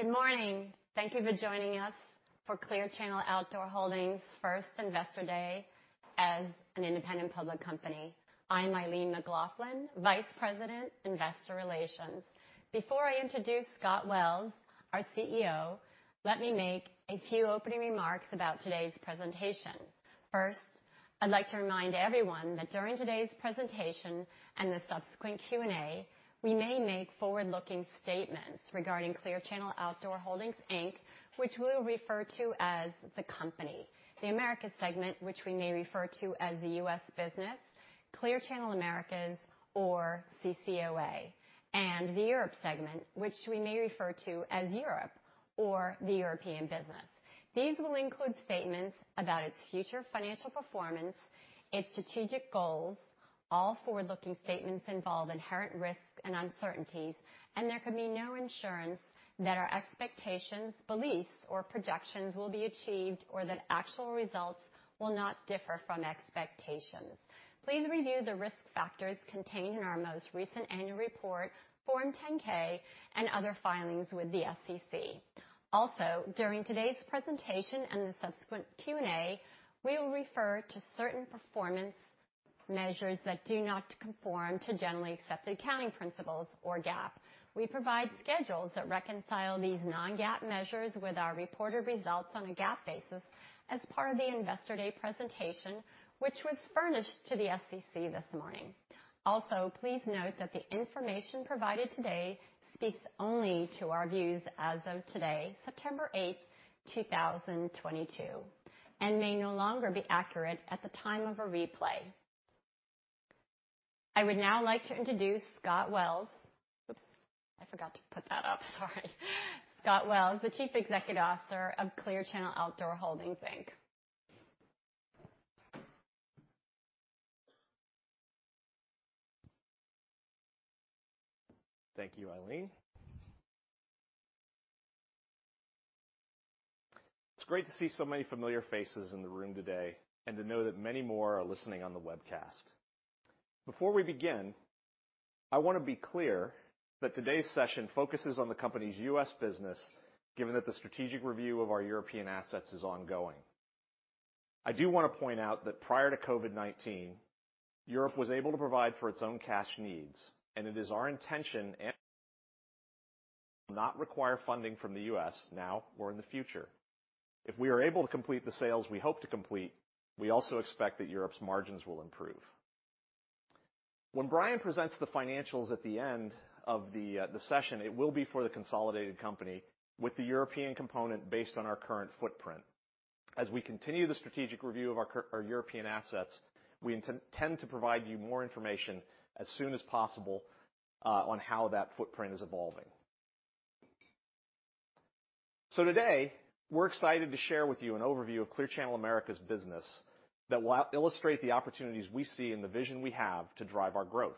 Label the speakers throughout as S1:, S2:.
S1: Good morning. Thank you for joining us for Clear Channel Outdoor Holdings' first Investor Day as an independent public company. I am Eileen McLaughlin, Vice President, Investor Relations. Before I introduce Scott Wells, our CEO, let me make a few opening remarks about today's presentation. First, I'd like to remind everyone that during today's presentation and the subsequent Q&A, we may make forward-looking statements regarding Clear Channel Outdoor Holdings, Inc., which we'll refer to as the company, the Americas segment, which we may refer to as the U.S. business, Clear Channel Outdoor Americas or CCOA, and the Europe segment, which we may refer to as Europe or the European business. These will include statements about its future financial performance, its strategic goals. All forward-looking statements involve inherent risks and uncertainties, and there can be no assurance that our expectations, beliefs, or projections will be achieved or that actual results will not differ from expectations. Please review the risk factors contained in our most recent annual report, Form 10-K, and other filings with the SEC. Also, during today's presentation and the subsequent Q&A, we will refer to certain performance measures that do not conform to generally accepted accounting principles, or GAAP. We provide schedules that reconcile these non-GAAP measures with our reported results on a GAAP basis as part of the Investor Day presentation, which was furnished to the SEC this morning. Also, please note that the information provided today speaks only to our views as of today, September 8, 2022, and may no longer be accurate at the time of a replay. I would now like to introduce Scott Wells. Oops, I forgot to put that up. Sorry. Scott Wells, the Chief Executive Officer of Clear Channel Outdoor Holdings, Inc.
S2: Thank you, Eileen. It's great to see so many familiar faces in the room today, and to know that many more are listening on the webcast. Before we begin, I wanna be clear that today's session focuses on the company's U.S. business, given that the strategic review of our European assets is ongoing. I do wanna point out that prior to COVID-19, Europe was able to provide for its own cash needs, and it is our intention and not require funding from the U.S. now or in the future. If we are able to complete the sales we hope to complete, we also expect that Europe's margins will improve. When Brian presents the financials at the end of the session, it will be for the consolidated company with the European component based on our current footprint. As we continue the strategic review of our our European assets, we intend to provide you more information as soon as possible on how that footprint is evolving. Today, we're excited to share with you an overview of Clear Channel Outdoor Americas' business that will illustrate the opportunities we see and the vision we have to drive our growth.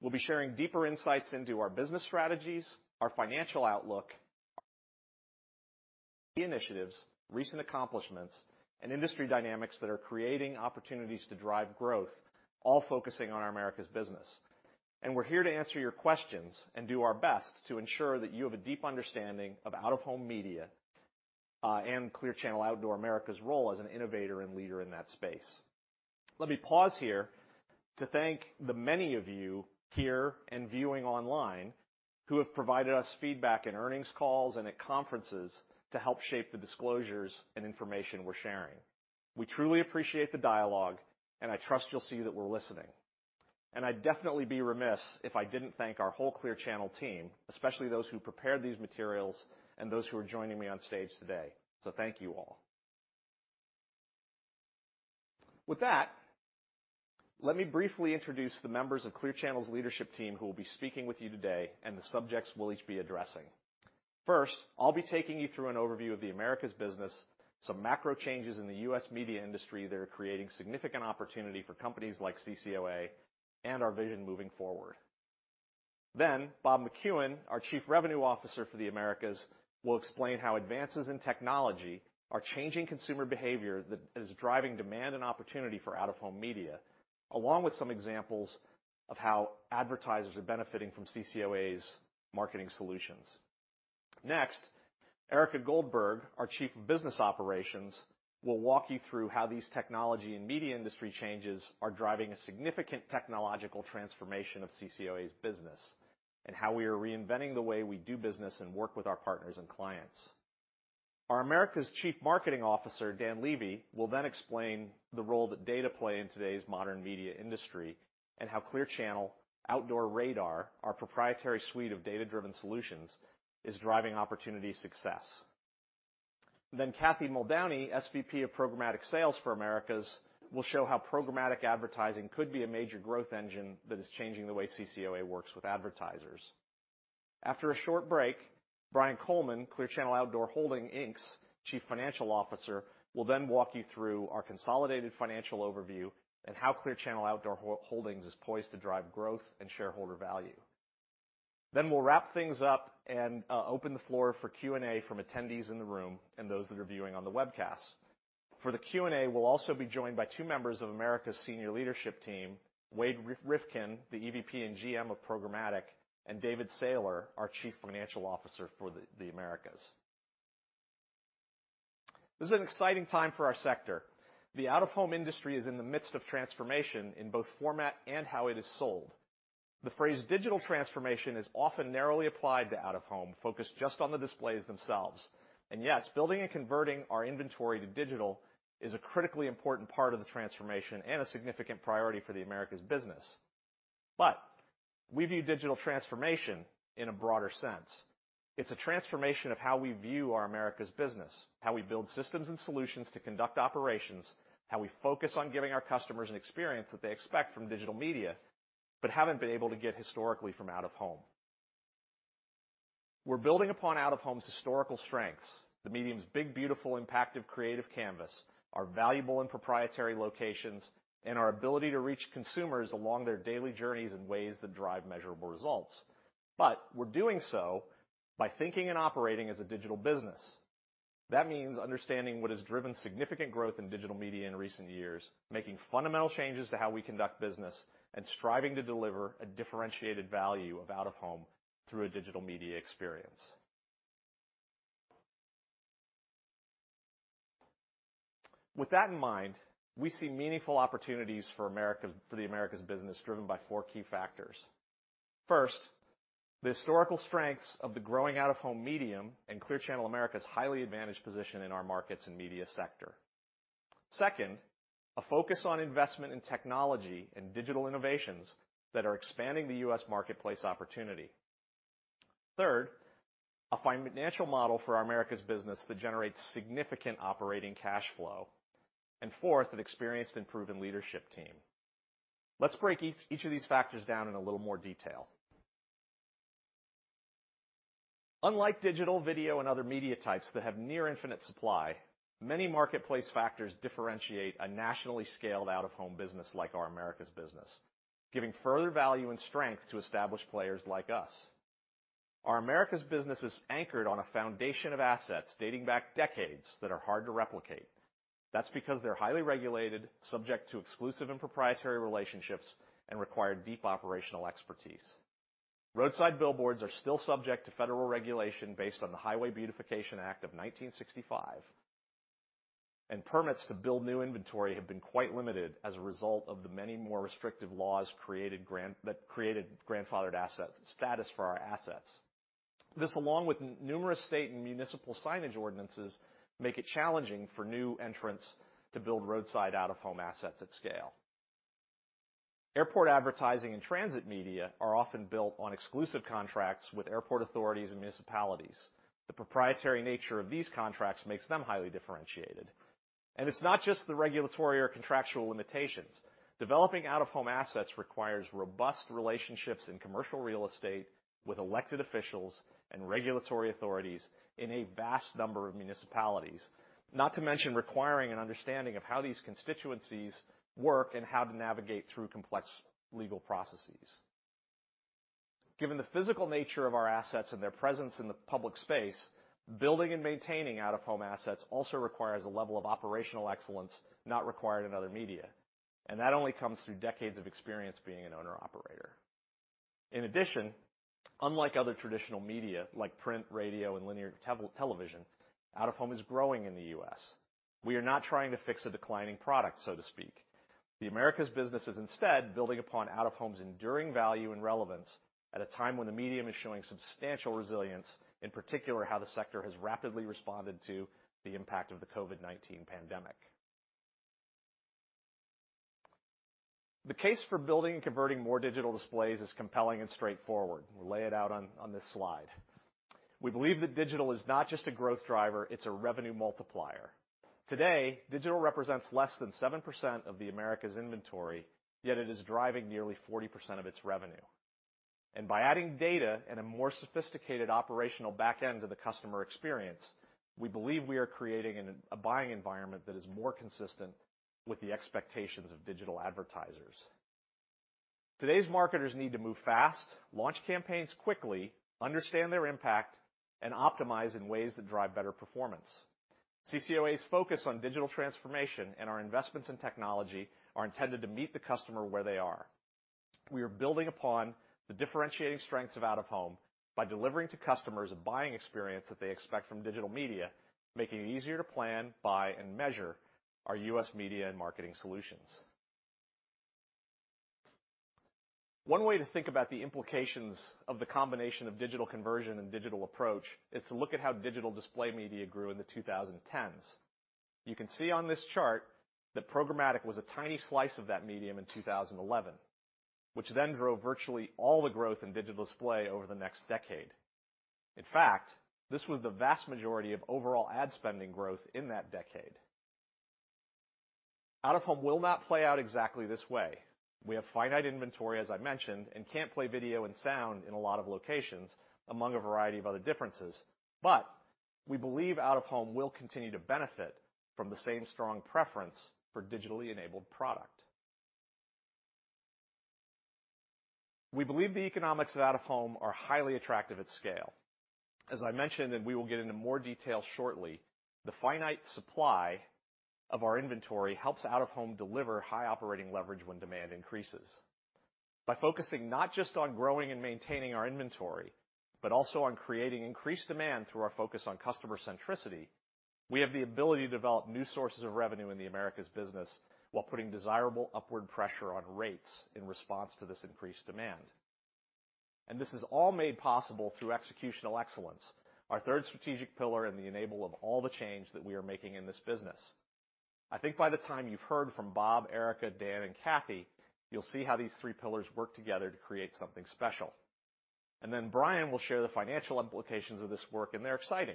S2: We'll be sharing deeper insights into our business strategies, our financial outlook, initiatives, recent accomplishments, and industry dynamics that are creating opportunities to drive growth, all focusing on our Americas business. We're here to answer your questions and do our best to ensure that you have a deep understanding of out-of-home media and Clear Channel Outdoor Americas' role as an innovator and leader in that space. Let me pause here to thank the many of you here and viewing online who have provided us feedback in earnings calls and at conferences to help shape the disclosures and information we're sharing. We truly appreciate the dialogue, and I trust you'll see that we're listening. I'd definitely be remiss if I didn't thank our whole Clear Channel team, especially those who prepared these materials and those who are joining me on stage today. Thank you all. With that, let me briefly introduce the members of Clear Channel's leadership team who will be speaking with you today and the subjects we'll each be addressing. First, I'll be taking you through an overview of the Americas business, some macro changes in the U.S. media industry that are creating significant opportunity for companies like CCOA, and our vision moving forward. Bob McCuin, our Chief Revenue Officer for the Americas, will explain how advances in technology are changing consumer behavior that is driving demand and opportunity for out-of-home media, along with some examples of how advertisers are benefiting from CCOA's marketing solutions. Next, Erika Goldberg, our Chief of Business Operations, will walk you through how these technology and media industry changes are driving a significant technological transformation of CCOA's business and how we are reinventing the way we do business and work with our partners and clients. Our Americas Chief Marketing Officer, Dan Levi, will then explain the role that data play in today's modern media industry and how Clear Channel Outdoor RADAR, our proprietary suite of data-driven solutions, is driving opportunity success. Cathy Muldowney, SVP of Programmatic Sales for Americas, will show how programmatic advertising could be a major growth engine that is changing the way CCOA works with advertisers. After a short break, Brian Coleman, Clear Channel Outdoor Holdings, Inc.'s Chief Financial Officer, will then walk you through our consolidated financial overview and how Clear Channel Outdoor Holdings is poised to drive growth and shareholder value. We'll wrap things up and open the floor for Q&A from attendees in the room and those that are viewing on the webcast. For the Q&A, we'll also be joined by two members of Americas' senior leadership team, Wade Rifkin, the EVP and GM of Programmatic, and David Saylor, our Chief Financial Officer for the Americas. This is an exciting time for our sector. The out-of-home industry is in the midst of transformation in both format and how it is sold. The phrase digital transformation is often narrowly applied to out-of-home, focused just on the displays themselves. Yes, building and converting our inventory to digital is a critically important part of the transformation and a significant priority for the Americas business. We view digital transformation in a broader sense. It's a transformation of how we view our Americas business, how we build systems and solutions to conduct operations, how we focus on giving our customers an experience that they expect from digital media, but haven't been able to get historically from out-of-home. We're building upon out-of-home's historical strengths, the medium's big, beautiful, impactive creative canvas, our valuable and proprietary locations, and our ability to reach consumers along their daily journeys in ways that drive measurable results. We're doing so by thinking and operating as a digital business. That means understanding what has driven significant growth in digital media in recent years, making fundamental changes to how we conduct business, and striving to deliver a differentiated value of out-of-home through a digital media experience. With that in mind, we see meaningful opportunities for the Americas business driven by four key factors. First, the historical strengths of the growing out-of-home medium and Clear Channel Outdoor Americas' highly advantaged position in our markets and media sector. Second, a focus on investment in technology and digital innovations that are expanding the U.S. marketplace opportunity. Third, a financial model for our Americas business that generates significant operating cash flow. Fourth, an experienced and proven leadership team. Let's break each of these factors down in a little more detail. Unlike digital video and other media types that have near infinite supply, many marketplace factors differentiate a nationally scaled out-of-home business like our Americas business, giving further value and strength to established players like us. Our Americas business is anchored on a foundation of assets dating back decades that are hard to replicate. That's because they're highly regulated, subject to exclusive and proprietary relationships, and require deep operational expertise. Roadside billboards are still subject to federal regulation based on the Highway Beautification Act of 1965. Permits to build new inventory have been quite limited as a result of the many more restrictive laws that created grandfathered status for our assets. This, along with numerous state and municipal signage ordinances, make it challenging for new entrants to build roadside out-of-home assets at scale. Airport advertising and transit media are often built on exclusive contracts with airport authorities and municipalities. The proprietary nature of these contracts makes them highly differentiated. It's not just the regulatory or contractual limitations. Developing out-of-home assets requires robust relationships in commercial real estate with elected officials and regulatory authorities in a vast number of municipalities, not to mention requiring an understanding of how these constituencies work and how to navigate through complex legal processes. Given the physical nature of our assets and their presence in the public space, building and maintaining out-of-home assets also requires a level of operational excellence not required in other media. That only comes through decades of experience being an owner-operator. In addition, unlike other traditional media like print, radio, and linear television, out-of-home is growing in the US. We are not trying to fix a declining product, so to speak. The Americas business is instead building upon out-of-home's enduring value and relevance at a time when the medium is showing substantial resilience, in particular how the sector has rapidly responded to the impact of the COVID-19 pandemic. The case for building and converting more digital displays is compelling and straightforward. We'll lay it out on this slide. We believe that digital is not just a growth driver, it's a revenue multiplier. Today, digital represents less than 7% of the Americas inventory, yet it is driving nearly 40% of its revenue. By adding data and a more sophisticated operational back end to the customer experience, we believe we are creating a buying environment that is more consistent with the expectations of digital advertisers. Today's marketers need to move fast, launch campaigns quickly, understand their impact, and optimize in ways that drive better performance. CCOA's focus on digital transformation and our investments in technology are intended to meet the customer where they are. We are building upon the differentiating strengths of out-of-home by delivering to customers a buying experience that they expect from digital media, making it easier to plan, buy, and measure our U.S. media and marketing solutions. One way to think about the implications of the combination of digital conversion and digital approach is to look at how digital display media grew in the 2010s. You can see on this chart that programmatic was a tiny slice of that medium in 2011, which then drove virtually all the growth in digital display over the next decade. In fact, this was the vast majority of overall ad spending growth in that decade. Out-of-home will not play out exactly this way. We have finite inventory, as I mentioned, and can't play video and sound in a lot of locations, among a variety of other differences. We believe out-of-home will continue to benefit from the same strong preference for digitally enabled product. We believe the economics of out-of-home are highly attractive at scale. As I mentioned, and we will get into more detail shortly, the finite supply of our inventory helps out-of-home deliver high operating leverage when demand increases. By focusing not just on growing and maintaining our inventory, but also on creating increased demand through our focus on customer centricity, we have the ability to develop new sources of revenue in the Americas business while putting desirable upward pressure on rates in response to this increased demand. This is all made possible through executional excellence, our third strategic pillar and the enabler of all the change that we are making in this business. I think by the time you've heard from Bob, Erika, Dan, and Cathy, you'll see how these three pillars work together to create something special. Then Brian will share the financial implications of this work, and they're exciting.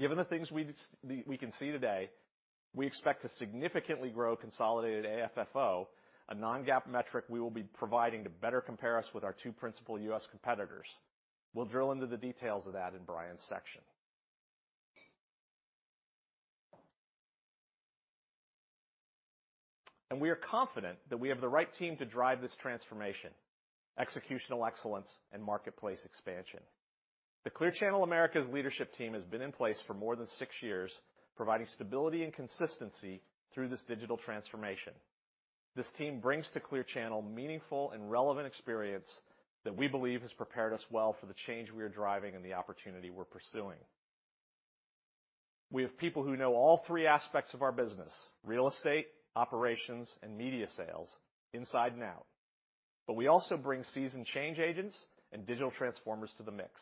S2: Given the things we can see today, we expect to significantly grow consolidated AFFO, a non-GAAP metric we will be providing to better compare us with our two principal U.S. competitors. We'll drill into the details of that in Brian's section. We are confident that we have the right team to drive this transformation, executional excellence, and marketplace expansion. The Clear Channel Outdoor Americas leadership team has been in place for more than six years, providing stability and consistency through this digital transformation. This team brings to Clear Channel Outdoor meaningful and relevant experience that we believe has prepared us well for the change we are driving and the opportunity we're pursuing. We have people who know all three aspects of our business, real estate, operations, and media sales inside and out. We also bring seasoned change agents and digital transformers to the mix.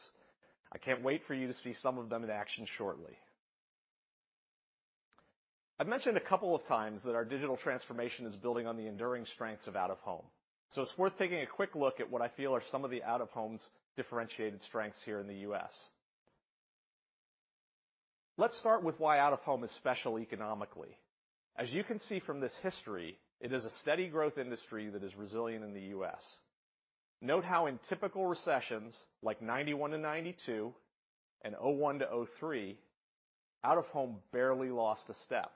S2: I can't wait for you to see some of them in action shortly. I've mentioned a couple of times that our digital transformation is building on the enduring strengths of out-of-home. It's worth taking a quick look at what I feel are some of the out-of-home's differentiated strengths here in the U.S. Let's start with why out-of-home is special economically. As you can see from this history, it is a steady growth industry that is resilient in the U.S. Note how in typical recessions like 1991-1992 and 2001-2003, out-of-home barely lost a step.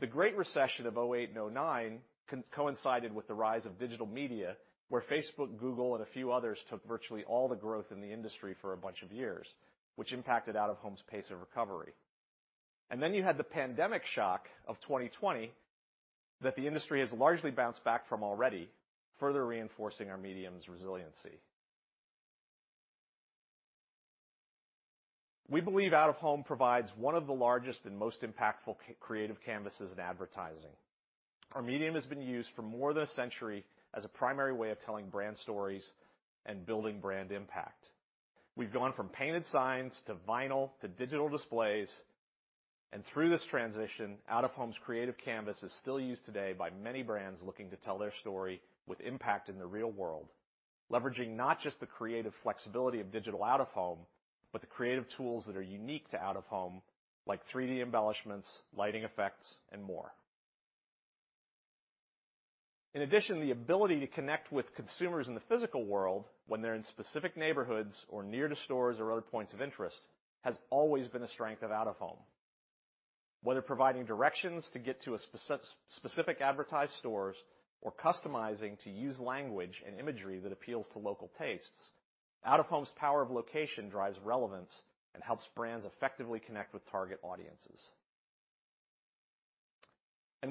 S2: The Great Recession of 2008 and 2009 coincided with the rise of digital media, where Facebook, Google, and a few others took virtually all the growth in the industry for a bunch of years, which impacted out-of-home's pace of recovery. You had the pandemic shock of 2020 that the industry has largely bounced back from already, further reinforcing our medium's resiliency. We believe out-of-home provides one of the largest and most impactful creative canvases in advertising. Our medium has been used for more than a century as a primary way of telling brand stories and building brand impact. We've gone from painted signs to vinyl to digital displays, and through this transition, out-of-home's creative canvas is still used today by many brands looking to tell their story with impact in the real world, leveraging not just the creative flexibility of digital out-of-home, but the creative tools that are unique to out-of-home, like 3D embellishments, lighting effects, and more. In addition, the ability to connect with consumers in the physical world when they're in specific neighborhoods or near to stores or other points of interest has always been a strength of out-of-home. Whether providing directions to get to a specific advertised stores or customizing to use language and imagery that appeals to local tastes, out-of-home's power of location drives relevance and helps brands effectively connect with target audiences.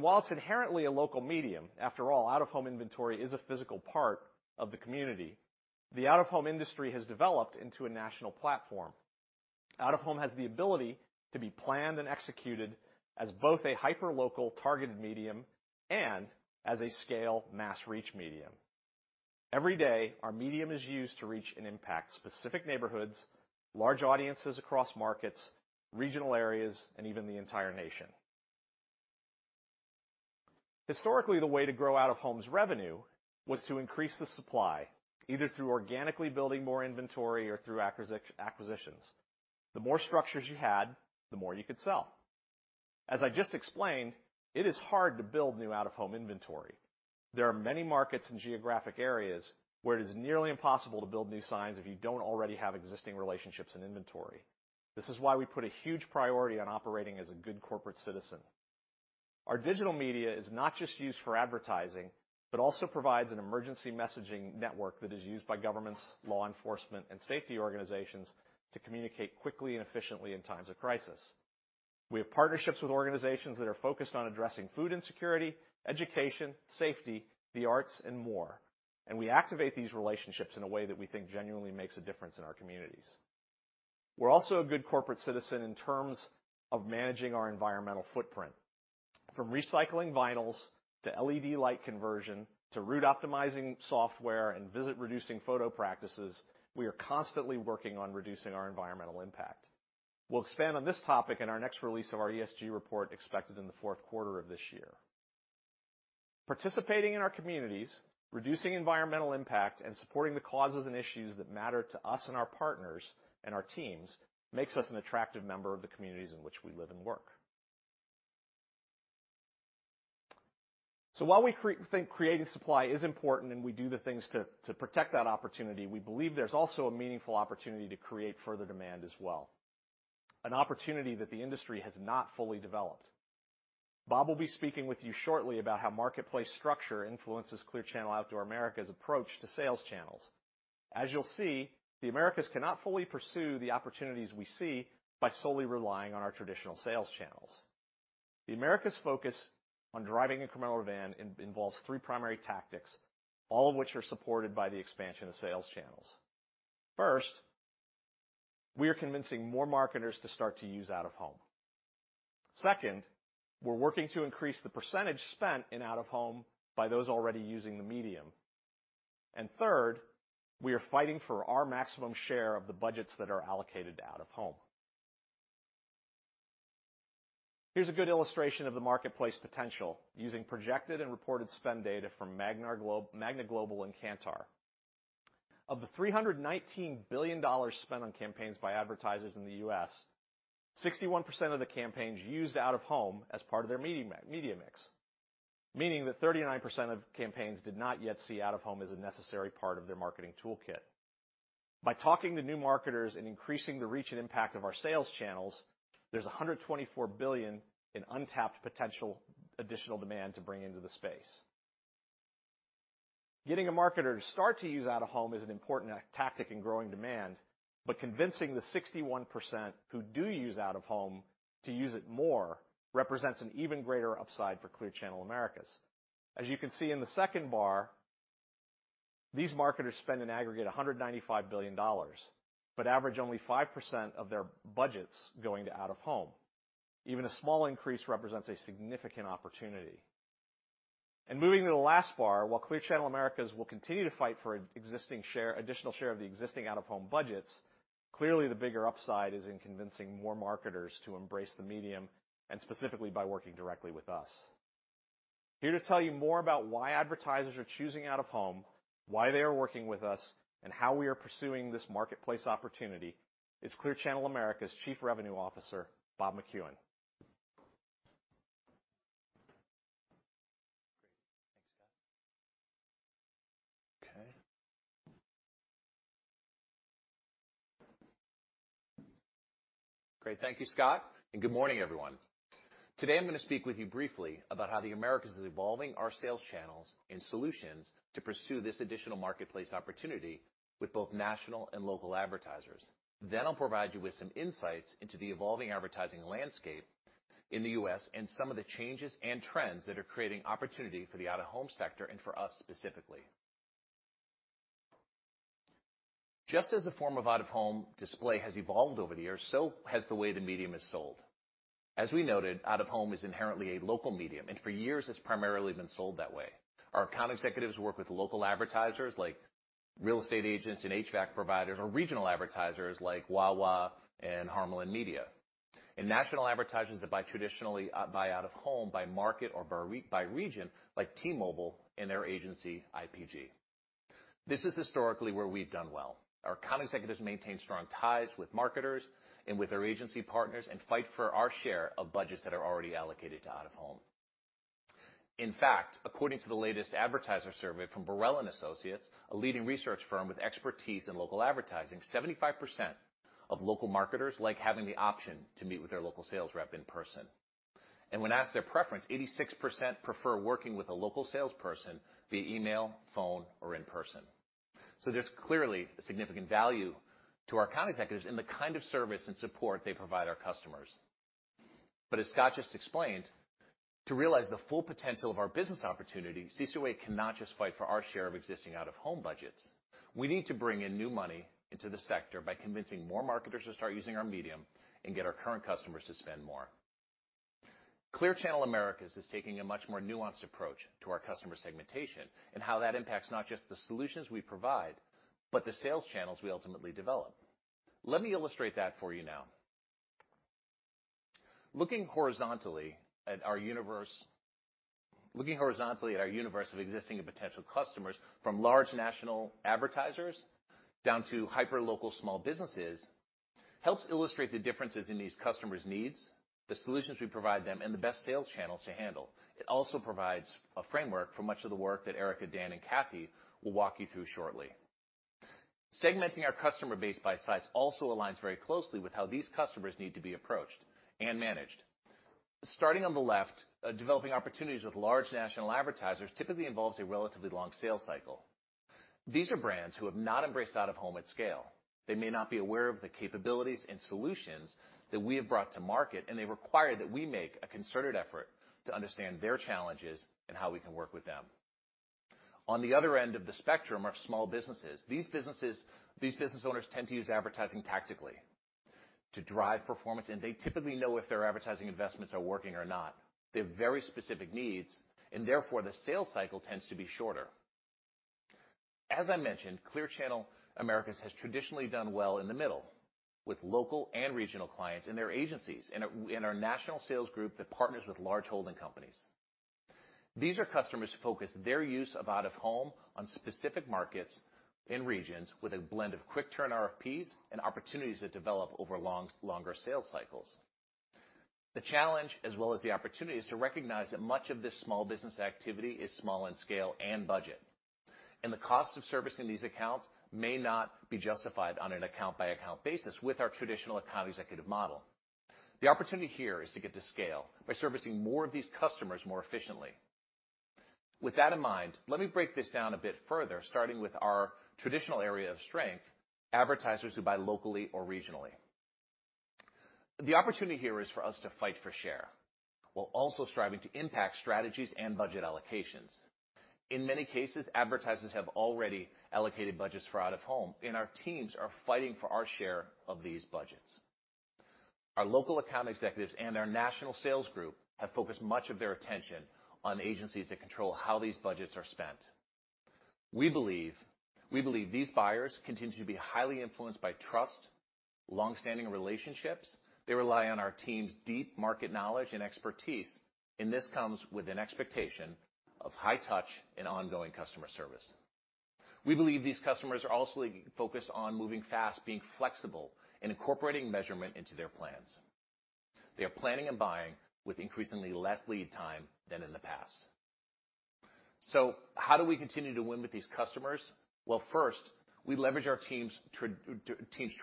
S2: While it's inherently a local medium, after all out-of-home inventory is a physical part of the community, the out-of-home industry has developed into a national platform. Out-of-home has the ability to be planned and executed as both a hyperlocal targeted medium and as a scale mass reach medium. Every day, our medium is used to reach and impact specific neighborhoods, large audiences across markets, regional areas, and even the entire nation. Historically, the way to grow out-of-home's revenue was to increase the supply, either through organically building more inventory or through acquisitions. The more structures you had, the more you could sell. As I just explained, it is hard to build new out-of-home inventory. There are many markets and geographic areas where it is nearly impossible to build new signs if you don't already have existing relationships and inventory. This is why we put a huge priority on operating as a good corporate citizen. Our digital media is not just used for advertising, but also provides an emergency messaging network that is used by governments, law enforcement, and safety organizations to communicate quickly and efficiently in times of crisis. We have partnerships with organizations that are focused on addressing food insecurity, education, safety, the arts, and more. We activate these relationships in a way that we think genuinely makes a difference in our communities. We're also a good corporate citizen in terms of managing our environmental footprint. From recycling vinyls to LED light conversion, to route optimizing software and visit reducing photo practices, we are constantly working on reducing our environmental impact. We'll expand on this topic in our next release of our ESG report expected in the fourth quarter of this year. Participating in our communities, reducing environmental impact, and supporting the causes and issues that matter to us and our partners and our teams makes us an attractive member of the communities in which we live and work. While we think creating supply is important and we do the things to protect that opportunity, we believe there's also a meaningful opportunity to create further demand as well, an opportunity that the industry has not fully developed. Bob will be speaking with you shortly about how marketplace structure influences Clear Channel Outdoor Americas approach to sales channels. As you'll see, the Americas cannot fully pursue the opportunities we see by solely relying on our traditional sales channels. The Americas focus on driving incremental demand involves three primary tactics, all of which are supported by the expansion of sales channels. First, we are convincing more marketers to start to use out-of-home. Second, we're working to increase the percentage spent in out-of-home by those already using the medium. Third, we are fighting for our maximum share of the budgets that are allocated to out-of-home. Here's a good illustration of the marketplace potential using projected and reported spend data from MAGNA Global and Kantar. Of the $319 billion spent on campaigns by advertisers in the US, 61% of the campaigns used out-of-home as part of their media mix, meaning that 39% of campaigns did not yet see out-of-home as a necessary part of their marketing toolkit. By talking to new marketers and increasing the reach and impact of our sales channels, there's $124 billion in untapped potential additional demand to bring into the space. Getting a marketer to start to use out-of-home is an important tactic in growing demand, but convincing the 61% who do use out-of-home to use it more represents an even greater upside for Clear Channel Americas. As you can see in the second bar, these marketers spend in aggregate $195 billion, but average only 5% of their budgets going to out-of-home. Even a small increase represents a significant opportunity. Moving to the last bar, while Clear Channel Americas will continue to fight for an existing share, additional share of the existing out-of-home budgets, clearly the bigger upside is in convincing more marketers to embrace the medium and specifically by working directly with us. Here to tell you more about why advertisers are choosing out-of-home, why they are working with us, and how we are pursuing this marketplace opportunity is Clear Channel Outdoor Americas' Chief Revenue Officer, Bob McCuin.
S3: Great. Thanks, Scott. Okay. Great. Thank you, Scott, and good morning, everyone. Today, I'm gonna speak with you briefly about how the Americas is evolving our sales channels and solutions to pursue this additional marketplace opportunity with both national and local advertisers. I'll provide you with some insights into the evolving advertising landscape in the US and some of the changes and trends that are creating opportunity for the out-of-home sector and for us specifically. Just as a form of out-of-home display has evolved over the years, so has the way the medium is sold. As we noted, out-of-home is inherently a local medium, and for years it's primarily been sold that way. Our account executives work with local advertisers like real estate agents and HVAC providers, or regional advertisers like Wawa and Harlequin Media, and national advertisers that buy traditionally, buy out-of-home by market or by region, like T-Mobile and their agency, IPG. This is historically where we've done well. Our account executives maintain strong ties with marketers and with our agency partners, and fight for our share of budgets that are already allocated to out-of-home. In fact, according to the latest advertiser survey from Borrell Associates, a leading research firm with expertise in local advertising, 75% of local marketers like having the option to meet with their local sales rep in person. When asked their preference, 86% prefer working with a local salesperson via email, phone, or in person. There's clearly a significant value to our account executives in the kind of service and support they provide our customers. As Scott just explained, to realize the full potential of our business opportunity, CCOA cannot just fight for our share of existing out-of-home budgets. We need to bring in new money into the sector by convincing more marketers to start using our medium and get our current customers to spend more. Clear Channel Outdoor Americas is taking a much more nuanced approach to our customer segmentation and how that impacts not just the solutions we provide, but the sales channels we ultimately develop. Let me illustrate that for you now. Looking horizontally at our universe. Looking horizontally at our universe of existing and potential customers from large national advertisers down to hyperlocal small businesses helps illustrate the differences in these customers' needs, the solutions we provide them, and the best sales channels to handle. It also provides a framework for much of the work that Erika, Dan, and Cathy will walk you through shortly. Segmenting our customer base by size also aligns very closely with how these customers need to be approached and managed. Starting on the left, developing opportunities with large national advertisers typically involves a relatively long sales cycle. These are brands who have not embraced out-of-home at scale. They may not be aware of the capabilities and solutions that we have brought to market, and they require that we make a concerted effort to understand their challenges and how we can work with them. On the other end of the spectrum are small businesses. These business owners tend to use advertising tactically to drive performance, and they typically know if their advertising investments are working or not. They have very specific needs and therefore the sales cycle tends to be shorter. As I mentioned, Clear Channel Outdoor Americas has traditionally done well in the middle with local and regional clients and their agencies in our national sales group that partners with large holding companies. These are customers who focus their use of out-of-home on specific markets and regions with a blend of quick turn RFPs and opportunities that develop over longer sales cycles. The challenge as well as the opportunity is to recognize that much of this small business activity is small in scale and budget. The cost of servicing these accounts may not be justified on an account-by-account basis with our traditional account executive model. The opportunity here is to get to scale by servicing more of these customers more efficiently. With that in mind, let me break this down a bit further, starting with our traditional area of strength, advertisers who buy locally or regionally. The opportunity here is for us to fight for share while also striving to impact strategies and budget allocations. In many cases, advertisers have already allocated budgets for out-of-home, and our teams are fighting for our share of these budgets. Our local account executives and our national sales group have focused much of their attention on agencies that control how these budgets are spent. We believe these buyers continue to be highly influenced by trust, long-standing relationships. They rely on our team's deep market knowledge and expertise, and this comes with an expectation of high touch and ongoing customer service. We believe these customers are also focused on moving fast, being flexible, and incorporating measurement into their plans. They are planning and buying with increasingly less lead time than in the past. How do we continue to win with these customers? Well, first, we leverage our teams'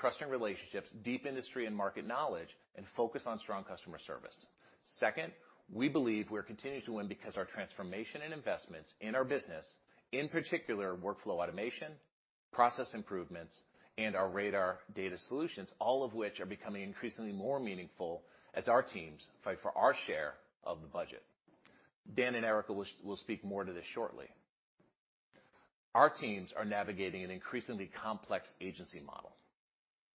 S3: trusting relationships, deep industry and market knowledge, and focus on strong customer service. Second, we believe we're continuing to win because our transformation and investments in our business, in particular, workflow automation, process improvements, and our RADAR data solutions, all of which are becoming increasingly more meaningful as our teams fight for our share of the budget. Dan and Erika will speak more to this shortly. Our teams are navigating an increasingly complex agency model,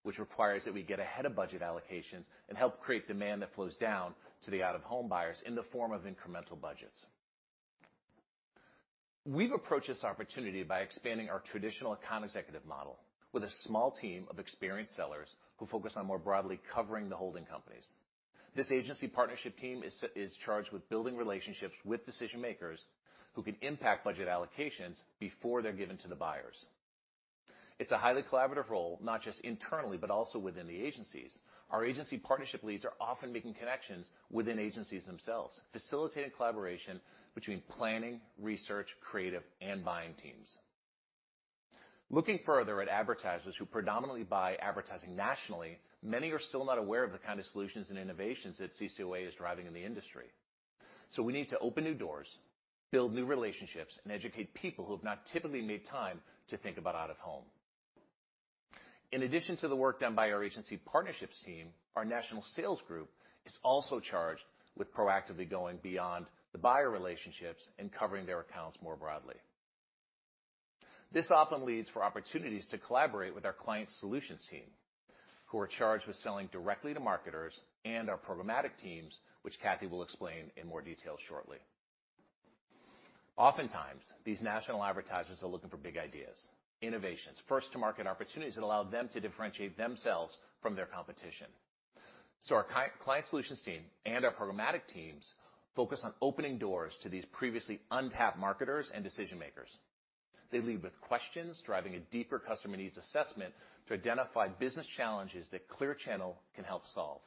S3: which requires that we get ahead of budget allocations and help create demand that flows down to the out-of-home buyers in the form of incremental budgets. We've approached this opportunity by expanding our traditional account executive model with a small team of experienced sellers who focus on more broadly covering the holding companies. This agency partnership team is charged with building relationships with decision-makers who can impact budget allocations before they're given to the buyers. It's a highly collaborative role, not just internally, but also within the agencies. Our agency partnership leads are often making connections within agencies themselves, facilitating collaboration between planning, research, creative, and buying teams. Looking further at advertisers who predominantly buy advertising nationally, many are still not aware of the kind of solutions and innovations that CCOA is driving in the industry. We need to open new doors, build new relationships, and educate people who have not typically made time to think about out-of-home. In addition to the work done by our agency partnerships team, our national sales group is also charged with proactively going beyond the buyer relationships and covering their accounts more broadly. This often leads to opportunities to collaborate with our client solutions team, who are charged with selling directly to marketers and our programmatic teams, which Cathy will explain in more detail shortly. Oftentimes, these national advertisers are looking for big ideas, innovations, first to market opportunities that allow them to differentiate themselves from their competition. Our client solutions team and our programmatic teams focus on opening doors to these previously untapped marketers and decision-makers. They lead with questions, driving a deeper customer needs assessment to identify business challenges that Clear Channel can help solve.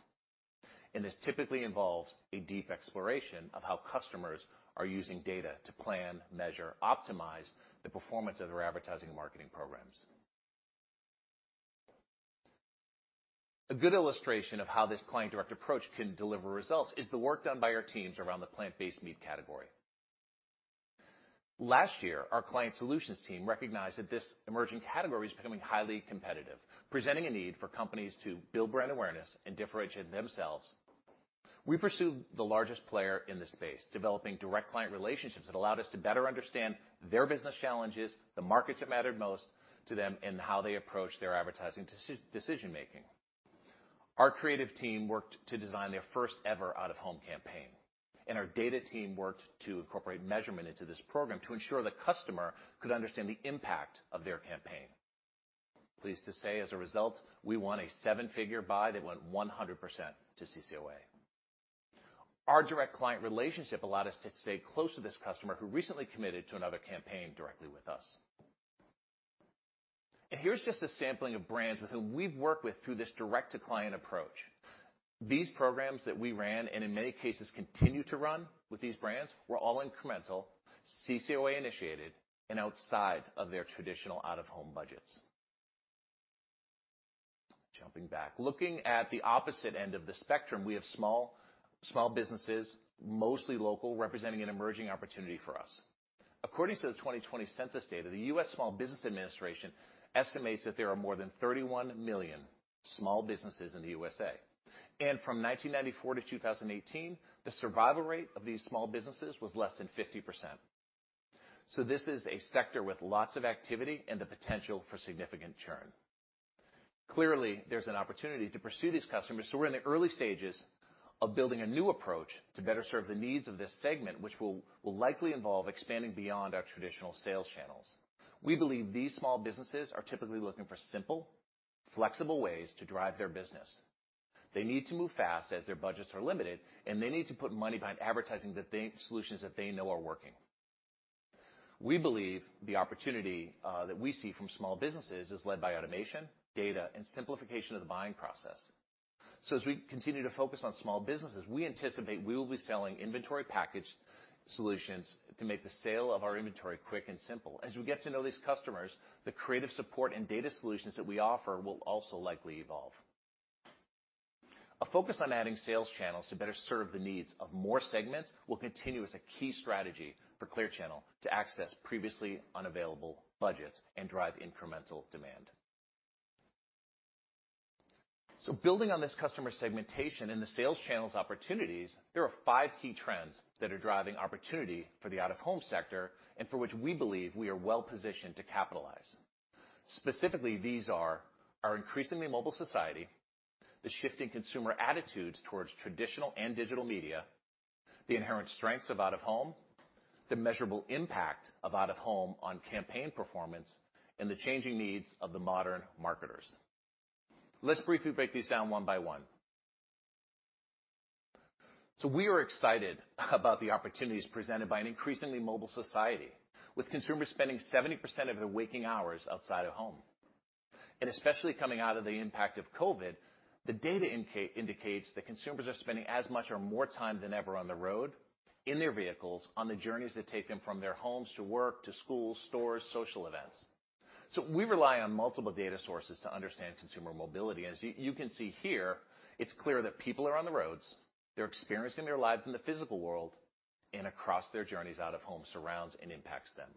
S3: This typically involves a deep exploration of how customers are using data to plan, measure, optimize the performance of their advertising and marketing programs. A good illustration of how this client-direct approach can deliver results is the work done by our teams around the plant-based meat category. Last year, our client solutions team recognized that this emerging category is becoming highly competitive, presenting a need for companies to build brand awareness and differentiate themselves. We pursued the largest player in this space, developing direct client relationships that allowed us to better understand their business challenges, the markets that mattered most to them, and how they approach their advertising decision-making. Our creative team worked to design their first ever out-of-home campaign, and our data team worked to incorporate measurement into this program to ensure the customer could understand the impact of their campaign. Pleased to say, as a result, we won a seven-figure buy that went 100% to CCOA. Our direct client relationship allowed us to stay close to this customer who recently committed to another campaign directly with us. Here's just a sampling of brands with whom we've worked with through this direct-to-client approach. These programs that we ran, and in many cases continue to run with these brands, were all incremental, CCOA initiated, and outside of their traditional out-of-home budgets. Jumping back. Looking at the opposite end of the spectrum, we have small businesses, mostly local, representing an emerging opportunity for us. According to the 2020 census data, the U.S. Small Business Administration estimates that there are more than 31 million small businesses in the U.S.A. From 1994 to 2018, the survival rate of these small businesses was less than 50%. This is a sector with lots of activity and the potential for significant churn. Clearly, there's an opportunity to pursue these customers, so we're in the early stages of building a new approach to better serve the needs of this segment, which will likely involve expanding beyond our traditional sales channels. We believe these small businesses are typically looking for simple, flexible ways to drive their business. They need to move fast as their budgets are limited, and they need to put money behind solutions that they know are working. We believe the opportunity that we see from small businesses is led by automation, data, and simplification of the buying process. As we continue to focus on small businesses, we anticipate we will be selling inventory package solutions to make the sale of our inventory quick and simple. As we get to know these customers, the creative support and data solutions that we offer will also likely evolve. A focus on adding sales channels to better serve the needs of more segments will continue as a key strategy for Clear Channel to access previously unavailable budgets and drive incremental demand. Building on this customer segmentation and the sales channels opportunities, there are five key trends that are driving opportunity for the out-of-home sector and for which we believe we are well-positioned to capitalize. Specifically, these are our increasingly mobile society, the shifting consumer attitudes towards traditional and digital media, the inherent strengths of out-of-home, the measurable impact of out-of-home on campaign performance, and the changing needs of the modern marketers. Let's briefly break these down one by one. We are excited about the opportunities presented by an increasingly mobile society. With consumers spending 70% of their waking hours outside of home, and especially coming out of the impact of COVID, the data indicates that consumers are spending as much or more time than ever on the road, in their vehicles, on the journeys that take them from their homes to work, to schools, stores, social events. We rely on multiple data sources to understand consumer mobility. As you can see here, it's clear that people are on the roads, they're experiencing their lives in the physical world, and across their journeys, out-of-home surrounds and impacts them.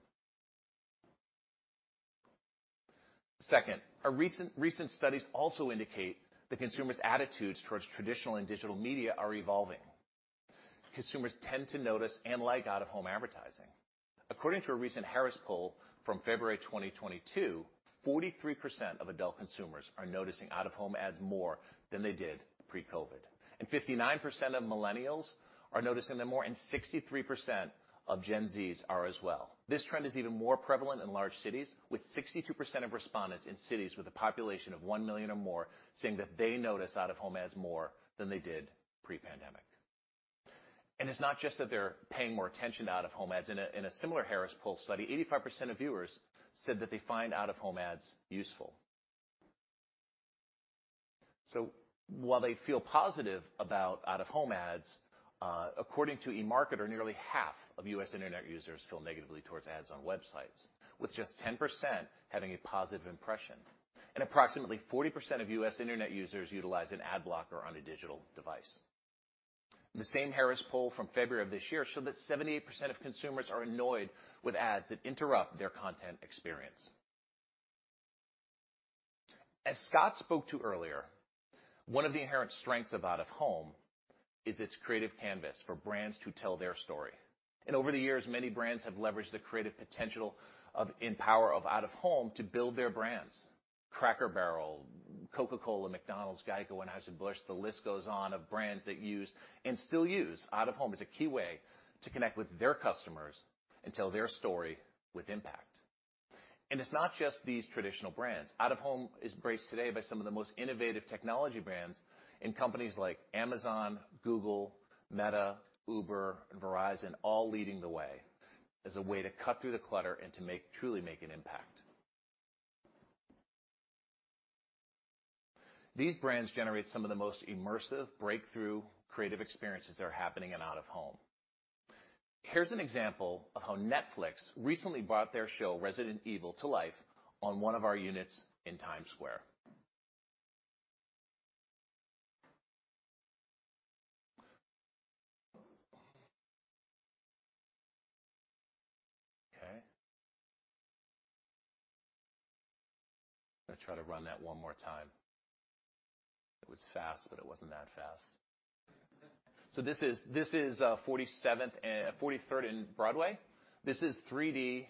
S3: Second, a recent studies also indicate that consumers' attitudes towards traditional and digital media are evolving. Consumers tend to notice and like out-of-home advertising. According to a recent Harris Poll from February 2022, 43% of adult consumers are noticing out-of-home ads more than they did pre-COVID. 59% of millennials are noticing them more, and 63% of Gen Z are as well. This trend is even more prevalent in large cities, with 62% of respondents in cities with a population of 1 million or more saying that they notice out-of-home ads more than they did pre-pandemic. It's not just that they're paying more attention to out-of-home ads. In a similar Harris Poll study, 85% of viewers said that they find out-of-home ads useful. While they feel positive about out-of-home ads, according to eMarketer, nearly half of U.S. internet users feel negatively towards ads on websites, with just 10% having a positive impression. Approximately 40% of U.S. internet users utilize an ad blocker on a digital device. The same Harris Poll from February of this year showed that 78% of consumers are annoyed with ads that interrupt their content experience. As Scott spoke to earlier, one of the inherent strengths of out-of-home is its creative canvas for brands to tell their story. Over the years, many brands have leveraged the creative potential of and power of out-of-home to build their brands. Cracker Barrel, Coca-Cola, McDonald's, GEICO, Anheuser-Busch, the list goes on of brands that use and still use out-of-home as a key way to connect with their customers and tell their story with impact. It's not just these traditional brands. Out-of-home is embraced today by some of the most innovative technology brands and companies like Amazon, Google, Meta, Uber, and Verizon all leading the way as a way to cut through the clutter and to make truly an impact. These brands generate some of the most immersive breakthrough creative experiences that are happening in out-of-home. Here's an example of how Netflix recently brought their show Resident Evil to life on one of our units in Times Square. Okay. I'm gonna try to run that one more time. It was fast, but it wasn't that fast. This is Forty-seventh and Forty-third and Broadway. This is 3D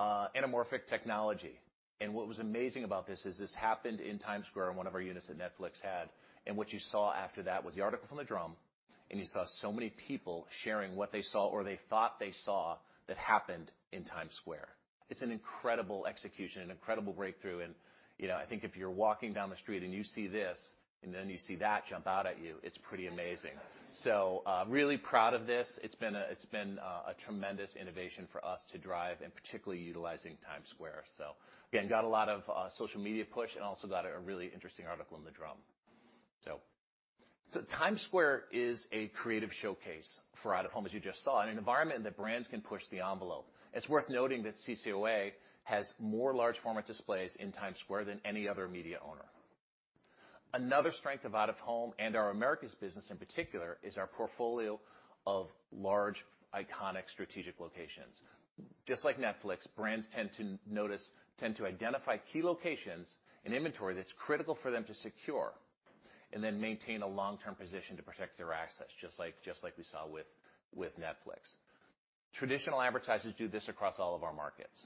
S3: anamorphic technology. What was amazing about this is this happened in Times Square on one of our units that Netflix had. What you saw after that was the article from The Drum, and you saw so many people sharing what they saw or they thought they saw that happened in Times Square. It's an incredible execution, an incredible breakthrough, and, you know, I think if you're walking down the street and you see this, and then you see that jump out at you, it's pretty amazing. Really proud of this. It's been a tremendous innovation for us to drive and particularly utilizing Times Square. Again, got a lot of social media push and also got a really interesting article in The Drum. Times Square is a creative showcase for out-of-home, as you just saw, and an environment that brands can push the envelope. It's worth noting that CCOA has more large format displays in Times Square than any other media owner. Another strength of out-of-home and our Americas business in particular is our portfolio of large iconic strategic locations. Just like Netflix, brands tend to identify key locations and inventory that's critical for them to secure and then maintain a long-term position to protect their assets, just like we saw with Netflix. Traditional advertisers do this across all of our markets.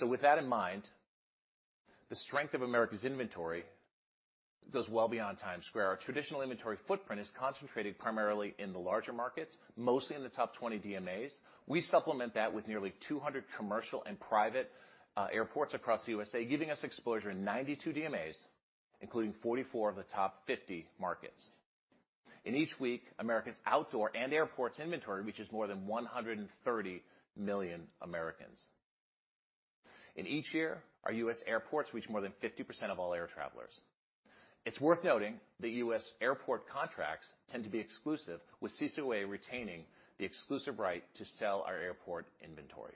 S3: With that in mind, the strength of Americas' inventory goes well beyond Times Square. Our traditional inventory footprint is concentrated primarily in the larger markets, mostly in the top 20 DMAs. We supplement that with nearly 200 commercial and private airports across the USA, giving us exposure in 92 DMAs, including 44 of the top 50 markets. In each week, America's outdoor and airports inventory reaches more than 130 million Americans. In each year, our U.S. airports reach more than 50% of all air travelers. It's worth noting that U.S. airport contracts tend to be exclusive, with CCOA retaining the exclusive right to sell our airport inventory.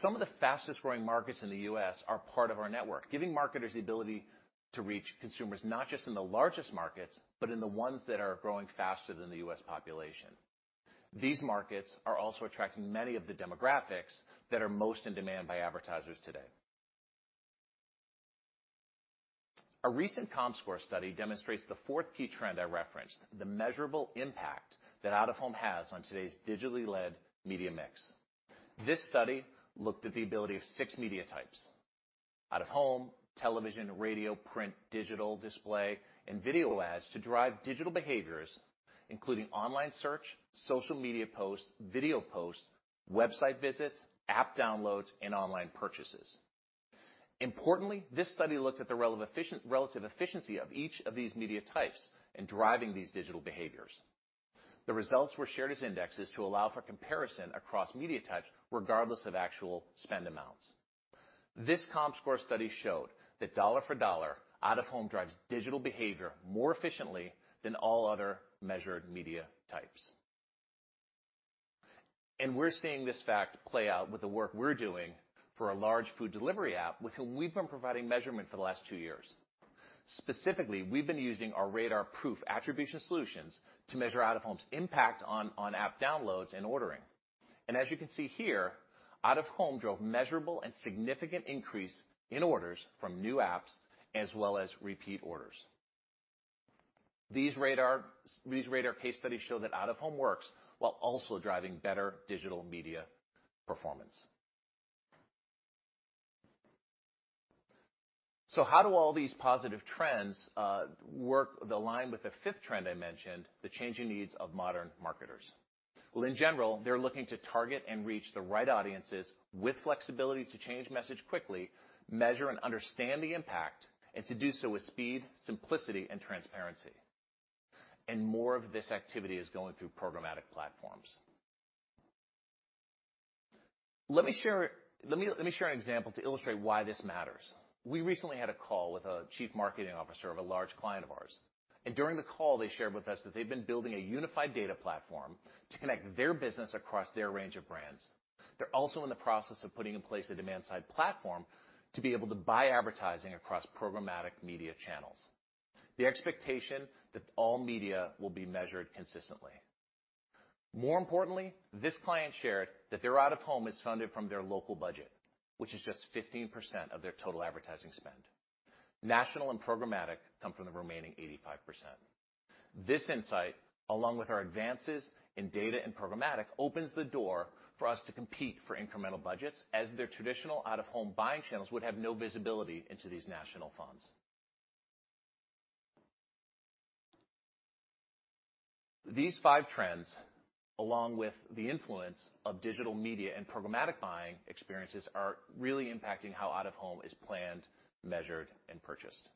S3: Some of the fastest-growing markets in the U.S. are part of our network, giving marketers the ability to reach consumers, not just in the largest markets, but in the ones that are growing faster than the U.S. population. These markets are also attracting many of the demographics that are most in demand by advertisers today. A recent Comscore study demonstrates the fourth key trend I referenced, the measurable impact that out-of-home has on today's digitally-led media mix. This study looked at the ability of six media types, out-of-home, television, radio, print, digital display, and video ads to drive digital behaviors, including online search, social media posts, video posts, website visits, app downloads, and online purchases. Importantly, this study looked at the relative efficiency of each of these media types in driving these digital behaviors. The results were shared as indexes to allow for comparison across media types regardless of actual spend amounts. This Comscore study showed that dollar for dollar, out-of-home drives digital behavior more efficiently than all other measured media types. We're seeing this fact play out with the work we're doing for a large food delivery app with whom we've been providing measurement for the last two years. Specifically, we've been using our RADARProof attribution solutions to measure out-of-home's impact on app downloads and ordering. As you can see here, out-of-home drove measurable and significant increase in orders from new apps as well as repeat orders. These RADAR case studies show that out-of-home works while also driving better digital media performance. How do all these positive trends align with the fifth trend I mentioned, the changing needs of modern marketers? In general, they're looking to target and reach the right audiences with flexibility to change message quickly, measure and understand the impact, and to do so with speed, simplicity, and transparency. More of this activity is going through programmatic platforms. Let me share an example to illustrate why this matters. We recently had a call with a chief marketing officer of a large client of ours, and during the call, they shared with us that they've been building a unified data platform to connect their business across their range of brands. They're also in the process of putting in place a demand-side platform to be able to buy advertising across programmatic media channels. The expectation that all media will be measured consistently. More importantly, this client shared that their out-of-home is funded from their local budget, which is just 15% of their total advertising spend. National and programmatic come from the remaining 85%. This insight, along with our advances in data and programmatic, opens the door for us to compete for incremental budgets as their traditional out-of-home buying channels would have no visibility into these national funds. These five trends, along with the influence of digital media and programmatic buying experiences, are really impacting how out-of-home is planned, measured, and purchased.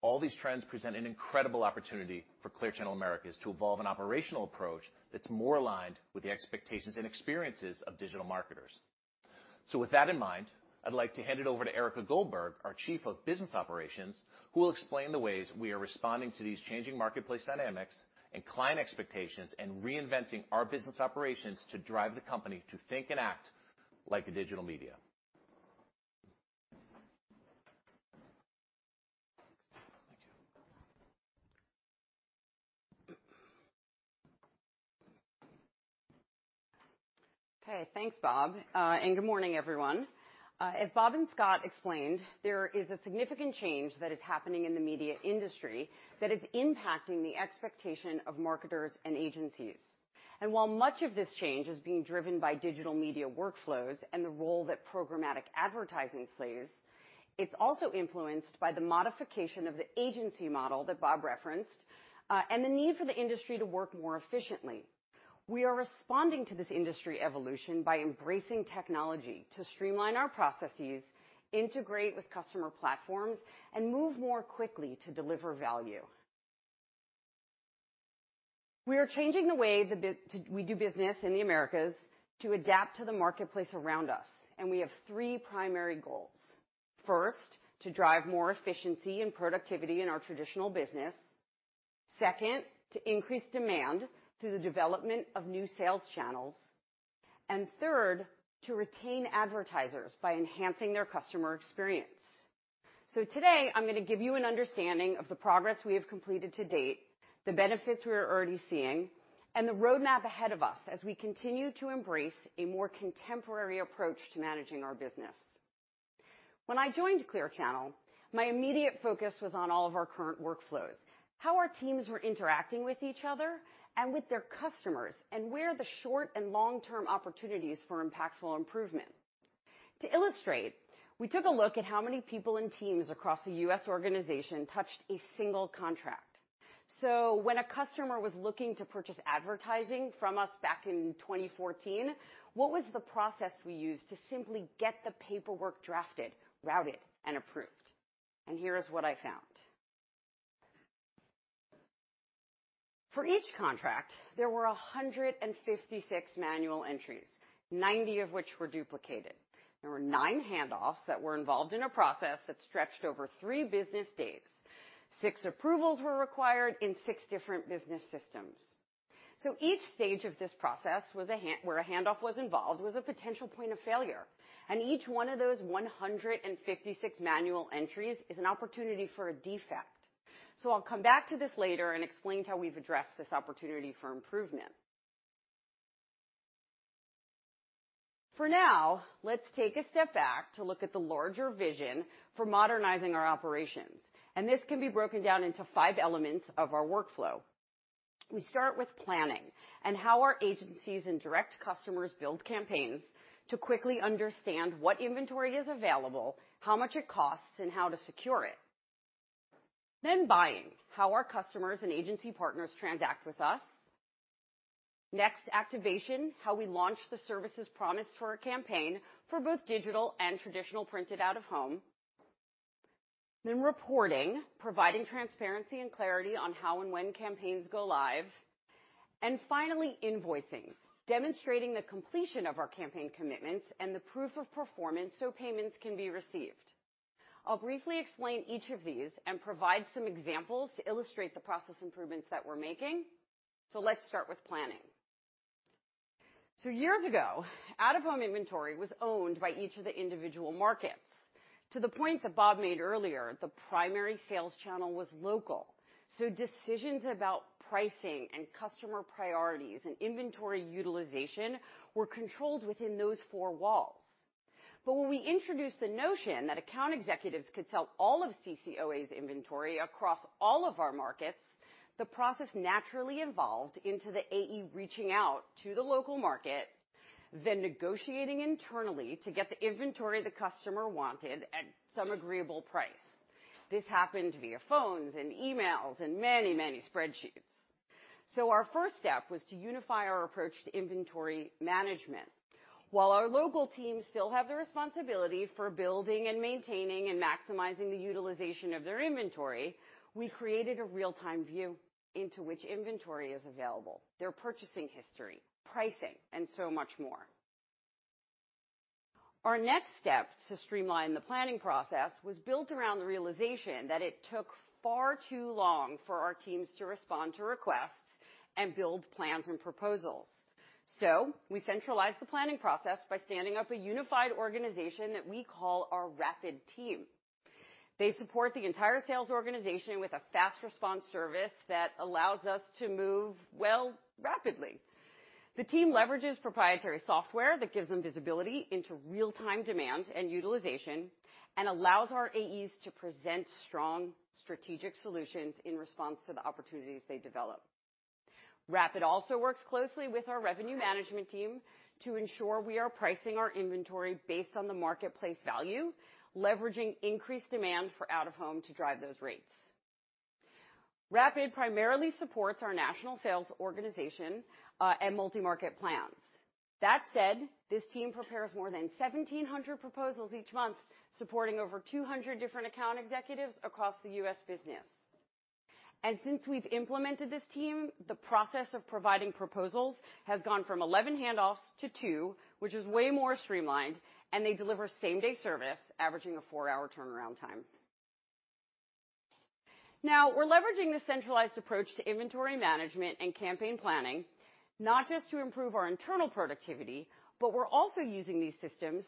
S3: All these trends present an incredible opportunity for Clear Channel Outdoor Americas to evolve an operational approach that's more aligned with the expectations and experiences of digital marketers. With that in mind, I'd like to hand it over to Erika Goldberg, our Chief of Business Operations, who will explain the ways we are responding to these changing marketplace dynamics and client expectations and reinventing our business operations to drive the company to think and act like a digital media.
S4: Okay. Thanks, Bob. Good morning, everyone. As Bob and Scott explained, there is a significant change that is happening in the media industry that is impacting the expectation of marketers and agencies. While much of this change is being driven by digital media workflows and the role that programmatic advertising plays, it's also influenced by the modification of the agency model that Bob referenced, and the need for the industry to work more efficiently. We are responding to this industry evolution by embracing technology to streamline our processes, integrate with customer platforms, and move more quickly to deliver value. We are changing the way we do business in the Americas to adapt to the marketplace around us, and we have three primary goals. First, to drive more efficiency and productivity in our traditional business. Second, to increase demand through the development of new sales channels. Third, to retain advertisers by enhancing their customer experience. Today I'm gonna give you an understanding of the progress we have completed to date, the benefits we are already seeing, and the roadmap ahead of us as we continue to embrace a more contemporary approach to managing our business. When I joined Clear Channel, my immediate focus was on all of our current workflows, how our teams were interacting with each other and with their customers, and where are the short and long-term opportunities for impactful improvement. To illustrate, we took a look at how many people and teams across the U.S. organization touched a single contract. When a customer was looking to purchase advertising from us back in 2014, what was the process we used to simply get the paperwork drafted, routed, and approved? Here is what I found. For each contract, there were 156 manual entries, 90 of which were duplicated. There were nine handoffs that were involved in a process that stretched over three business days. Six approvals were required in six different business systems. Each stage of this process where a handoff was involved was a potential point of failure, and each one of those 156 manual entries is an opportunity for a defect. I'll come back to this later and explain how we've addressed this opportunity for improvement. For now, let's take a step back to look at the larger vision for modernizing our operations. This can be broken down into five elements of our workflow. We start with planning and how our agencies and direct customers build campaigns to quickly understand what inventory is available, how much it costs, and how to secure it. Buying, how our customers and agency partners transact with us. Next, activation, how we launch the services promised for a campaign for both digital and traditional printed out-of-home. Reporting, providing transparency and clarity on how and when campaigns go live. Finally, invoicing, demonstrating the completion of our campaign commitments and the proof of performance so payments can be received. I'll briefly explain each of these and provide some examples to illustrate the process improvements that we're making. Let's start with planning. Years ago, out-of-home inventory was owned by each of the individual markets. To the point that Bob made earlier, the primary sales channel was local, so decisions about pricing and customer priorities and inventory utilization were controlled within those four walls. When we introduced the notion that account executives could sell all of CCOA's inventory across all of our markets, the process naturally evolved into the AE reaching out to the local market, then negotiating internally to get the inventory the customer wanted at some agreeable price. This happened via phones and emails and many, many spreadsheets. Our first step was to unify our approach to inventory management. While our local teams still have the responsibility for building and maintaining and maximizing the utilization of their inventory, we created a real-time view into which inventory is available, their purchasing history, pricing, and so much more. Our next step to streamline the planning process was built around the realization that it took far too long for our teams to respond to requests and build plans and proposals. We centralized the planning process by standing up a unified organization that we call our Rapid team. They support the entire sales organization with a fast response service that allows us to move, well, rapidly. The team leverages proprietary software that gives them visibility into real-time demand and utilization and allows our AEs to present strong strategic solutions in response to the opportunities they develop. Rapid also works closely with our revenue management team to ensure we are pricing our inventory based on the marketplace value, leveraging increased demand for out-of-home to drive those rates. Rapid primarily supports our national sales organization and multi-market plans. That said, this team prepares more than 1,700 proposals each month, supporting over 200 different account executives across the U.S. business. Since we've implemented this team, the process of providing proposals has gone from 11 handoffs to two, which is way more streamlined, and they deliver same-day service averaging a four-hour turnaround time. Now, we're leveraging the centralized approach to inventory management and campaign planning, not just to improve our internal productivity, but we're also using these systems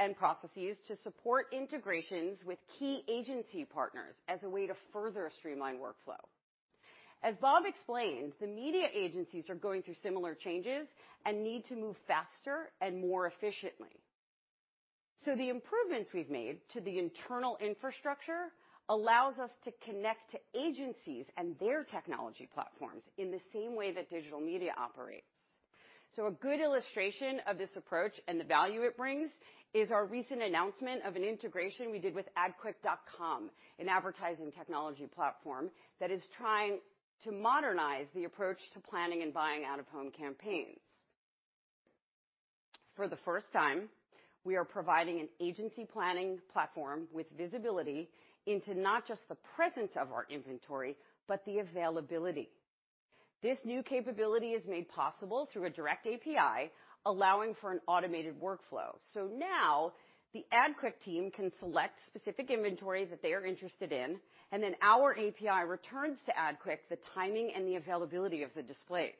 S4: and processes to support integrations with key agency partners as a way to further streamline workflow. As Bob explained, the media agencies are going through similar changes and need to move faster and more efficiently. The improvements we've made to the internal infrastructure allows us to connect to agencies and their technology platforms in the same way that digital media operates. A good illustration of this approach and the value it brings is our recent announcement of an integration we did with AdQuick.com, an advertising technology platform that is trying to modernize the approach to planning and buying out-of-home campaigns. For the first time, we are providing an agency planning platform with visibility into not just the presence of our inventory, but the availability. This new capability is made possible through a direct API, allowing for an automated workflow. Now the AdQuick team can select specific inventory that they are interested in, and then our API returns to AdQuick the timing and the availability of the displays.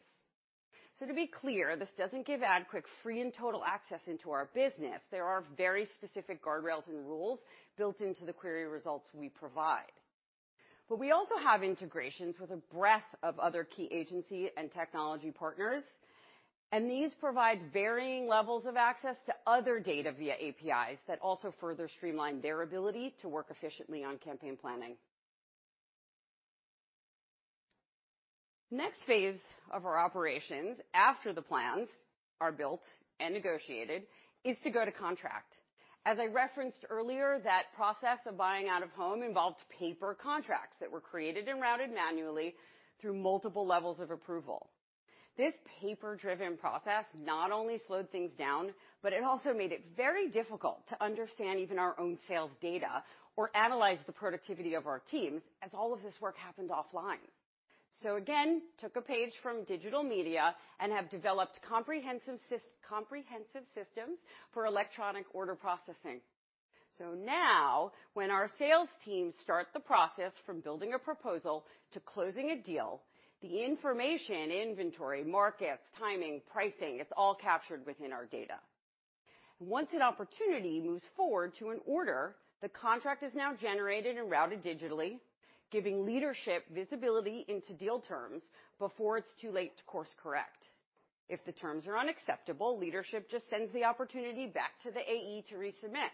S4: To be clear, this doesn't give AdQuick free and total access into our business. There are very specific guardrails and rules built into the query results we provide. We also have integrations with a breadth of other key agency and technology partners, and these provide varying levels of access to other data via APIs that also further streamline their ability to work efficiently on campaign planning. Next phase of our operations after the plans are built and negotiated is to go to contract. As I referenced earlier, that process of buying out-of-home involved paper contracts that were created and routed manually through multiple levels of approval. This paper-driven process not only slowed things down, but it also made it very difficult to understand even our own sales data or analyze the productivity of our teams as all of this work happened offline. Again, took a page from digital media and have developed comprehensive systems for electronic order processing. Now when our sales teams start the process from building a proposal to closing a deal, the information, inventory, markets, timing, pricing, it's all captured within our data. Once an opportunity moves forward to an order, the contract is now generated and routed digitally, giving leadership visibility into deal terms before it's too late to course-correct. If the terms are unacceptable, leadership just sends the opportunity back to the AE to resubmit,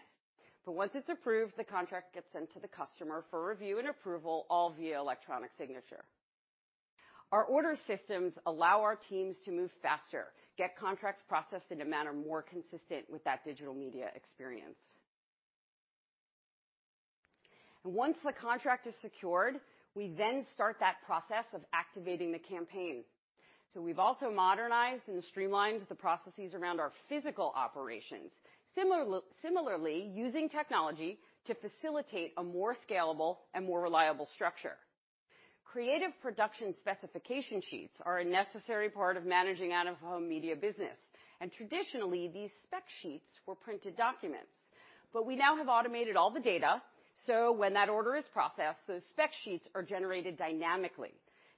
S4: but once it's approved, the contract gets sent to the customer for review and approval, all via electronic signature. Our order systems allow our teams to move faster, get contracts processed in a manner more consistent with that digital media experience. Once the contract is secured, we then start that process of activating the campaign. We've also modernized and streamlined the processes around our physical operations. Similarly, using technology to facilitate a more scalable and more reliable structure. Creative production specification sheets are a necessary part of managing out-of-home media business, and traditionally, these spec sheets were printed documents, but we now have automated all the data, so when that order is processed, those spec sheets are generated dynamically.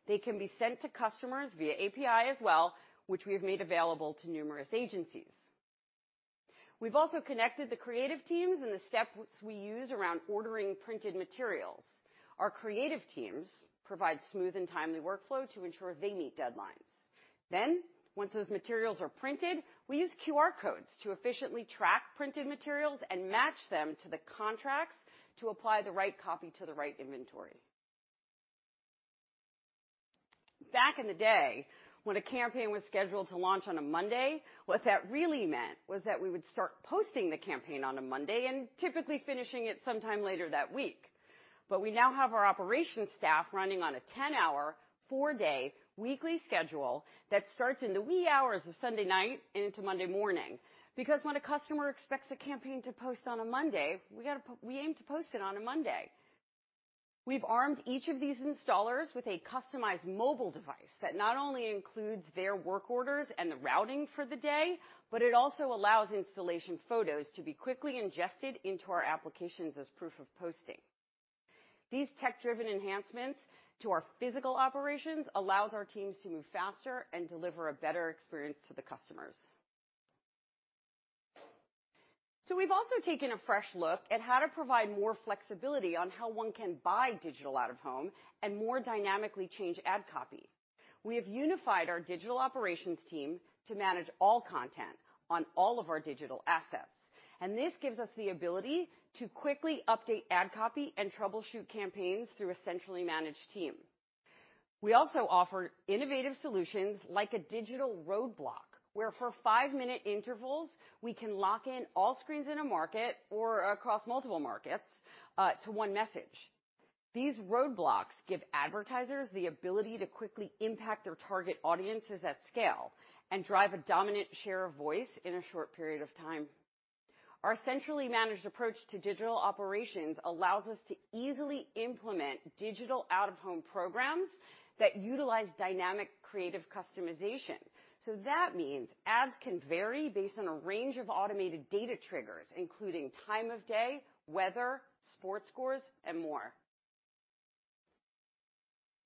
S4: They can be sent to customers via API as well, which we have made available to numerous agencies. We've also connected the creative teams and the steps we use around ordering printed materials. Our creative teams provide smooth and timely workflow to ensure they meet deadlines. Once those materials are printed, we use QR codes to efficiently track printed materials and match them to the contracts to apply the right copy to the right inventory. Back in the day, when a campaign was scheduled to launch on a Monday, what that really meant was that we would start posting the campaign on a Monday and typically finishing it sometime later that week. We now have our operations staff running on a 10-hour, four-day weekly schedule that starts in the wee hours of Sunday night into Monday morning. Because when a customer expects a campaign to post on a Monday, we aim to post it on a Monday. We've armed each of these installers with a customized mobile device that not only includes their work orders and the routing for the day, but it also allows installation photos to be quickly ingested into our applications as proof of posting. These tech-driven enhancements to our physical operations allows our teams to move faster and deliver a better experience to the customers. We've also taken a fresh look at how to provide more flexibility on how one can buy digital out-of-home and more dynamically change ad copy. We have unified our digital operations team to manage all content on all of our digital assets, and this gives us the ability to quickly update ad copy and troubleshoot campaigns through a centrally managed team. We also offer innovative solutions like a digital roadblock, where for five-minute intervals, we can lock in all screens in a market or across multiple markets, to one message. These roadblocks give advertisers the ability to quickly impact their target audiences at scale and drive a dominant share of voice in a short period of time. Our centrally managed approach to digital operations allows us to easily implement digital out-of-home programs that utilize dynamic creative customization. that means ads can vary based on a range of automated data triggers, including time of day, weather, sports scores, and more.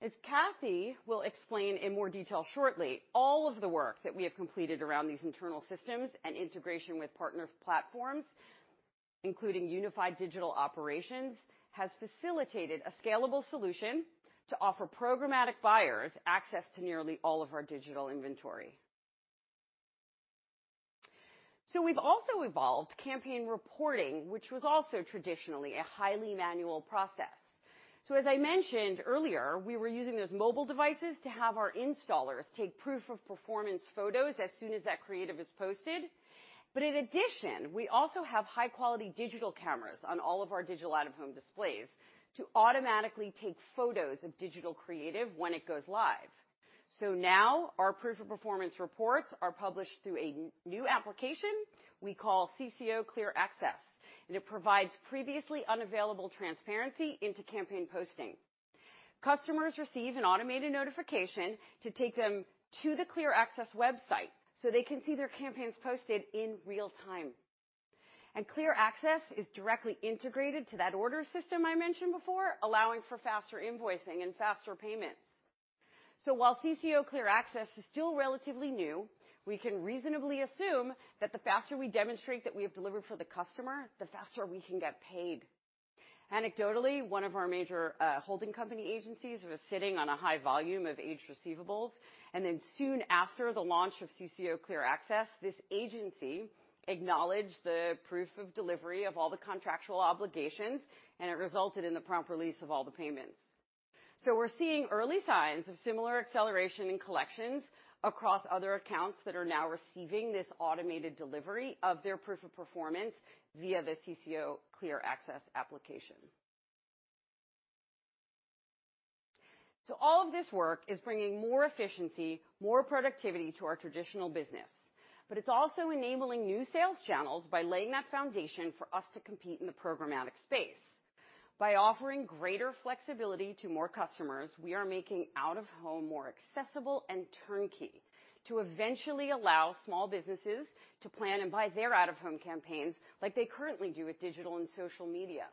S4: As Cathy will explain in more detail shortly, all of the work that we have completed around these internal systems and integration with partner platforms, including unified digital operations, has facilitated a scalable solution to offer programmatic buyers access to nearly all of our digital inventory. we've also evolved campaign reporting, which was also traditionally a highly manual process. as I mentioned earlier, we were using those mobile devices to have our installers take proof of performance photos as soon as that creative is posted. in addition, we also have high-quality digital cameras on all of our digital out-of-home displays to automatically take photos of digital creative when it goes live. Now our proof of performance reports are published through a new application we call CCO Clear Access, and it provides previously unavailable transparency into campaign posting. Customers receive an automated notification to take them to the Clear Access website so they can see their campaigns posted in real time. Clear Access is directly integrated to that order system I mentioned before, allowing for faster invoicing and faster payments. While CCO Clear Access is still relatively new, we can reasonably assume that the faster we demonstrate that we have delivered for the customer, the faster we can get paid. Anecdotally, one of our major holding company agencies was sitting on a high volume of aged receivables, and then soon after the launch of CCO Clear Access, this agency acknowledged the proof of delivery of all the contractual obligations, and it resulted in the prompt release of all the payments. We're seeing early signs of similar acceleration in collections across other accounts that are now receiving this automated delivery of their proof of performance via the CCO Clear Access application. All of this work is bringing more efficiency, more productivity to our traditional business, but it's also enabling new sales channels by laying that foundation for us to compete in the programmatic space. By offering greater flexibility to more customers, we are making out-of-home more accessible and turnkey to eventually allow small businesses to plan and buy their out-of-home campaigns like they currently do with digital and social media.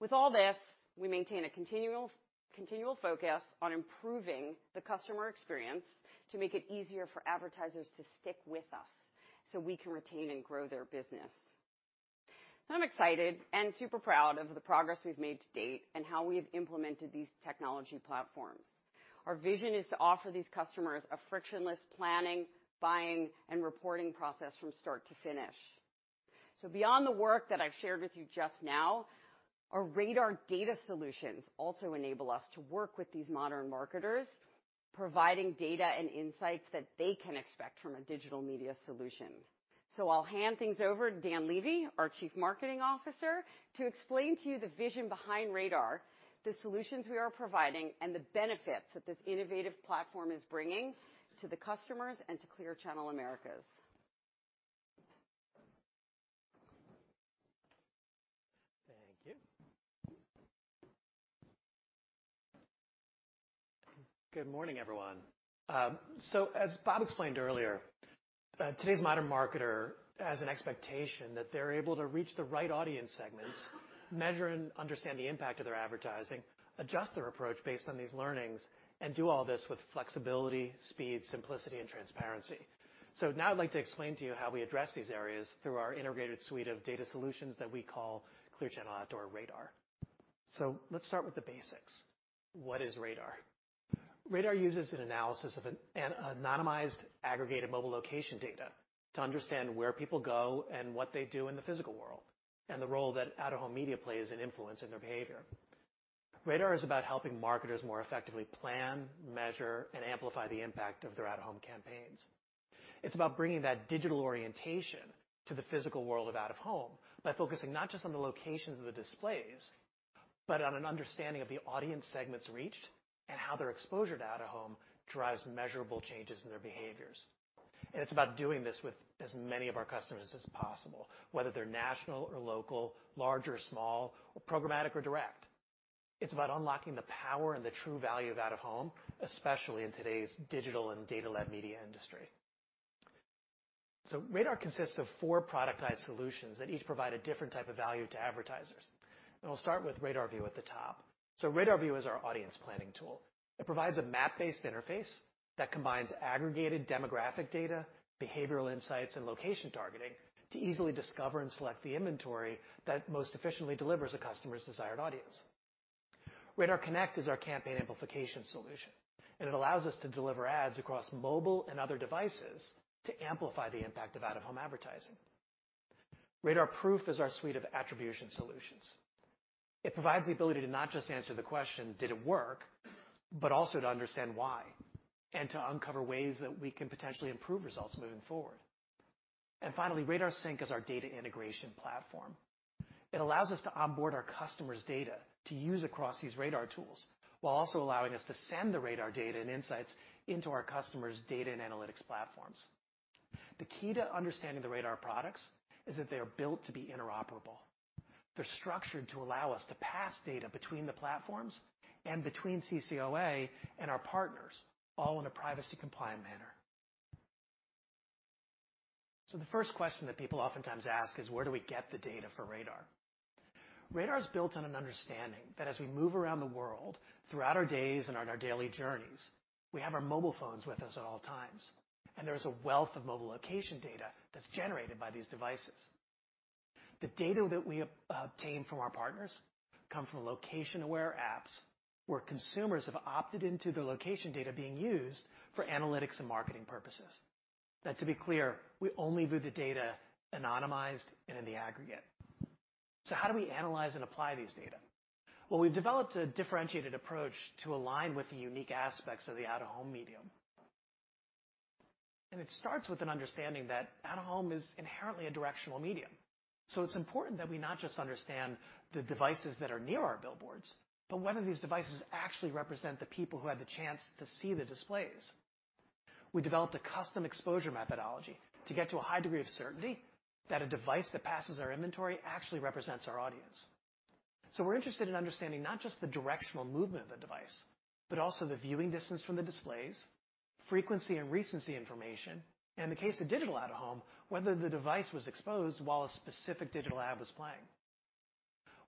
S4: With all this, we maintain a continual focus on improving the customer experience to make it easier for advertisers to stick with us so we can retain and grow their business. I'm excited and super proud of the progress we've made to date and how we've implemented these technology platforms. Our vision is to offer these customers a frictionless planning, buying, and reporting process from start to finish. Beyond the work that I've shared with you just now, our RADAR data solutions also enable us to work with these modern marketers, providing data and insights that they can expect from a digital media solution. I'll hand things over to Dan Levi, our Chief Marketing Officer, to explain to you the vision behind RADAR, the solutions we are providing, and the benefits that this innovative platform is bringing to the customers and to Clear Channel Outdoor Americas.
S5: Thank you. Good morning, everyone. As Bob explained earlier, today's modern marketer has an expectation that they're able to reach the right audience segments, measure and understand the impact of their advertising, adjust their approach based on these learnings, and do all this with flexibility, speed, simplicity, and transparency. Now I'd like to explain to you how we address these areas through our integrated suite of data solutions that we call Clear Channel Outdoor RADAR. Let's start with the basics. What is RADAR? RADAR uses an analysis of an anonymized, aggregated mobile location data to understand where people go and what they do in the physical world, and the role that out-of-home media plays in influencing their behavior. RADAR is about helping marketers more effectively plan, measure, and amplify the impact of their out-of-home campaigns. It's about bringing that digital orientation to the physical world of out-of-home by focusing not just on the locations of the displays, but on an understanding of the audience segments reached and how their exposure to out-of-home drives measurable changes in their behaviors. It's about doing this with as many of our customers as possible, whether they're national or local, large or small, or programmatic or direct. It's about unlocking the power and the true value of out-of-home, especially in today's digital and data-led media industry. RADAR consists of four productized solutions that each provide a different type of value to advertisers. We'll start with RADARView at the top. RADARView is our audience planning tool. It provides a map-based interface that combines aggregated demographic data, behavioral insights, and location targeting to easily discover and select the inventory that most efficiently delivers a customer's desired audience. RADARConnect is our campaign amplification solution, and it allows us to deliver ads across mobile and other devices to amplify the impact of out-of-home advertising. RADARProof is our suite of attribution solutions. It provides the ability to not just answer the question, did it work, but also to understand why, and to uncover ways that we can potentially improve results moving forward. Finally, RADARSync is our data integration platform. It allows us to onboard our customer's data to use across these RADAR tools, while also allowing us to send the RADAR data and insights into our customers' data and analytics platforms. The key to understanding the RADAR products is that they are built to be interoperable. They're structured to allow us to pass data between the platforms and between CCOA and our partners, all in a privacy compliant manner. The first question that people oftentimes ask is, where do we get the data for RADAR? RADAR is built on an understanding that as we move around the world throughout our days and on our daily journeys, we have our mobile phones with us at all times, and there's a wealth of mobile location data that's generated by these devices. The data that we obtain from our partners come from location-aware apps where consumers have opted into the location data being used for analytics and marketing purposes. Now to be clear, we only view the data anonymized and in the aggregate. How do we analyze and apply these data? Well, we've developed a differentiated approach to align with the unique aspects of the out-of-home medium. It starts with an understanding that out-of-home is inherently a directional medium. It's important that we not just understand the devices that are near our billboards, but whether these devices actually represent the people who had the chance to see the displays. We developed a custom exposure methodology to get to a high degree of certainty that a device that passes our inventory actually represents our audience. We're interested in understanding not just the directional movement of the device, but also the viewing distance from the displays, frequency and recency information, and in the case of digital out-of-home, whether the device was exposed while a specific digital ad was playing.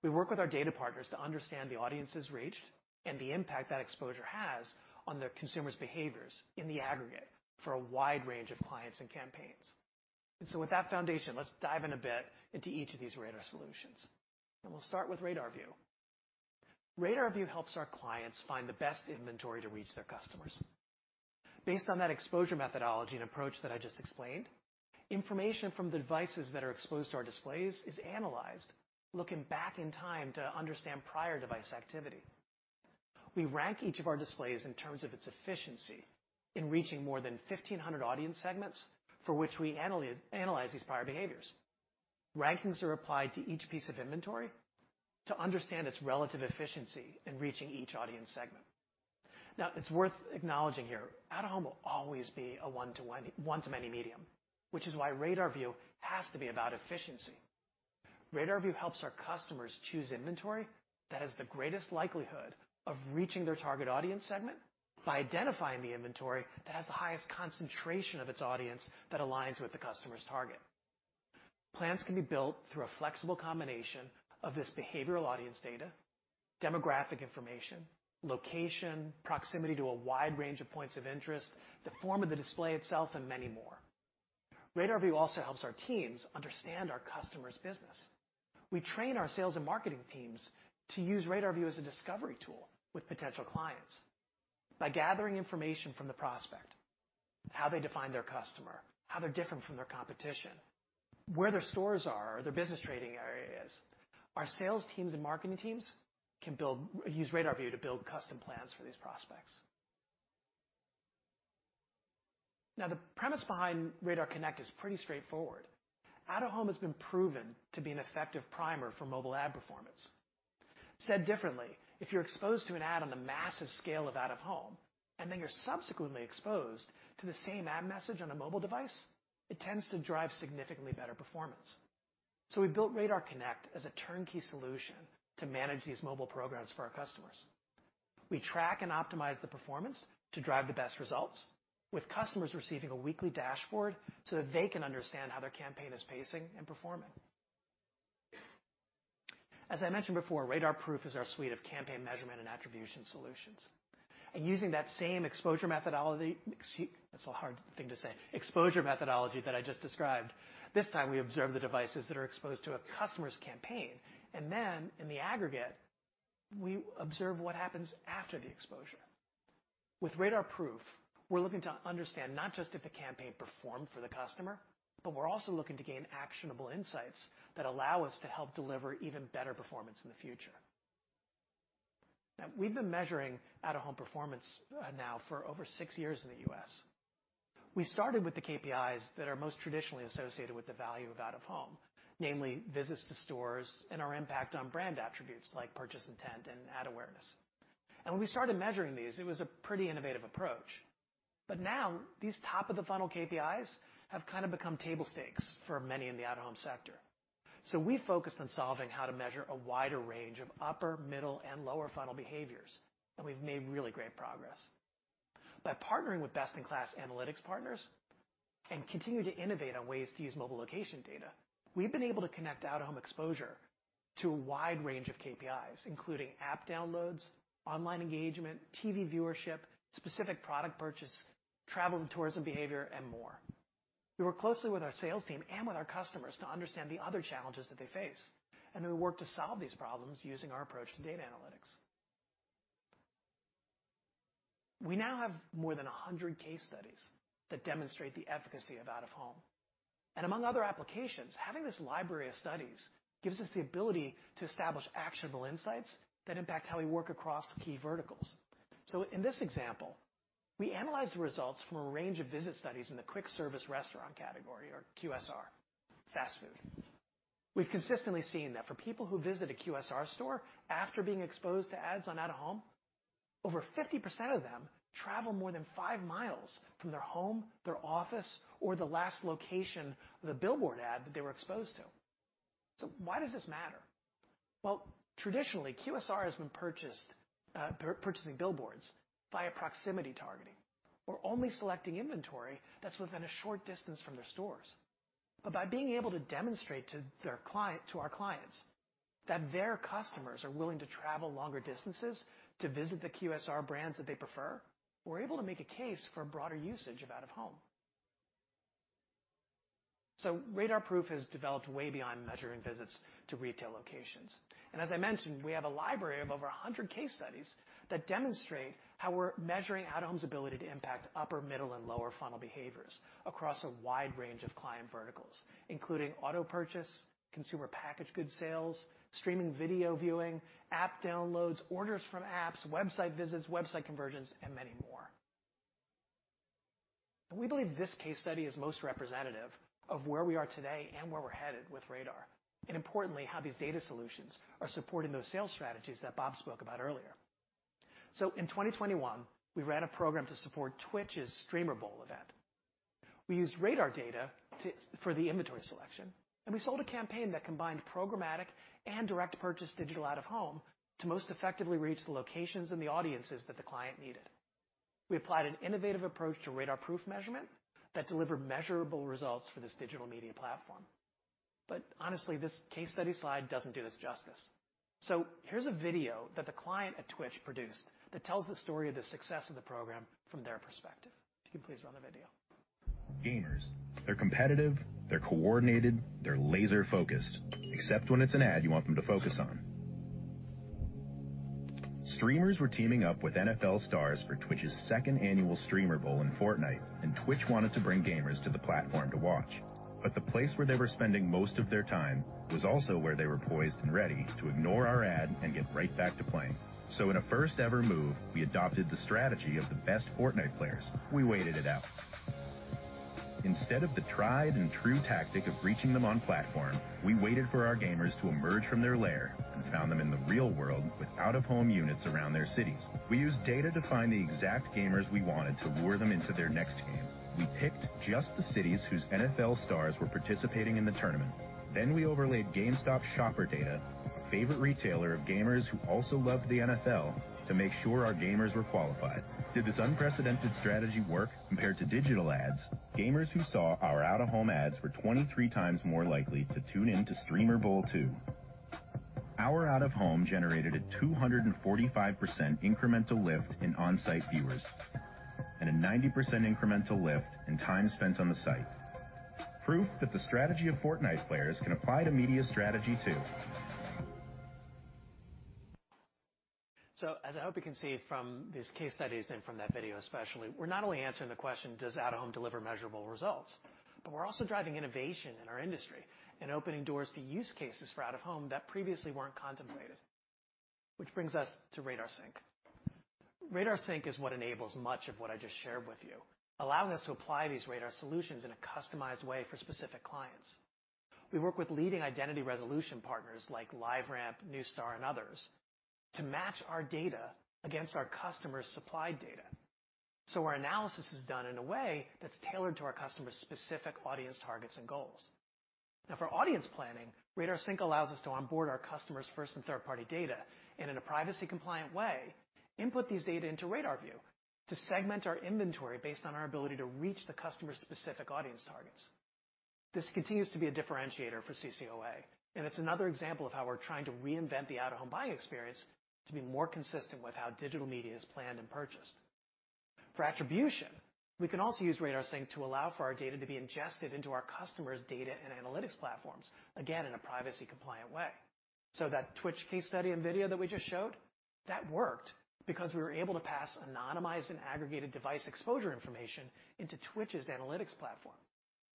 S5: We work with our data partners to understand the audiences reached and the impact that exposure has on their consumers' behaviors in the aggregate for a wide range of clients and campaigns. With that foundation, let's dive in a bit into each of these RADAR solutions. We'll start with RADAR View. RADAR View helps our clients find the best inventory to reach their customers. Based on that exposure methodology and approach that I just explained, information from the devices that are exposed to our displays is analyzed, looking back in time to understand prior device activity. We rank each of our displays in terms of its efficiency in reaching more than 1,500 audience segments for which we analyze these prior behaviors. Rankings are applied to each piece of inventory to understand its relative efficiency in reaching each audience segment. Now it's worth acknowledging here, out-of-home will always be a one-to-one, one-to-many medium, which is why RADAR View has to be about efficiency. RADARView helps our customers choose inventory that has the greatest likelihood of reaching their target audience segment by identifying the inventory that has the highest concentration of its audience that aligns with the customer's target. Plans can be built through a flexible combination of this behavioral audience data, demographic information, location, proximity to a wide range of points of interest, the form of the display itself, and many more. RADARView also helps our teams understand our customer's business. We train our sales and marketing teams to use RADARView as a discovery tool with potential clients. By gathering information from the prospect, how they define their customer, how they're different from their competition, where their stores are, or their business trading area is. Our sales teams and marketing teams can use RADARView to build custom plans for these prospects. Now the premise behindRADARConnect is pretty straightforward. Out-of-home has been proven to be an effective primer for mobile ad performance. Said differently, if you're exposed to an ad on the massive scale of out-of-home, and then you're subsequently exposed to the same ad message on a mobile device, it tends to drive significantly better performance. We built RADARConnectas a turnkey solution to manage these mobile programs for our customers. We track and optimize the performance to drive the best results, with customers receiving a weekly dashboard so that they can understand how their campaign is pacing and performing. As I mentioned before, RADARProof is our suite of campaign measurement and attribution solutions. Using that same exposure methodology that I just described, this time we observe the devices that are exposed to a customer's campaign. In the aggregate, we observe what happens after the exposure. With RADARProof, we're looking to understand not just if the campaign performed for the customer, but we're also looking to gain actionable insights that allow us to help deliver even better performance in the future. Now we've been measuring out-of-home performance, now for over six years in the U.S. We started with the KPIs that are most traditionally associated with the value of out-of-home. Namely, visits to stores and our impact on brand attributes like purchase intent and ad awareness. When we started measuring these, it was a pretty innovative approach. Now these top-of-the-funnel KPIs have kind of become table stakes for many in the out-of-home sector. We focused on solving how to measure a wider range of upper, middle, and lower funnel behaviors, and we've made really great progress. By partnering with best-in-class analytics partners and continue to innovate on ways to use mobile location data, we've been able to connect out-of-home exposure to a wide range of KPIs, including app downloads, online engagement, TV viewership, specific product purchase, travel and tourism behavior, and more. We work closely with our sales team and with our customers to understand the other challenges that they face, and we work to solve these problems using our approach to data analytics. We now have more than 100 case studies that demonstrate the efficacy of out-of-home. Among other applications, having this library of studies gives us the ability to establish actionable insights that impact how we work across key verticals. In this example, we analyzed the results from a range of visit studies in the quick service restaurant category or QSR. Fast food. We've consistently seen that for people who visit a QSR store after being exposed to ads on out-of-home, over 50% of them travel more than 5 miles from their home, their office, or the last location of the billboard ad that they were exposed to. Why does this matter? Well, traditionally, QSR has been purchasing billboards via proximity targeting or only selecting inventory that's within a short distance from their stores. By being able to demonstrate to their client, to our clients, that their customers are willing to travel longer distances to visit the QSR brands that they prefer, we're able to make a case for broader usage of out-of-home. RADARProof has developed way beyond measuring visits to retail locations. As I mentioned, we have a library of over 100 case studies that demonstrate how we're measuring out-of-home's ability to impact upper, middle, and lower funnel behaviors across a wide range of client verticals, including auto purchase, consumer packaged good sales, streaming video viewing, app downloads, orders from apps, website visits, website conversions, and many more. We believe this case study is most representative of where we are today and where we're headed with RADAR, and importantly, how these data solutions are supporting those sales strategies that Bob spoke about earlier. In 2021, we ran a program to support Twitch's Streamer Bowl event. We used RADAR data for the inventory selection, and we sold a campaign that combined programmatic and direct purchase digital out-of-home to most effectively reach the locations and the audiences that the client needed. We applied an innovative approach to RADARProof measurement that delivered measurable results for this digital media platform. Honestly, this case study slide doesn't do this justice. Here's a video that the client at Twitch produced that tells the story of the success of the program from their perspective. If you could please run the video.
S6: Gamers, they're competitive, they're coordinated, they're laser-focused. Except when it's an ad you want them to focus on. Streamers were teaming up with NFL stars for Twitch's second annual Streamer Bowl in Fortnite, and Twitch wanted to bring gamers to the platform to watch. The place where they were spending most of their time was also where they were poised and ready to ignore our ad and get right back to playing. In a first-ever move, we adopted the strategy of the best Fortnite players. We waited it out. Instead of the tried and true tactic of reaching them on platform, we waited for our gamers to emerge from their lair and found them in the real world with out-of-home units around their cities. We used data to find the exact gamers we wanted to lure them into their next game. We picked just the cities whose NFL stars were participating in the tournament. We overlaid GameStop shopper data, a favorite retailer of gamers who also loved the NFL, to make sure our gamers were qualified. Did this unprecedented strategy work compared to digital ads? Gamers who saw our out-of-home ads were 23 times more likely to tune in to Streamer Bowl Two. Our out-of-home generated a 245% incremental lift in on-site viewers and a 90% incremental lift in time spent on the site. Proof that the strategy of Fortnite players can apply to media strategy, too.
S5: As I hope you can see from these case studies and from that video especially, we're not only answering the question, does out-of-home deliver measurable results? We're also driving innovation in our industry and opening doors to use cases for out-of-home that previously weren't contemplated. Which brings us to RADARSync. RADARSync is what enables much of what I just shared with you, allowing us to apply these RADAR solutions in a customized way for specific clients. We work with leading identity resolution partners like LiveRamp, Neustar, and others to match our data against our customers' supply data. Our analysis is done in a way that's tailored to our customers' specific audience targets and goals. For audience planning, RADARSync allows us to onboard our customers' first and third-party data, and in a privacy-compliant way, input these data into RADARView to segment our inventory based on our ability to reach the customer's specific audience targets. This continues to be a differentiator for CCOA, and it's another example of how we're trying to reinvent the out-of-home buying experience to be more consistent with how digital media is planned and purchased. For attribution, we can also use RADARSync to allow for our data to be ingested into our customers' data and analytics platforms, again, in a privacy-compliant way. That Twitch case study and video that we just showed, that worked because we were able to pass anonymized and aggregated device exposure information into Twitch's analytics platform.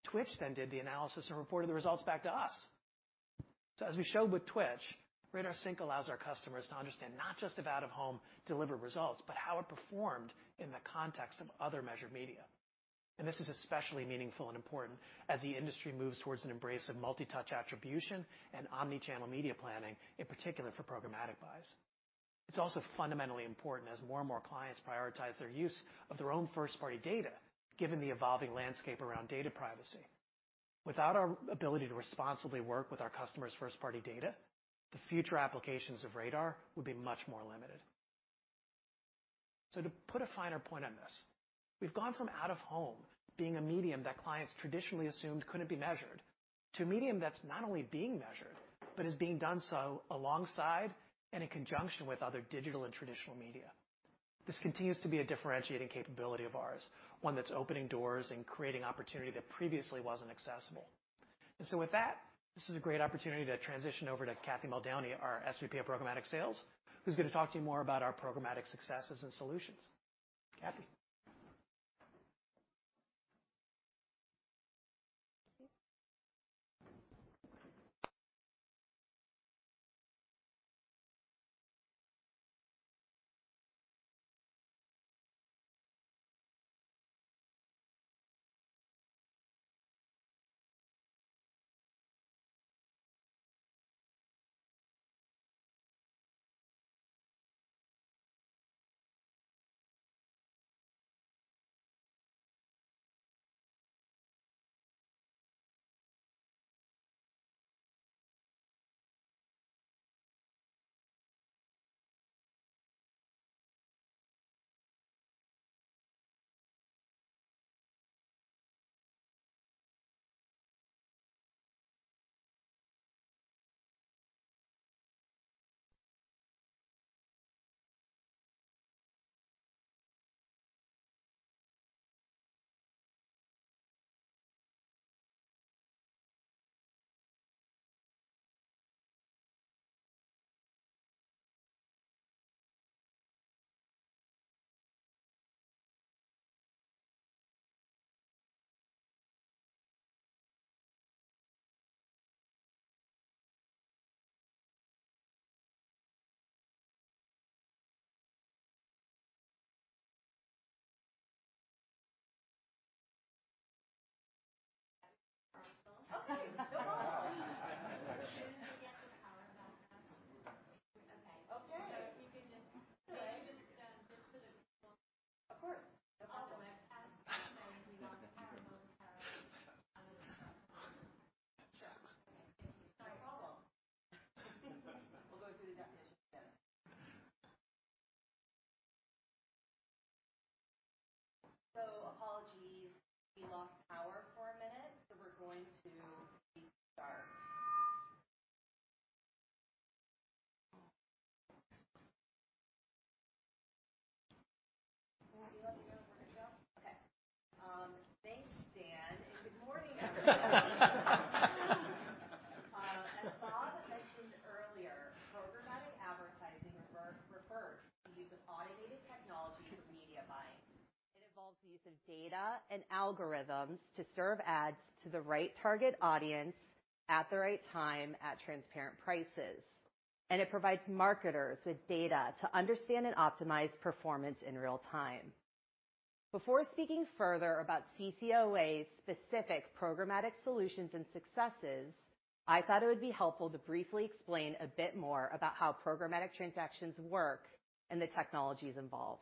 S5: Twitch then did the analysis and reported the results back to us. As we showed with Twitch, RADARSync allows our customers to understand not just if out-of-home delivered results, but how it performed in the context of other measured media. This is especially meaningful and important as the industry moves towards an embrace of multi-touch attribution and omni-channel media planning, in particular for programmatic buys. It's also fundamentally important as more and more clients prioritize their use of their own first-party data, given the evolving landscape around data privacy. Without our ability to responsibly work with our customers' first-party data, the future applications of RADAR would be much more limited. To put a finer point on this, we've gone from out-of-home being a medium that clients traditionally assumed couldn't be measured to a medium that's not only being measured, but is being done so alongside and in conjunction with other digital and traditional media. This continues to be a differentiating capability of ours, one that's opening doors and creating opportunity that previously wasn't accessible. With that,
S7: data and algorithms to serve ads to the right target audience at the right time at transparent prices. It provides marketers with data to understand and optimize performance in real time. Before speaking further about CCOA's specific programmatic solutions and successes, I thought it would be helpful to briefly explain a bit more about how programmatic transactions work and the technologies involved.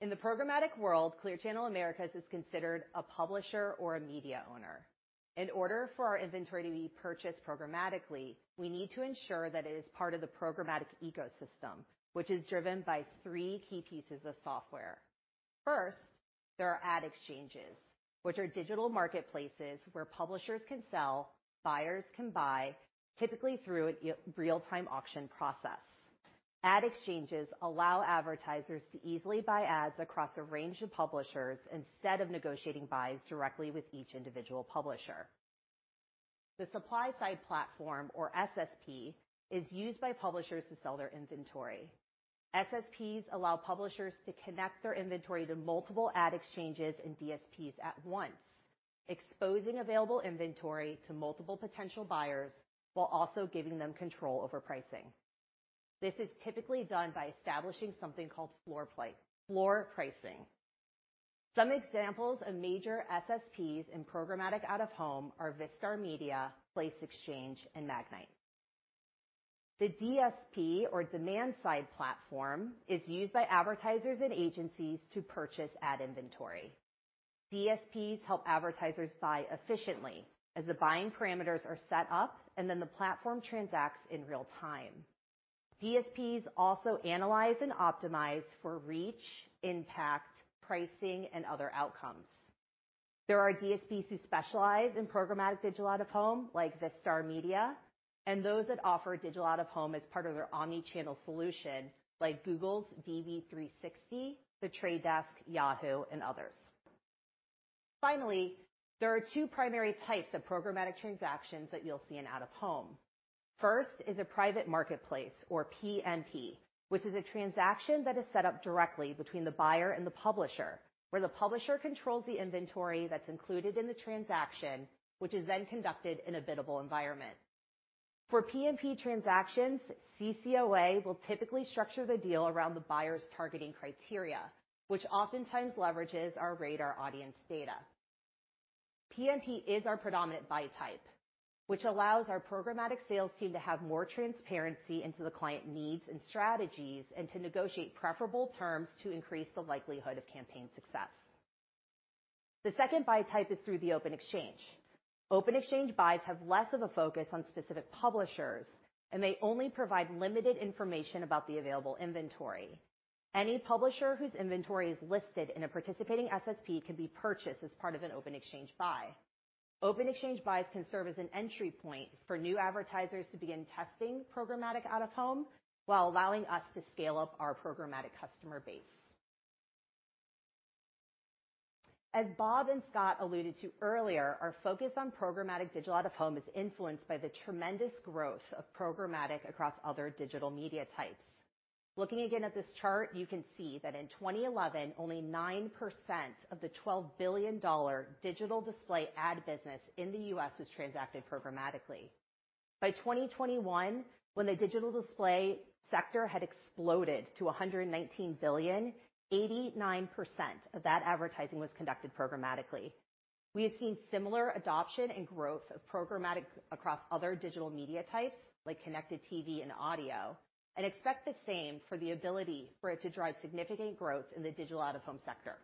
S7: Great. In the programmatic world, Clear Channel Americas is considered a publisher or a media owner. In order for our inventory to be purchased programmatically, we need to ensure that it is part of the programmatic ecosystem, which is driven by three key pieces of software. First, there are ad exchanges, which are digital marketplaces where publishers can sell, buyers can buy, typically through a real-time auction process. Ad exchanges allow advertisers to easily buy ads across a range of publishers instead of negotiating buys directly with each individual publisher. The supply side platform, or SSP, is used by publishers to sell their inventory. SSPs allow publishers to connect their inventory to multiple ad exchanges and DSPs at once, exposing available inventory to multiple potential buyers while also giving them control over pricing. This is typically done by establishing something called floor pricing. Some examples of major SSPs in programmatic out-of-home are Vistar Media, Place Exchange, and Magnite. The DSP, or demand side platform, is used by advertisers and agencies to purchase ad inventory. DSPs help advertisers buy efficiently as the buying parameters are set up, and then the platform transacts in real time. DSPs also analyze and optimize for reach, impact, pricing, and other outcomes. There are DSPs who specialize in programmatic digital out-of-home, like Vistar Media, and those that offer digital out-of-home as part of their omni-channel solution, like Google's DV360, The Trade Desk, Yahoo, and others. Finally, there are two primary types of programmatic transactions that you'll see in out-of-home. First is a private marketplace, or PMP, which is a transaction that is set up directly between the buyer and the publisher, where the publisher controls the inventory that's included in the transaction, which is then conducted in a biddable environment. For PMP transactions, CCOA will typically structure the deal around the buyer's targeting criteria, which oftentimes leverages our RADAR audience data. PMP is our predominant buy type, which allows our programmatic sales team to have more transparency into the client needs and strategies and to negotiate preferable terms to increase the likelihood of campaign success. The second buy type is through the open exchange. Open exchange buys have less of a focus on specific publishers, and they only provide limited information about the available inventory. Any publisher whose inventory is listed in a participating SSP can be purchased as part of an open exchange buy. Open exchange buys can serve as an entry point for new advertisers to begin testing programmatic out-of-home while allowing us to scale up our programmatic customer base. As Bob and Scott alluded to earlier, our focus on programmatic digital out-of-home is influenced by the tremendous growth of programmatic across other digital media types. Looking again at this chart, you can see that in 2011, only 9% of the $12 billion digital display ad business in the U.S. was transacted programmatically. By 2021, when the digital display sector had exploded to $119 billion, 89% of that advertising was conducted programmatically. We have seen similar adoption and growth of programmatic across other digital media types, like connected TV and audio, and expect the same for the ability for it to drive significant growth in the digital out-of-home sector.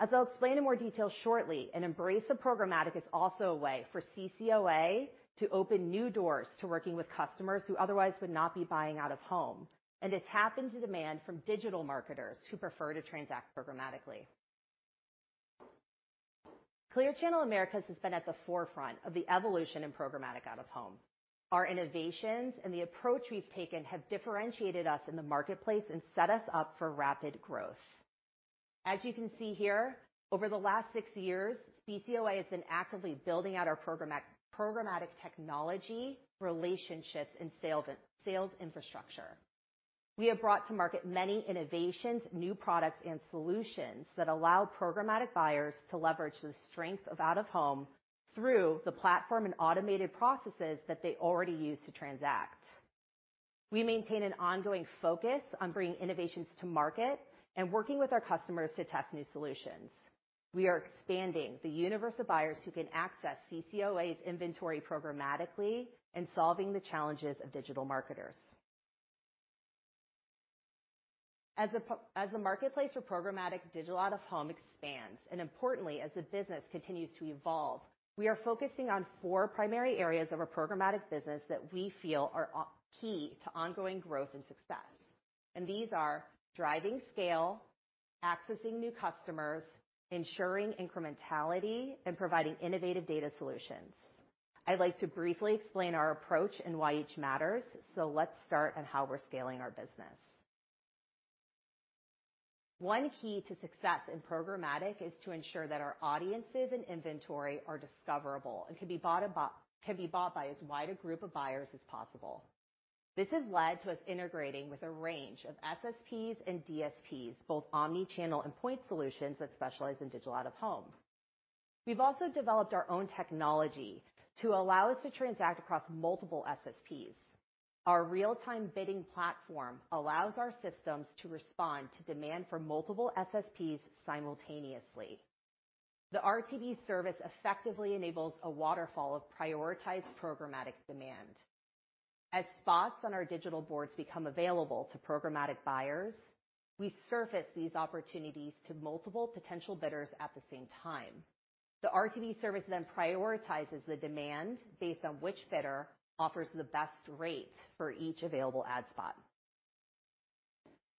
S7: As I'll explain in more detail shortly, an embrace of programmatic is also a way for CCOA to open new doors to working with customers who otherwise would not be buying out-of-home, and it's tapped into demand from digital marketers who prefer to transact programmatically. Clear Channel Americas has been at the forefront of the evolution in programmatic out-of-home. Our innovations and the approach we've taken have differentiated us in the marketplace and set us up for rapid growth. As you can see here, over the last six years, CCOA has been actively building out our programmatic technology, relationships, and sales infrastructure. We have brought to market many innovations, new products, and solutions that allow programmatic buyers to leverage the strength of out-of-home through the platform and automated processes that they already use to transact. We maintain an ongoing focus on bringing innovations to market and working with our customers to test new solutions. We are expanding the universe of buyers who can access CCOA's inventory programmatically and solving the challenges of digital marketers. As the marketplace for programmatic digital out-of-home expands, and importantly, as the business continues to evolve, we are focusing on four primary areas of our programmatic business that we feel are key to ongoing growth and success. These are driving scale, accessing new customers, ensuring incrementality, and providing innovative data solutions. I'd like to briefly explain our approach and why each matters, so let's start on how we're scaling our business. One key to success in programmatic is to ensure that our audiences and inventory are discoverable and can be bought by as wide a group of buyers as possible. This has led to us integrating with a range of SSPs and DSPs, both omni-channel and point solutions that specialize in digital out-of-home. We've also developed our own technology to allow us to transact across multiple SSPs. Our real-time bidding platform allows our systems to respond to demand from multiple SSPs simultaneously. The RTB service effectively enables a waterfall of prioritized programmatic demand. As spots on our digital boards become available to programmatic buyers, we surface these opportunities to multiple potential bidders at the same time. The RTB service then prioritizes the demand based on which bidder offers the best rate for each available ad spot.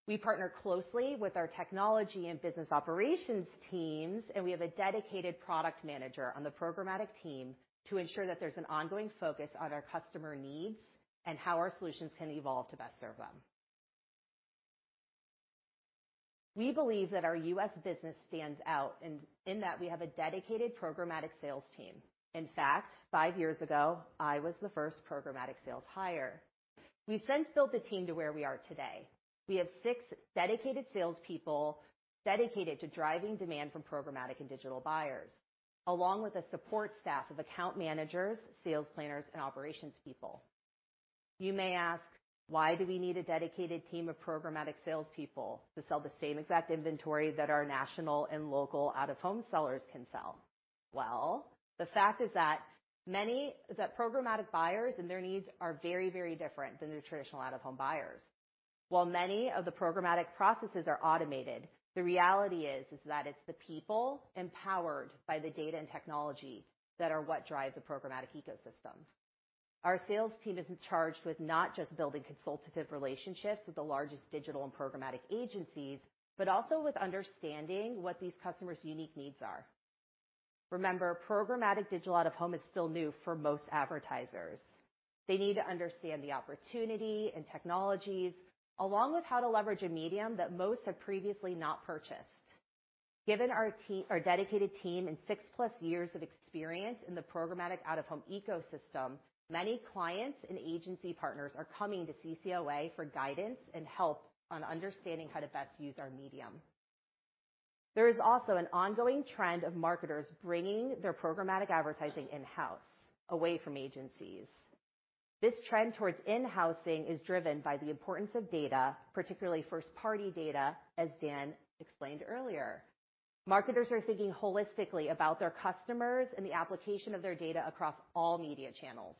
S7: We partner closely with our technology and business operations teams, and we have a dedicated product manager on the programmatic team to ensure that there's an ongoing focus on our customer needs and how our solutions can evolve to best serve them. We believe that our U.S. business stands out in that we have a dedicated programmatic sales team. In fact, five years ago, I was the first programmatic sales hire. We've since built the team to where we are today. We have six dedicated salespeople to driving demand from programmatic and digital buyers, along with a support staff of account managers, sales planners, and operations people. You may ask, "Why do we need a dedicated team of programmatic salespeople to sell the same exact inventory that our national and local out-of-home sellers can sell?" Well, the fact is that many programmatic buyers and their needs are very, very different than your traditional out-of-home buyers. While many of the programmatic processes are automated, the reality is that it's the people empowered by the data and technology that are what drive the programmatic ecosystems. Our sales team is charged with not just building consultative relationships with the largest digital and programmatic agencies, but also with understanding what these customers' unique needs are. Remember, programmatic digital out-of-home is still new for most advertisers. They need to understand the opportunity and technologies, along with how to leverage a medium that most have previously not purchased. Given our dedicated team and 6+ years of experience in the programmatic out-of-home ecosystem, many clients and agency partners are coming to CCOA for guidance and help on understanding how to best use our medium. There is also an ongoing trend of marketers bringing their programmatic advertising in-house, away from agencies. This trend towards in-housing is driven by the importance of data, particularly first-party data, as Dan explained earlier. Marketers are thinking holistically about their customers and the application of their data across all media channels.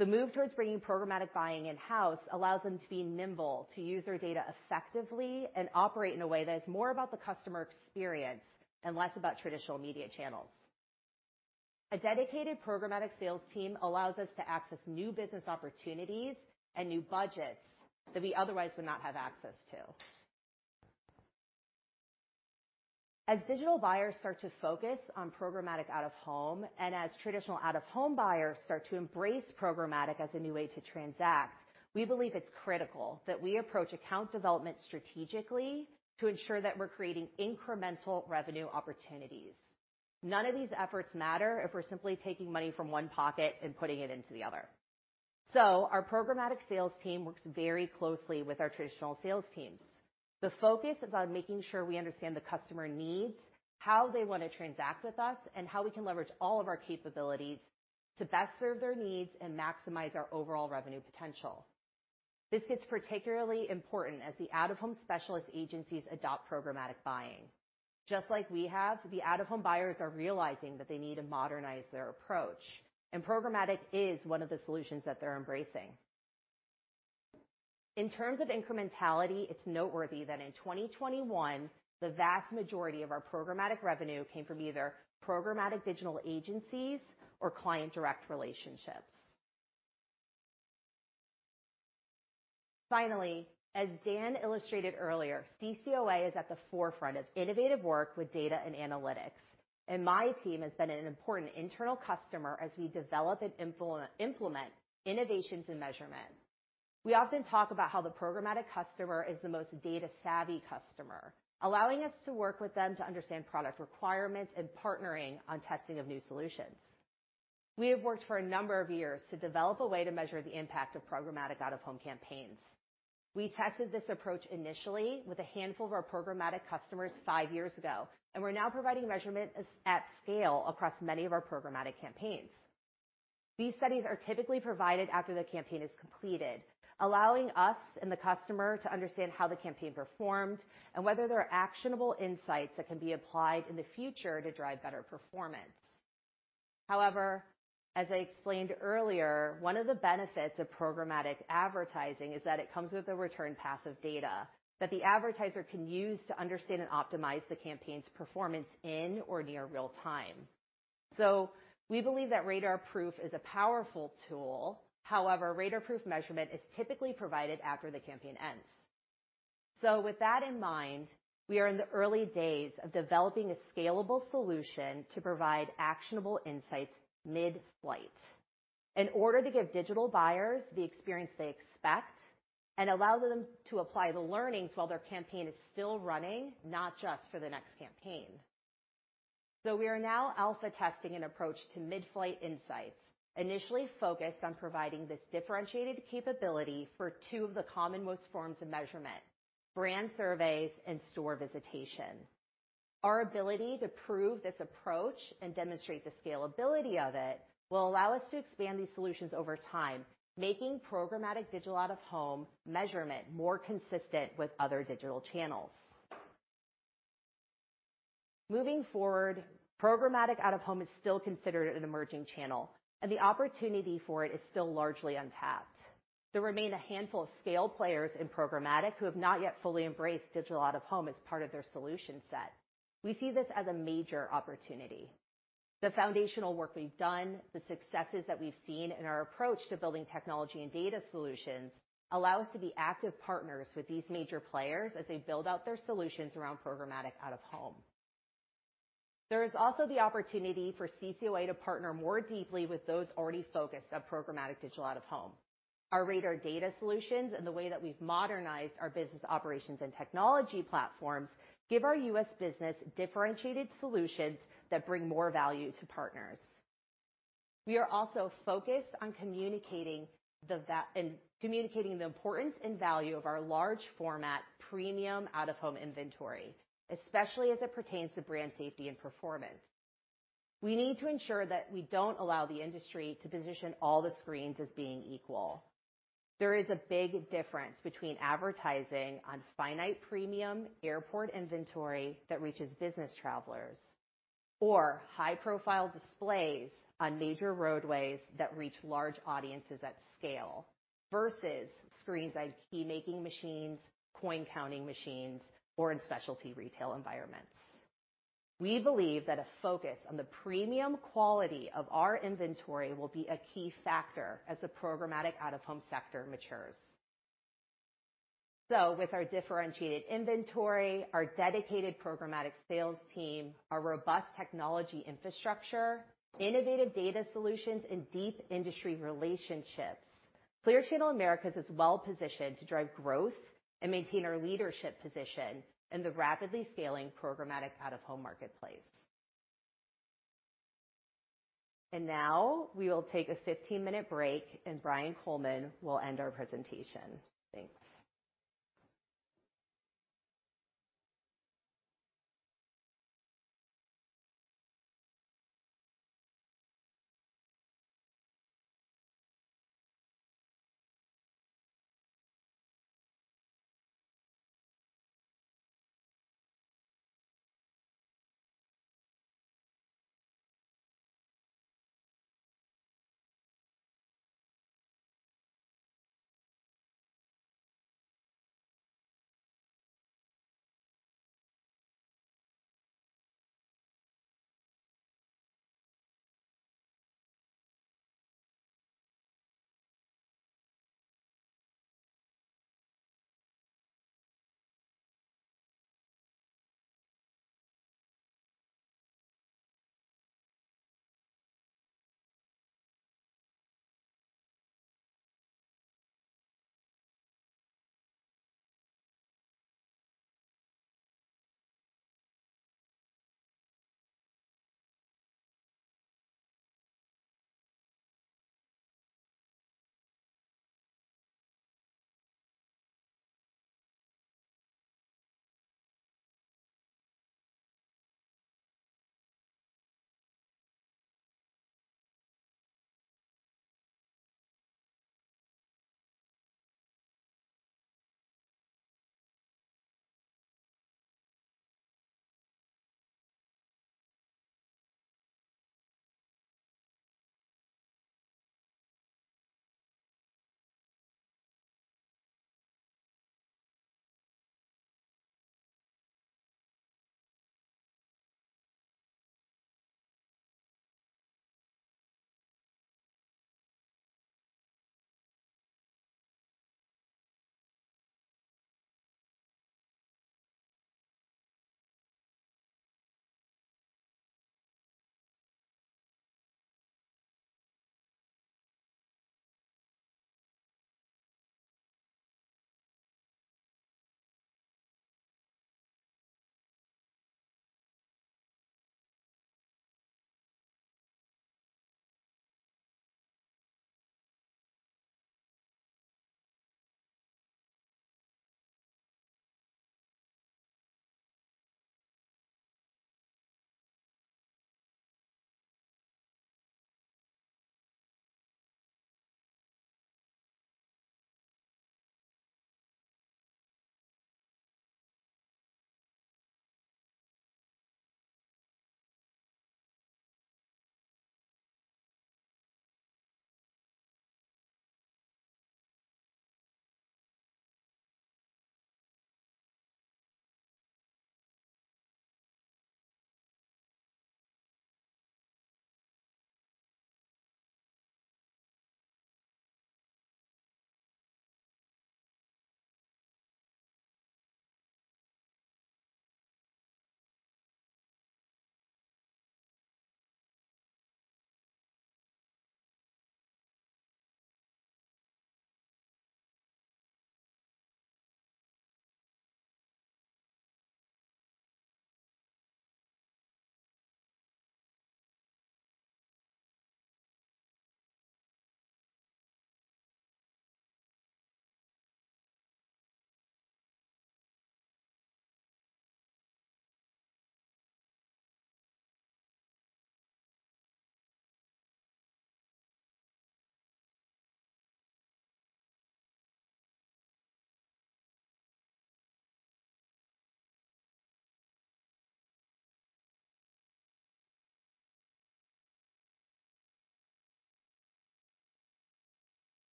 S7: The move towards bringing programmatic buying in-house allows them to be nimble, to use their data effectively, and operate in a way that is more about the customer experience and less about traditional media channels. A dedicated programmatic sales team allows us to access new business opportunities and new budgets that we otherwise would not have access to. As digital buyers start to focus on programmatic out-of-home, and as traditional out-of-home buyers start to embrace programmatic as a new way to transact, we believe it's critical that we approach account development strategically to ensure that we're creating incremental revenue opportunities. None of these efforts matter if we're simply taking money from one pocket and putting it into the other. Our programmatic sales team works very closely with our traditional sales teams. The focus is on making sure we understand the customer needs, how they wanna transact with us, and how we can leverage all of our capabilities to best serve their needs and maximize our overall revenue potential. This gets particularly important as the out-of-home specialist agencies adopt programmatic buying. Just like we have, the out-of-home buyers are realizing that they need to modernize their approach, and programmatic is one of the solutions that they're embracing. In terms of incrementality, it's noteworthy that in 2021, the vast majority of our programmatic revenue came from either programmatic digital agencies or client direct relationships. Finally, as Dan illustrated earlier, CCOA is at the forefront of innovative work with data and analytics, and my team has been an important internal customer as we develop and implement innovations and measurement. We often talk about how the programmatic customer is the most data-savvy customer, allowing us to work with them to understand product requirements and partnering on testing of new solutions. We have worked for a number of years to develop a way to measure the impact of programmatic out-of-home campaigns. We tested this approach initially with a handful of our programmatic customers five years ago, and we're now providing measurement at scale across many of our programmatic campaigns. These studies are typically provided after the campaign is completed, allowing us and the customer to understand how the campaign performed and whether there are actionable insights that can be applied in the future to drive better performance. However, as I explained earlier, one of the benefits of programmatic advertising is that it comes with a return path of data that the advertiser can use to understand and optimize the campaign's performance in or near real time. We believe that RADARProof is a powerful tool. However, RADARProof measurement is typically provided after the campaign ends. With that in mind, we are in the early days of developing a scalable solution to provide actionable insights mid-flight. In order to give digital buyers the experience they expect and allow them to apply the learnings while their campaign is still running, not just for the next campaign. We are now alpha testing an approach to mid-flight insights, initially focused on providing this differentiated capability for two of the common most forms of measurement, brand surveys and store visitation. Our ability to prove this approach and demonstrate the scalability of it will allow us to expand these solutions over time, making programmatic digital out-of-home measurement more consistent with other digital channels. Moving forward, programmatic out-of-home is still considered an emerging channel, and the opportunity for it is still largely untapped. There remain a handful of scale players in programmatic who have not yet fully embraced digital out-of-home as part of their solution set. We see this as a major opportunity. The foundational work we've done, the successes that we've seen in our approach to building technology and data solutions allow us to be active partners with these major players as they build out their solutions around programmatic out-of-home. There is also the opportunity for CCOA to partner more deeply with those already focused on programmatic digital out-of-home. Our RADAR data solutions and the way that we've modernized our business operations and technology platforms give our U.S. business differentiated solutions that bring more value to partners. We are also focused on communicating the importance and value of our large format premium out-of-home inventory, especially as it pertains to brand safety and performance. We need to ensure that we don't allow the industry to position all the screens as being equal. There is a big difference between advertising on finite premium airport inventory that reaches business travelers or high-profile displays on major roadways that reach large audiences at scale, versus screens at key making machines, coin counting machines, or in specialty retail environments. We believe that a focus on the premium quality of our inventory will be a key factor as the programmatic out-of-home sector matures. With our differentiated inventory, our dedicated programmatic sales team, our robust technology infrastructure, innovative data solutions, and deep industry relationships, Clear Channel Outdoor Americas is well-positioned to drive growth and maintain our leadership position in the rapidly scaling programmatic out-of-home marketplace. Now we will take a 15-minute break, and Brian Coleman will end our presentation. Thanks.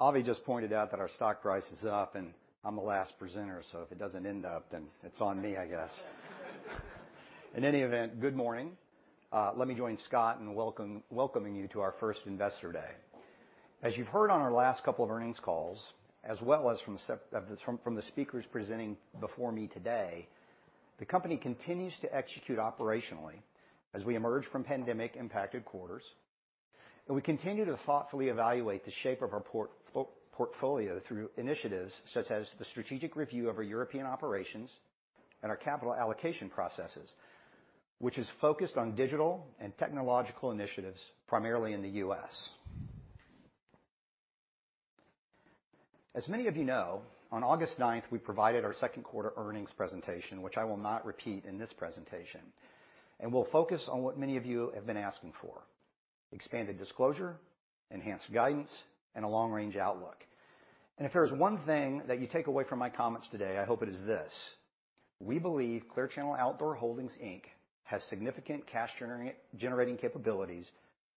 S8: Avi just pointed out that our stock price is up and I'm the last presenter, so if it doesn't end up, then it's on me, I guess. In any event, good morning. Let me join Scott in welcoming you to our first Investor Day. As you've heard on our last couple of earnings calls, as well as from the speakers presenting before me today, the company continues to execute operationally as we emerge from pandemic-impacted quarters. We continue to thoughtfully evaluate the shape of our portfolio through initiatives such as the strategic review of our European operations and our capital allocation processes, which is focused on digital and technological initiatives, primarily in the U.S. As many of you know, on August ninth, we provided our second quarter earnings presentation, which I will not repeat in this presentation. We'll focus on what many of you have been asking for, expanded disclosure, enhanced guidance, and a long-range outlook. If there's one thing that you take away from my comments today, I hope it is this. We believe Clear Channel Outdoor Holdings, Inc. has significant cash generating capabilities,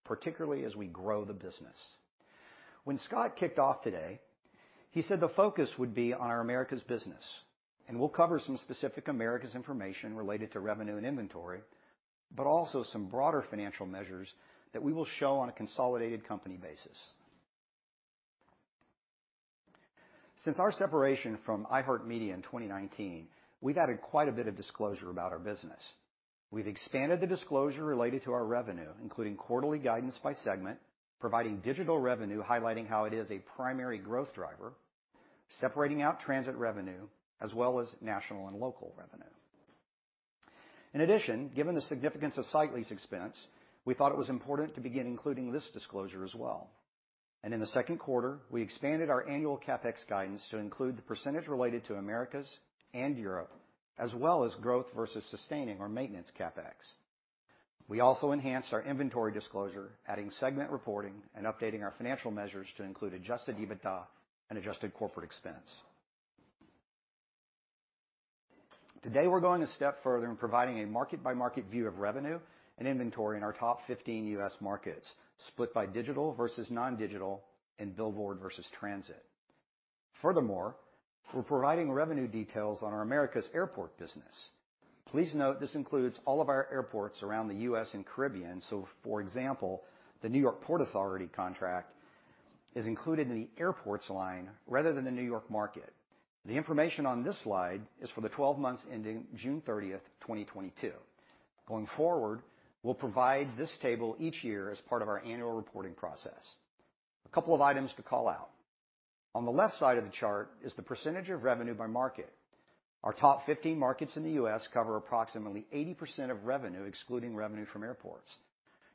S8: particularly as we grow the business. When Scott kicked off today, he said the focus would be on our Americas business, and we'll cover some specific Americas information related to revenue and inventory, but also some broader financial measures that we will show on a consolidated company basis. Since our separation from iHeartMedia in 2019, we've added quite a bit of disclosure about our business. We've expanded the disclosure related to our revenue, including quarterly guidance by segment, providing digital revenue highlighting how it is a primary growth driver, separating out transit revenue as well as national and local revenue. In addition, given the significance of site lease expense, we thought it was important to begin including this disclosure as well. In the second quarter, we expanded our annual CapEx guidance to include the percentage related to Americas and Europe, as well as growth versus sustaining our maintenance CapEx. We also enhanced our inventory disclosure, adding segment reporting and updating our financial measures to include adjusted EBITDA and adjusted corporate expense. Today, we're going a step further in providing a market-by-market view of revenue and inventory in our top 15 U.S. markets, split by digital versus nondigital and billboard versus transit. Furthermore, we're providing revenue details on our Americas airport business. Please note this includes all of our airports around the U.S. and Caribbean. For example, the Port Authority of New York and New Jersey contract is included in the airports line rather than the New York market. The information on this slide is for the 12 months ending June 30th, 2022. Going forward, we'll provide this table each year as part of our annual reporting process. A couple of items to call out. On the left side of the chart is the percentage of revenue by market. Our top 15 markets in the U.S. cover approximately 80% of revenue, excluding revenue from airports.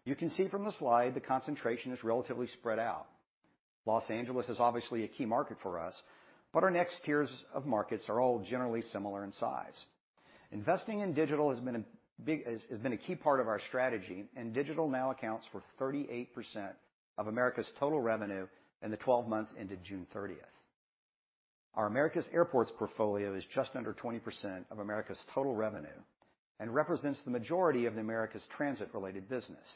S8: You can see from the slide the concentration is relatively spread out. Los Angeles is obviously a key market for us, but our next tiers of markets are all generally similar in size. Investing in digital has been a key part of our strategy, and digital now accounts for 38% of America's total revenue in the 12 months ended June 30th. Our Americas airports portfolio is just under 20% of Americas' total revenue and represents the majority of the Americas transit-related business.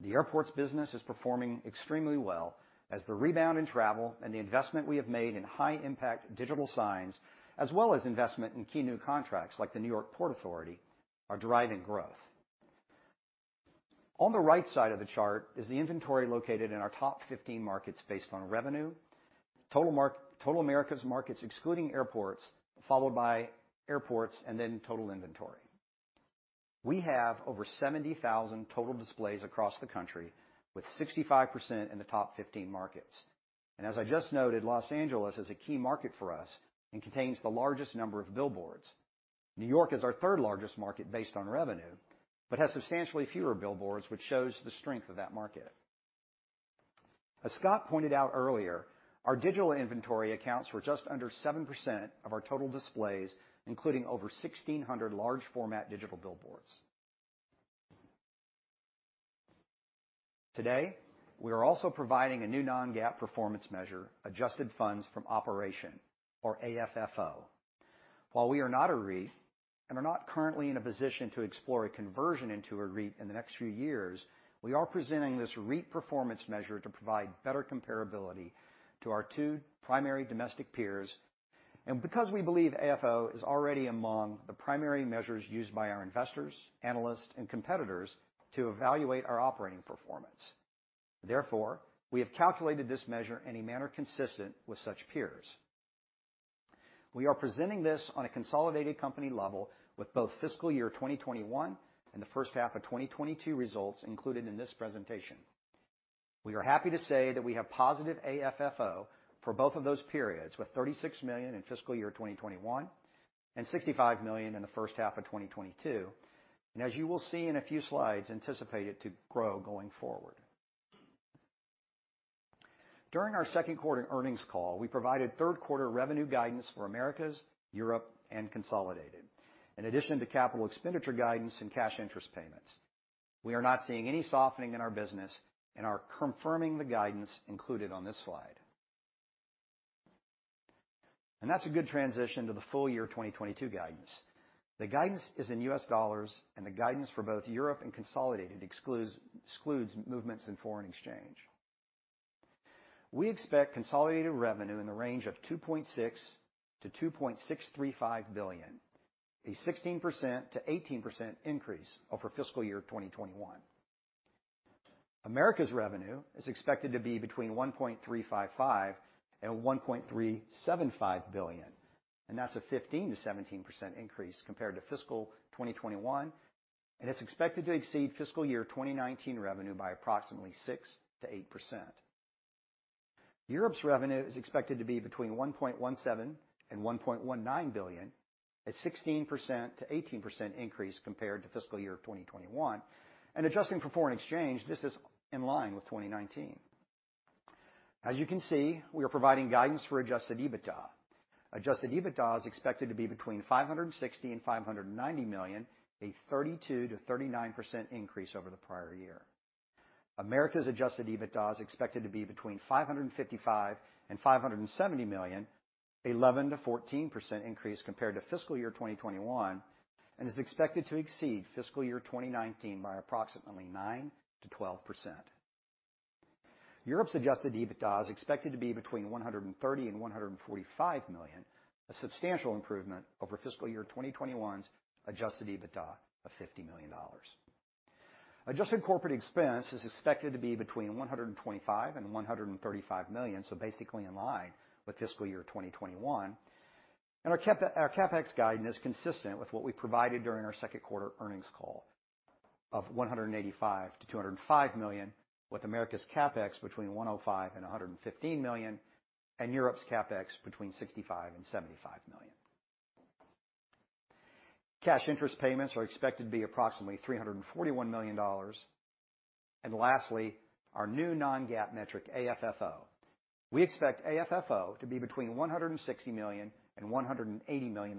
S8: The airports business is performing extremely well as the rebound in travel and the investment we have made in high-impact digital signs, as well as investment in key new contracts like the Port Authority of New York and New Jersey, are driving growth. On the right side of the chart is the inventory located in our top 15 markets based on revenue. Total Americas markets excluding airports, followed by airports and then total inventory. We have over 70,000 total displays across the country, with 65% in the top 15 markets. As I just noted, Los Angeles is a key market for us and contains the largest number of billboards. New York is our third-largest market based on revenue, but has substantially fewer billboards, which shows the strength of that market. As Scott pointed out earlier, our digital inventory accounts for just under 7% of our total displays, including over 1,600 large format digital billboards. Today, we are also providing a new non-GAAP performance measure, adjusted funds from operations or AFFO. While we are not a REIT, and are not currently in a position to explore a conversion into a REIT in the next few years, we are presenting this REIT performance measure to provide better comparability to our two primary domestic peers, and because we believe AFFO is already among the primary measures used by our investors, analysts, and competitors to evaluate our operating performance. Therefore, we have calculated this measure in a manner consistent with such peers. We are presenting this on a consolidated company level with both fiscal year 2021 and the first half of 2022 results included in this presentation. We are happy to say that we have positive AFFO for both of those periods, with $36 million in fiscal year 2021 and $65 million in the first half of 2022, and as you will see in a few slides, anticipate it to grow going forward. During our second quarter earnings call, we provided third-quarter revenue guidance for Americas, Europe, and consolidated, in addition to capital expenditure guidance and cash interest payments. We are not seeing any softening in our business and are confirming the guidance included on this slide. That's a good transition to the full year 2022 guidance. The guidance is in US dollars, and the guidance for both Europe and consolidated excludes movements in foreign exchange. We expect consolidated revenue in the range of $2.6 billion-$2.635 billion, a 16%-18% increase over fiscal year 2021. Americas revenue is expected to be between $1.355 billion-$1.375 billion, and that's a 15%-17% increase compared to fiscal 2021, and it's expected to exceed fiscal year 2019 revenue by approximately 6%-8%. Europe's revenue is expected to be between $1.17 billion-$1.19 billion, a 16%-18% increase compared to fiscal year 2021. Adjusting for foreign exchange, this is in line with 2019. As you can see, we are providing guidance for adjusted EBITDA. Adjusted EBITDA is expected to be between $560 million and $590 million, a 32%-39% increase over the prior year. Americas adjusted EBITDA is expected to be between $555 million and $570 million, 11%-14% increase compared to fiscal year 2021, and is expected to exceed fiscal year 2019 by approximately 9%-12%. Europe's adjusted EBITDA is expected to be between $130 million and $145 million, a substantial improvement over fiscal year 2021's adjusted EBITDA of $50 million. Adjusted corporate expense is expected to be between $125 million and $135 million, so basically in line with fiscal year 2021. Our CapEx guidance is consistent with what we provided during our second quarter earnings call of $185 million-$205 million, with Americas CapEx between $105 million-$115 million, and Europe's CapEx between $65 million-$75 million. Cash interest payments are expected to be approximately $341 million. Lastly, our new non-GAAP metric, AFFO. We expect AFFO to be between $160 million and $180 million.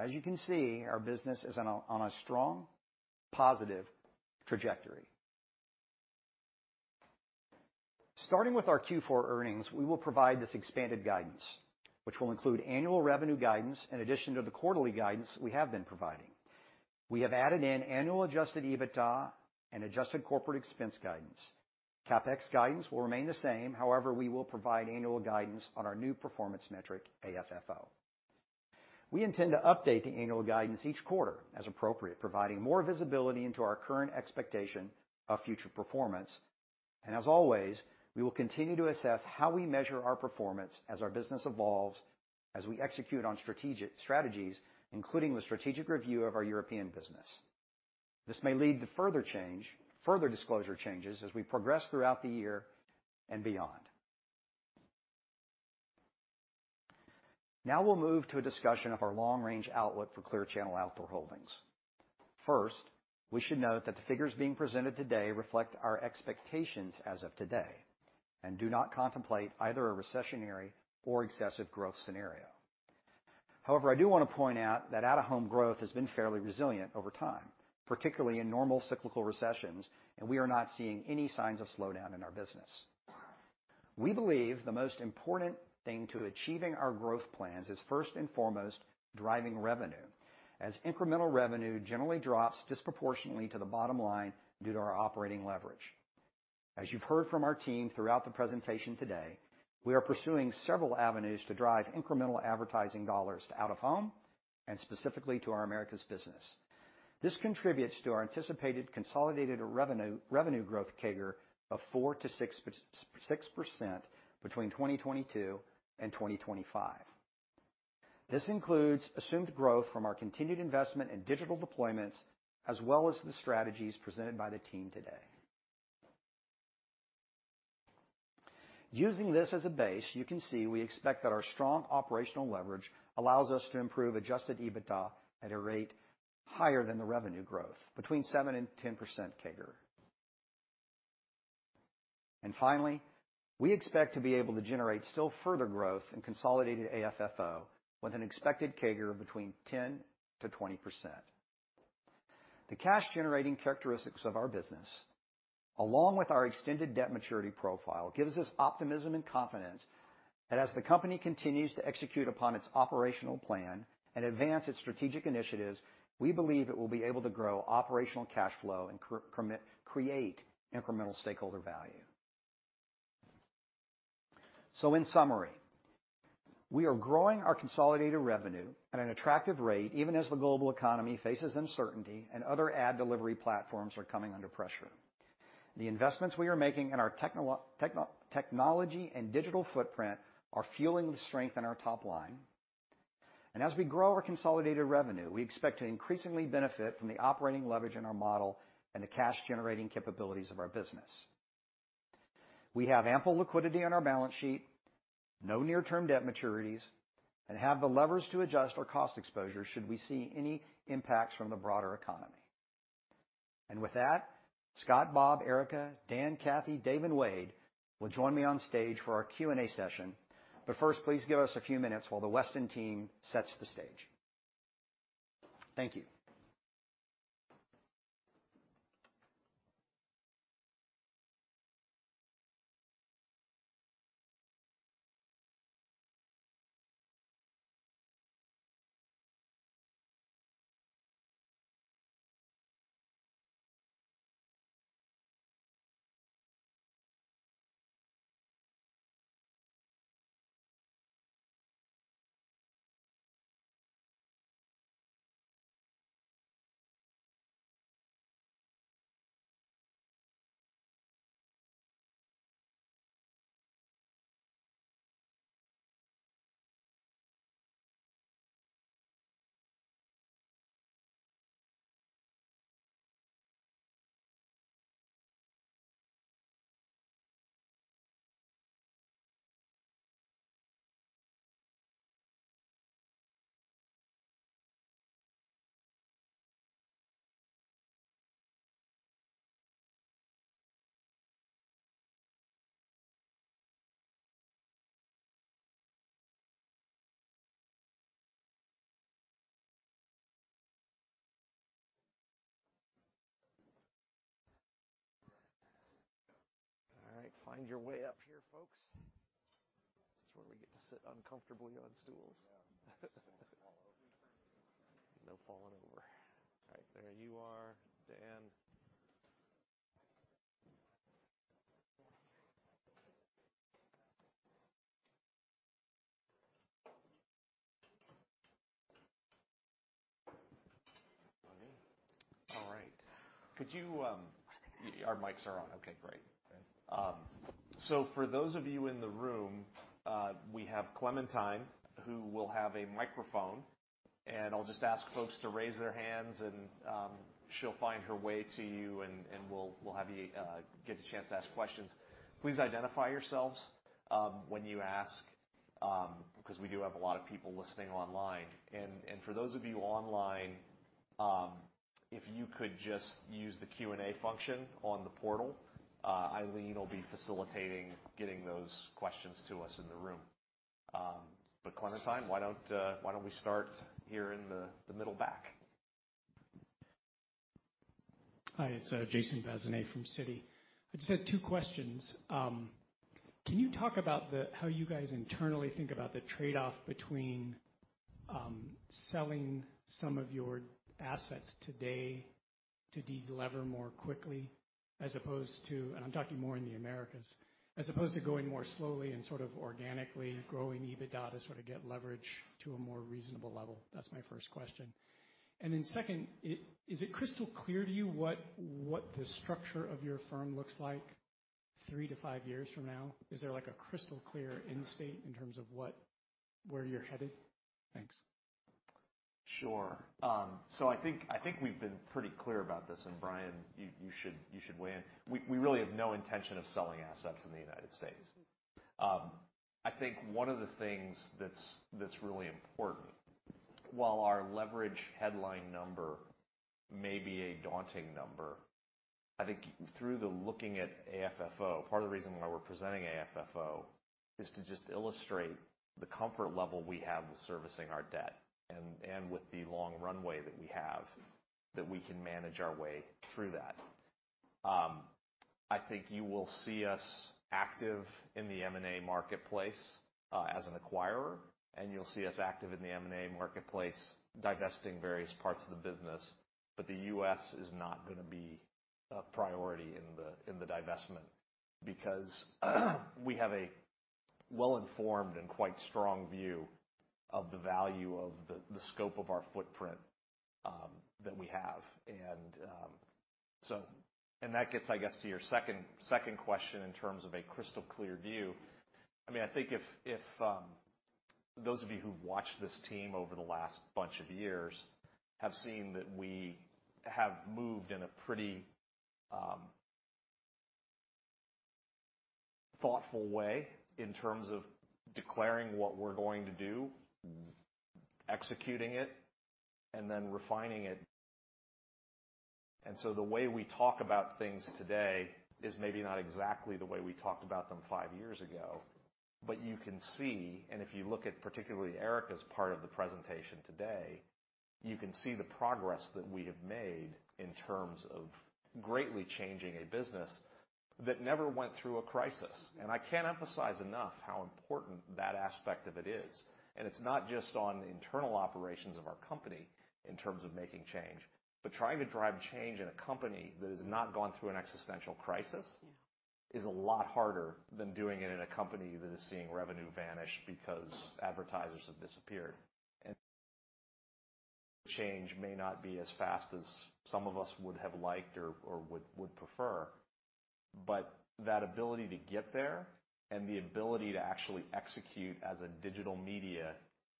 S8: As you can see, our business is on a strong, positive trajectory. Starting with our Q4 earnings, we will provide this expanded guidance, which will include annual revenue guidance in addition to the quarterly guidance we have been providing. We have added in annual adjusted EBITDA and adjusted corporate expense guidance. CapEx guidance will remain the same. However, we will provide annual guidance on our new performance metric, AFFO. We intend to update the annual guidance each quarter as appropriate, providing more visibility into our current expectation of future performance. We will continue to assess how we measure our performance as our business evolves, as we execute on strategies, including the strategic review of our European business. This may lead to further change, further disclosure changes as we progress throughout the year and beyond. Now we'll move to a discussion of our long-range outlook for Clear Channel Outdoor Holdings. First, we should note that the figures being presented today reflect our expectations as of today and do not contemplate either a recessionary or excessive growth scenario. However, I do wanna point out that out-of-home growth has been fairly resilient over time, particularly in normal cyclical recessions, and we are not seeing any signs of slowdown in our business. We believe the most important thing to achieving our growth plans is, first and foremost, driving revenue, as incremental revenue generally drops disproportionately to the bottom line due to our operating leverage. As you've heard from our team throughout the presentation today, we are pursuing several avenues to drive incremental advertising dollars to out-of-home and specifically to our Americas business. This contributes to our anticipated consolidated revenue growth CAGR of 4%-6% between 2022 and 2025. This includes assumed growth from our continued investment in digital deployments, as well as the strategies presented by the team today. Using this as a base, you can see we expect that our strong operational leverage allows us to improve adjusted EBITDA at a rate higher than the revenue growth, between 7%-10% CAGR. Finally, we expect to be able to generate still further growth in consolidated AFFO with an expected CAGR between 10%-20%. The cash generating characteristics of our business, along with our extended debt maturity profile, gives us optimism and confidence that as the company continues to execute upon its operational plan and advance its strategic initiatives, we believe it will be able to grow operational cash flow and create incremental stakeholder value. In summary, we are growing our consolidated revenue at an attractive rate, even as the global economy faces uncertainty and other ad delivery platforms are coming under pressure. The investments we are making in our technology and digital footprint are fueling the strength in our top line. As we grow our consolidated revenue, we expect to increasingly benefit from the operating leverage in our model and the cash generating capabilities of our business. We have ample liquidity on our balance sheet, no near-term debt maturities, and have the levers to adjust our cost exposure should we see any impacts from the broader economy. With that, Scott, Bob, Erika, Dan, Cathy, Dave, and Wade will join me on stage for our Q&A session. First, please give us a few minutes while the Western team sets the stage. Thank you.
S2: All right. Find your way up here, folks. This is where we get to sit uncomfortably on stools.
S7: Yeah. We fall over.
S2: No falling over. All right. There you are, Dan.
S7: Ready?
S2: All right. Could you?
S7: I think our mics are on.
S2: Our mics are on. Okay, great. For those of you in the room, we have Clementine, who will have a microphone, and I'll just ask folks to raise their hands and she'll find her way to you, and we'll have you get the chance to ask questions. Please identify yourselves when you ask because we do have a lot of people listening online. For those of you online, if you could just use the Q&A function on the portal, Eileen will be facilitating getting those questions to us in the room. Clementine, why don't we start here in the middle back?
S9: Hi, it's Jason Bazinet from Citi. I just had two questions. Can you talk about how you guys internally think about the trade-off between selling some of your assets today to delever more quickly as opposed to, I'm talking more in the Americas, as opposed to going more slowly and sort of organically growing EBITDA to sort of get leverage to a more reasonable level. That's my first question. Second, is it crystal clear to you what the structure of your firm looks like three to five years from now? Is there like a crystal clear end state in terms of where you're headed? Thanks.
S2: Sure. I think we've been pretty clear about this. Brian, you should weigh in. We really have no intention of selling assets in the United States. I think one of the things that's really important, while our leverage headline number may be a daunting number. I think through looking at AFFO, part of the reason why we're presenting AFFO is to just illustrate the comfort level we have with servicing our debt and with the long runway that we have, that we can manage our way through that. I think you will see us active in the M&A marketplace as an acquirer, and you'll see us active in the M&A marketplace divesting various parts of the business. The U.S. is not gonna be a priority in the divestment because we have a well-informed and quite strong view of the value of the scope of our footprint that we have. That gets, I guess, to your second question in terms of a crystal clear view. I mean, I think if those of you who've watched this team over the last bunch of years have seen that we have moved in a pretty thoughtful way in terms of declaring what we're going to do, executing it, and then refining it. The way we talk about things today is maybe not exactly the way we talked about them five years ago. You can see, and if you look at particularly Erika's part of the presentation today, you can see the progress that we have made in terms of greatly changing a business that never went through a crisis. I can't emphasize enough how important that aspect of it is. It's not just on internal operations of our company in terms of making change, but trying to drive change in a company that has not gone through an existential crisis.
S7: Yeah.
S2: is a lot harder than doing it in a company that is seeing revenue vanish because advertisers have disappeared. Change may not be as fast as some of us would have liked or would prefer. That ability to get there and the ability to actually execute as a digital media,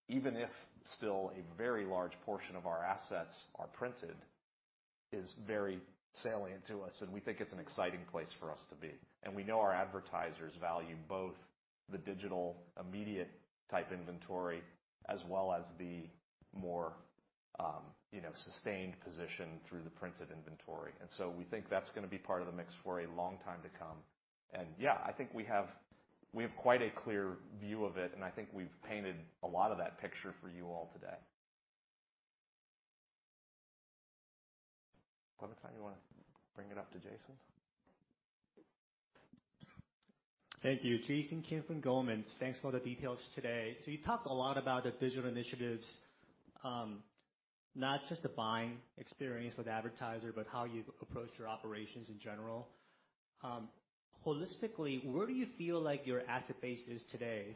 S2: even if still a very large portion of our assets are printed, is very salient to us, and we think it's an exciting place for us to be. We know our advertisers value both the digital immediate type inventory as well as the more, you know, sustained position through the printed inventory. We think that's gonna be part of the mix for a long time to come. Yeah, I think we have quite a clear view of it, and I think we've painted a lot of that picture for you all today. Clementine, you wanna bring it up to Jason?
S10: Thank you. Jason Kim from Goldman. Thanks for the details today. You talked a lot about the digital initiatives, not just the buying experience with advertiser, but how you approach your operations in general. Holistically, where do you feel like your asset base is today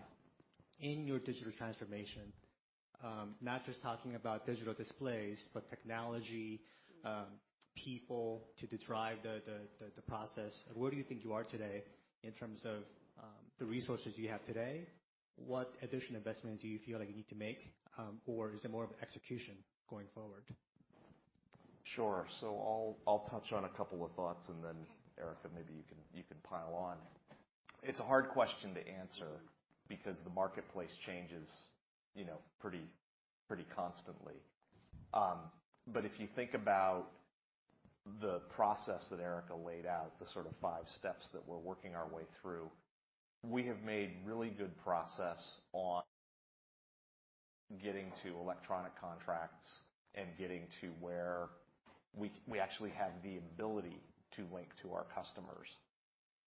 S10: in your digital transformation? Not just talking about digital displays, but technology, people to drive the process. Where do you think you are today in terms of the resources you have today? What additional investment do you feel like you need to make, or is it more of execution going forward?
S2: Sure. I'll touch on a couple of thoughts, and then Erica, maybe you can pile on. It's a hard question to answer because the marketplace changes, you know, pretty constantly. If you think about the process that Erica laid out, the sort of five steps that we're working our way through, we have made really good progress on getting to electronic contracts and getting to where we actually have the ability to link to our customers.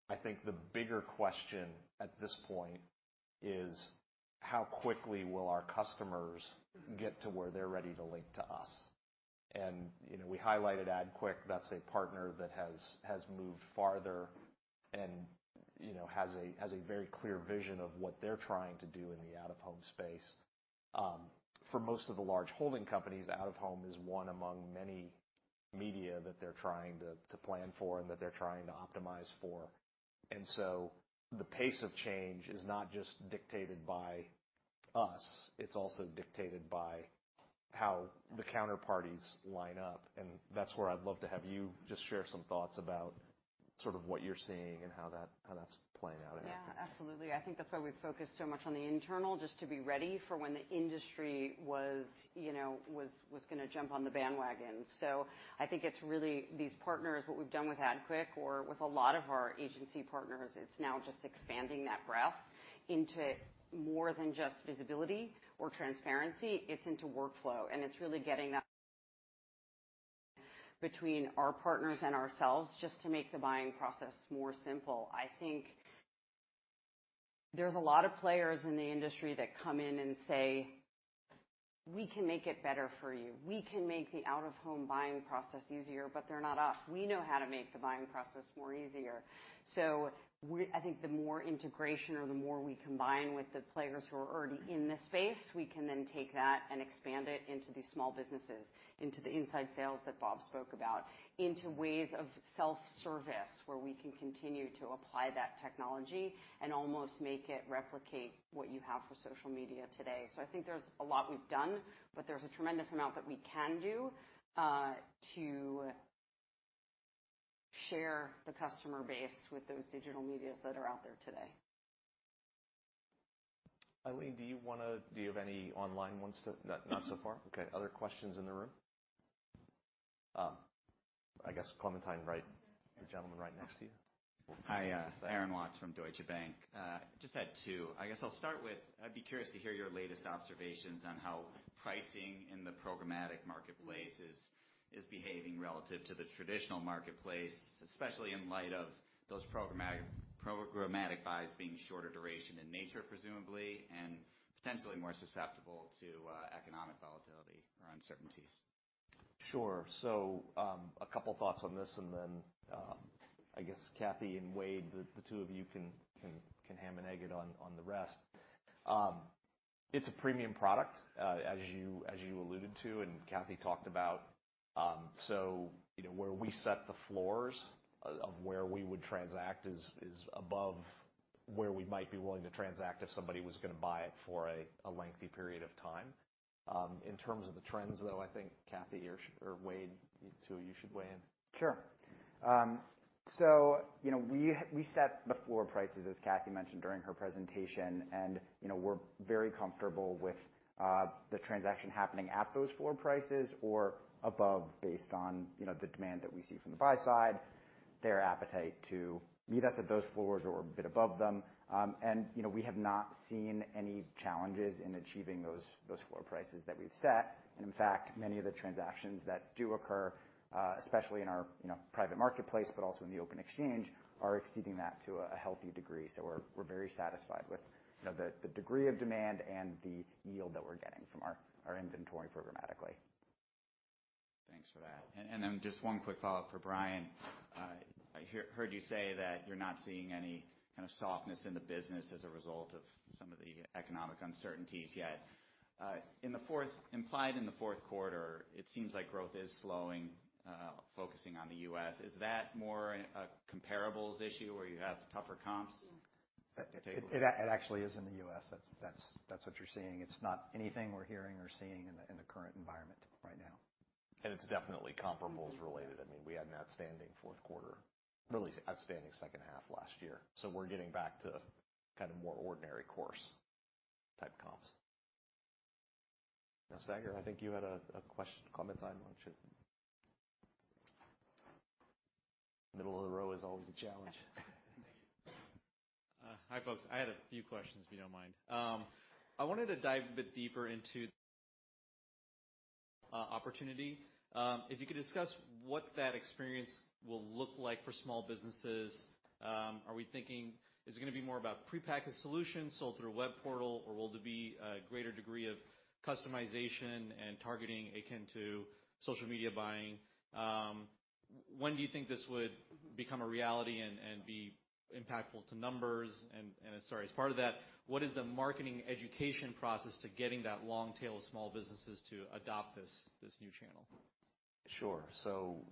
S2: I think the bigger question at this point is how quickly will our customers get to where they're ready to link to us. You know, we highlighted AdQuick, that's a partner that has moved farther and, you know, has a very clear vision of what they're trying to do in the out-of-home space. For most of the large holding companies, out-of-home is one among many media that they're trying to plan for and that they're trying to optimize for. The pace of change is not just dictated by us, it's also dictated by how the counterparties line up. That's where I'd love to have you just share some thoughts about sort of what you're seeing and how that's playing out.
S4: Yeah, absolutely. I think that's why we focused so much on the internal, just to be ready for when the industry was, you know, gonna jump on the bandwagon. I think it's really these partners, what we've done with AdQuick or with a lot of our agency partners, it's now just expanding that breadth into more than just visibility or transparency. It's into workflow, and it's really getting between our partners and ourselves just to make the buying process more simple. I think there's a lot of players in the industry that come in and say, "We can make it better for you. We can make the out-of-home buying process easier," but they're not us. We know how to make the buying process more easier. I think the more integration or the more we combine with the players who are already in this space, we can then take that and expand it into the small businesses, into the inside sales that Bob spoke about, into ways of self-service, where we can continue to apply that technology and almost make it replicate what you have for social media today. I think there's a lot we've done, but there's a tremendous amount that we can do to share the customer base with those digital medias that are out there today.
S2: Eileen, do you have any online ones? Not so far? Okay, other questions in the room? I guess Clementine, right? The gentleman right next to you.
S11: Hi, Aaron Watts from Deutsche Bank. I guess I'll start with, I'd be curious to hear your latest observations on how pricing in the programmatic marketplace is behaving relative to the traditional marketplace, especially in light of those programmatic buys being shorter duration in nature, presumably, and potentially more susceptible to economic volatility or uncertainties.
S2: Sure. A couple thoughts on this and then, I guess Cathy and Wade, the two of you can ham and egg it on the rest. It's a premium product, as you alluded to, and Cathy talked about, so you know, where we set the floors of where we would transact is above where we might be willing to transact if somebody was gonna buy it for a lengthy period of time. In terms of the trends, though, I think Cathy or Wade, the two of you should weigh in. Sure. You know, we set the floor prices, as Cathy mentioned during her presentation, and, you know, we're very comfortable with the transaction happening at those floor prices or above based on, you know, the demand that we see from the buy side, their appetite to meet us at those floors or a bit above them. You know, we have not seen any challenges in achieving those floor prices that we've set. In fact, many of the transactions that do occur, especially in our, you know, private marketplace, but also in the open exchange, are exceeding that to a healthy degree. We're very satisfied with, you know, the degree of demand and the yield that we're getting from our inventory programmatically.
S11: Thanks for that. Just one quick follow-up for Brian. I heard you say that you're not seeing any kind of softness in the business as a result of some of the economic uncertainties yet. Implied in the fourth quarter, it seems like growth is slowing, focusing on the U.S. Is that more a comparables issue where you have tougher comps?
S2: It actually is in the US. That's what you're seeing. It's not anything we're hearing or seeing in the current environment right now. It's definitely comparables related. I mean, we had an outstanding fourth quarter, really outstanding second half last year. We're getting back to kind of more ordinary course type comps. Now, Stager, I think you had Clementine, why don't you. Middle of the row is always a challenge.
S12: Hi, folks. I had a few questions, if you don't mind. I wanted to dive a bit deeper into. Opportunity. If you could discuss what that experience will look like for small businesses. Are we thinking. Is it gonna be more about prepackaged solutions sold through a web portal? Or will it be a great degree of customization and targeting akin to social media buying? When do you think this would become a reality and be impactful to numbers. Sorry, as part of that, what is the marketing education process to getting that long tail of small businesses to adopt this new channel?
S2: Sure.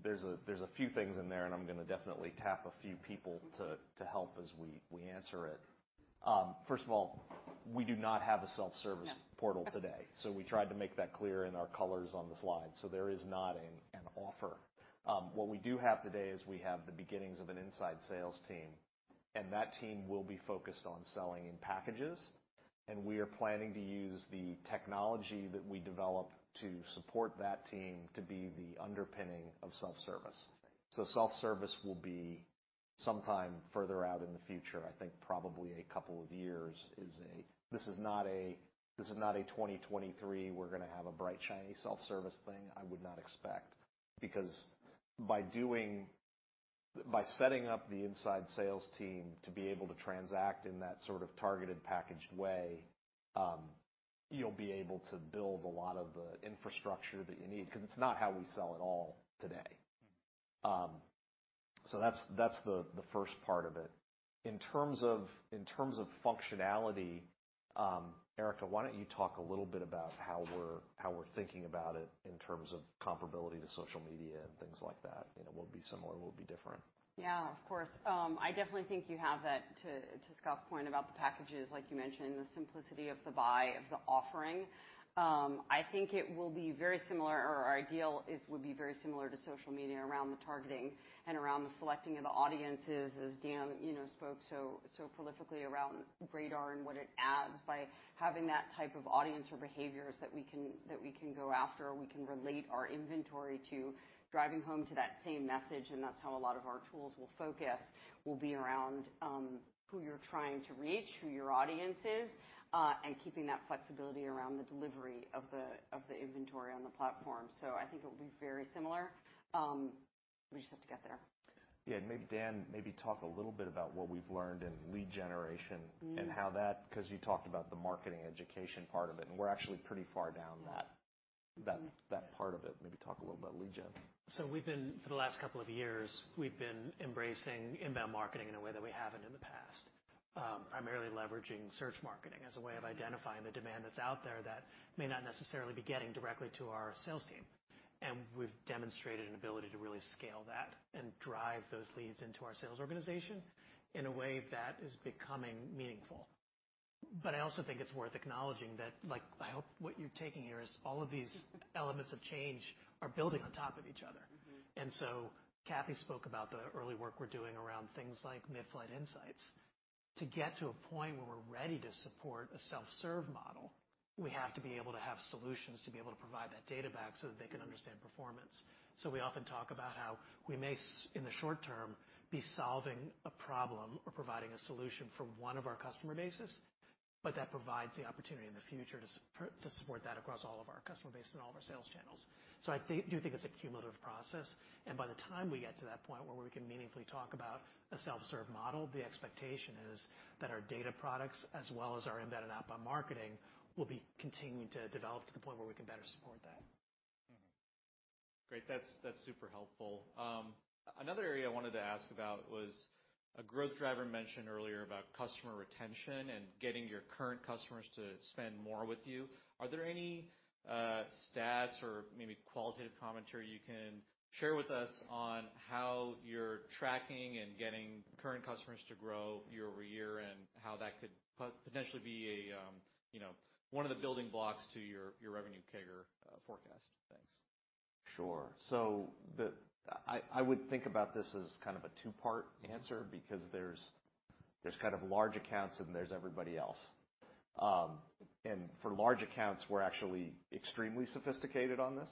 S2: There's a few things in there, and I'm gonna definitely tap a few people to help as we answer it. First of all, we do not have a self-service-
S4: Yeah
S2: Portal today, we tried to make that clear in our colors on the slide. There is not an offer. What we do have today is we have the beginnings of an inside sales team, and that team will be focused on selling in packages. We are planning to use the technology that we develop to support that team to be the underpinning of self-service. Self-service will be sometime further out in the future, I think probably a couple of years. This is not a 2023, we're gonna have a bright, shiny self-service thing, I would not expect. Because by setting up the inside sales team to be able to transact in that sort of targeted packaged way, you'll be able to build a lot of the infrastructure that you need. 'Cause it's not how we sell at all today. That's the first part of it. In terms of functionality, Erika, why don't you talk a little bit about how we're thinking about it in terms of comparability to social media and things like that? You know, what would be similar and what would be different.
S4: Yeah. Of course. I definitely think you have that, to Scott's point about the packages, like you mentioned, the simplicity of the buy, of the offering. I think it will be very similar or our ideal would be very similar to social media around the targeting and around the selecting of the audiences, as Dan, you know, spoke so prolifically around RADAR and what it adds by having that type of audience or behaviors that we can go after, or we can relate our inventory to driving home to that same message. That's how a lot of our tools will focus will be around who you're trying to reach, who your audience is, and keeping that flexibility around the delivery of the, of the inventory on the platform. I think it will be very similar. We just have to get there.
S2: Yeah. Maybe Dan, talk a little bit about what we've learned in lead generation.
S4: Mm-hmm
S2: 'Cause you talked about the marketing education part of it, and we're actually pretty far down that part of it. Maybe talk a little about lead gen.
S12: We've been, for the last couple of years, embracing inbound marketing in a way that we haven't in the past. Primarily leveraging search marketing as a way of identifying the demand that's out there that may not necessarily be getting directly to our sales team. We've demonstrated an ability to really scale that and drive those leads into our sales organization in a way that is becoming meaningful. I also think it's worth acknowledging that, like, I hope what you're taking here is all of these elements of change are building on top of each other.
S4: Mm-hmm.
S12: Cathy spoke about the early work we're doing around things like Midflight Insights. To get to a point where we're ready to support a self-serve model, we have to be able to have solutions to be able to provide that data back so that they can understand performance. We often talk about how we may in the short term be solving a problem or providing a solution for one of our customer bases, but that provides the opportunity in the future to support that across all of our customer base and all of our sales channels. I do think it's a cumulative process, and by the time we get to that point where we can meaningfully talk about a self-serve model, the expectation is that our data products as well as our embedded and outbound marketing will be continuing to develop to the point where we can better support that.
S2: Mm-hmm.
S12: Great. That's super helpful. Another area I wanted to ask about was a growth driver mentioned earlier about customer retention and getting your current customers to spend more with you. Are there any stats or maybe qualitative commentary you can share with us on how you're tracking and getting current customers to grow year over year, and how that could potentially be a, you know, one of the building blocks to your revenue CAGR forecast? Thanks.
S2: Sure. I would think about this as kind of a two-part answer because there's kind of large accounts and there's everybody else. For large accounts, we're actually extremely sophisticated on this.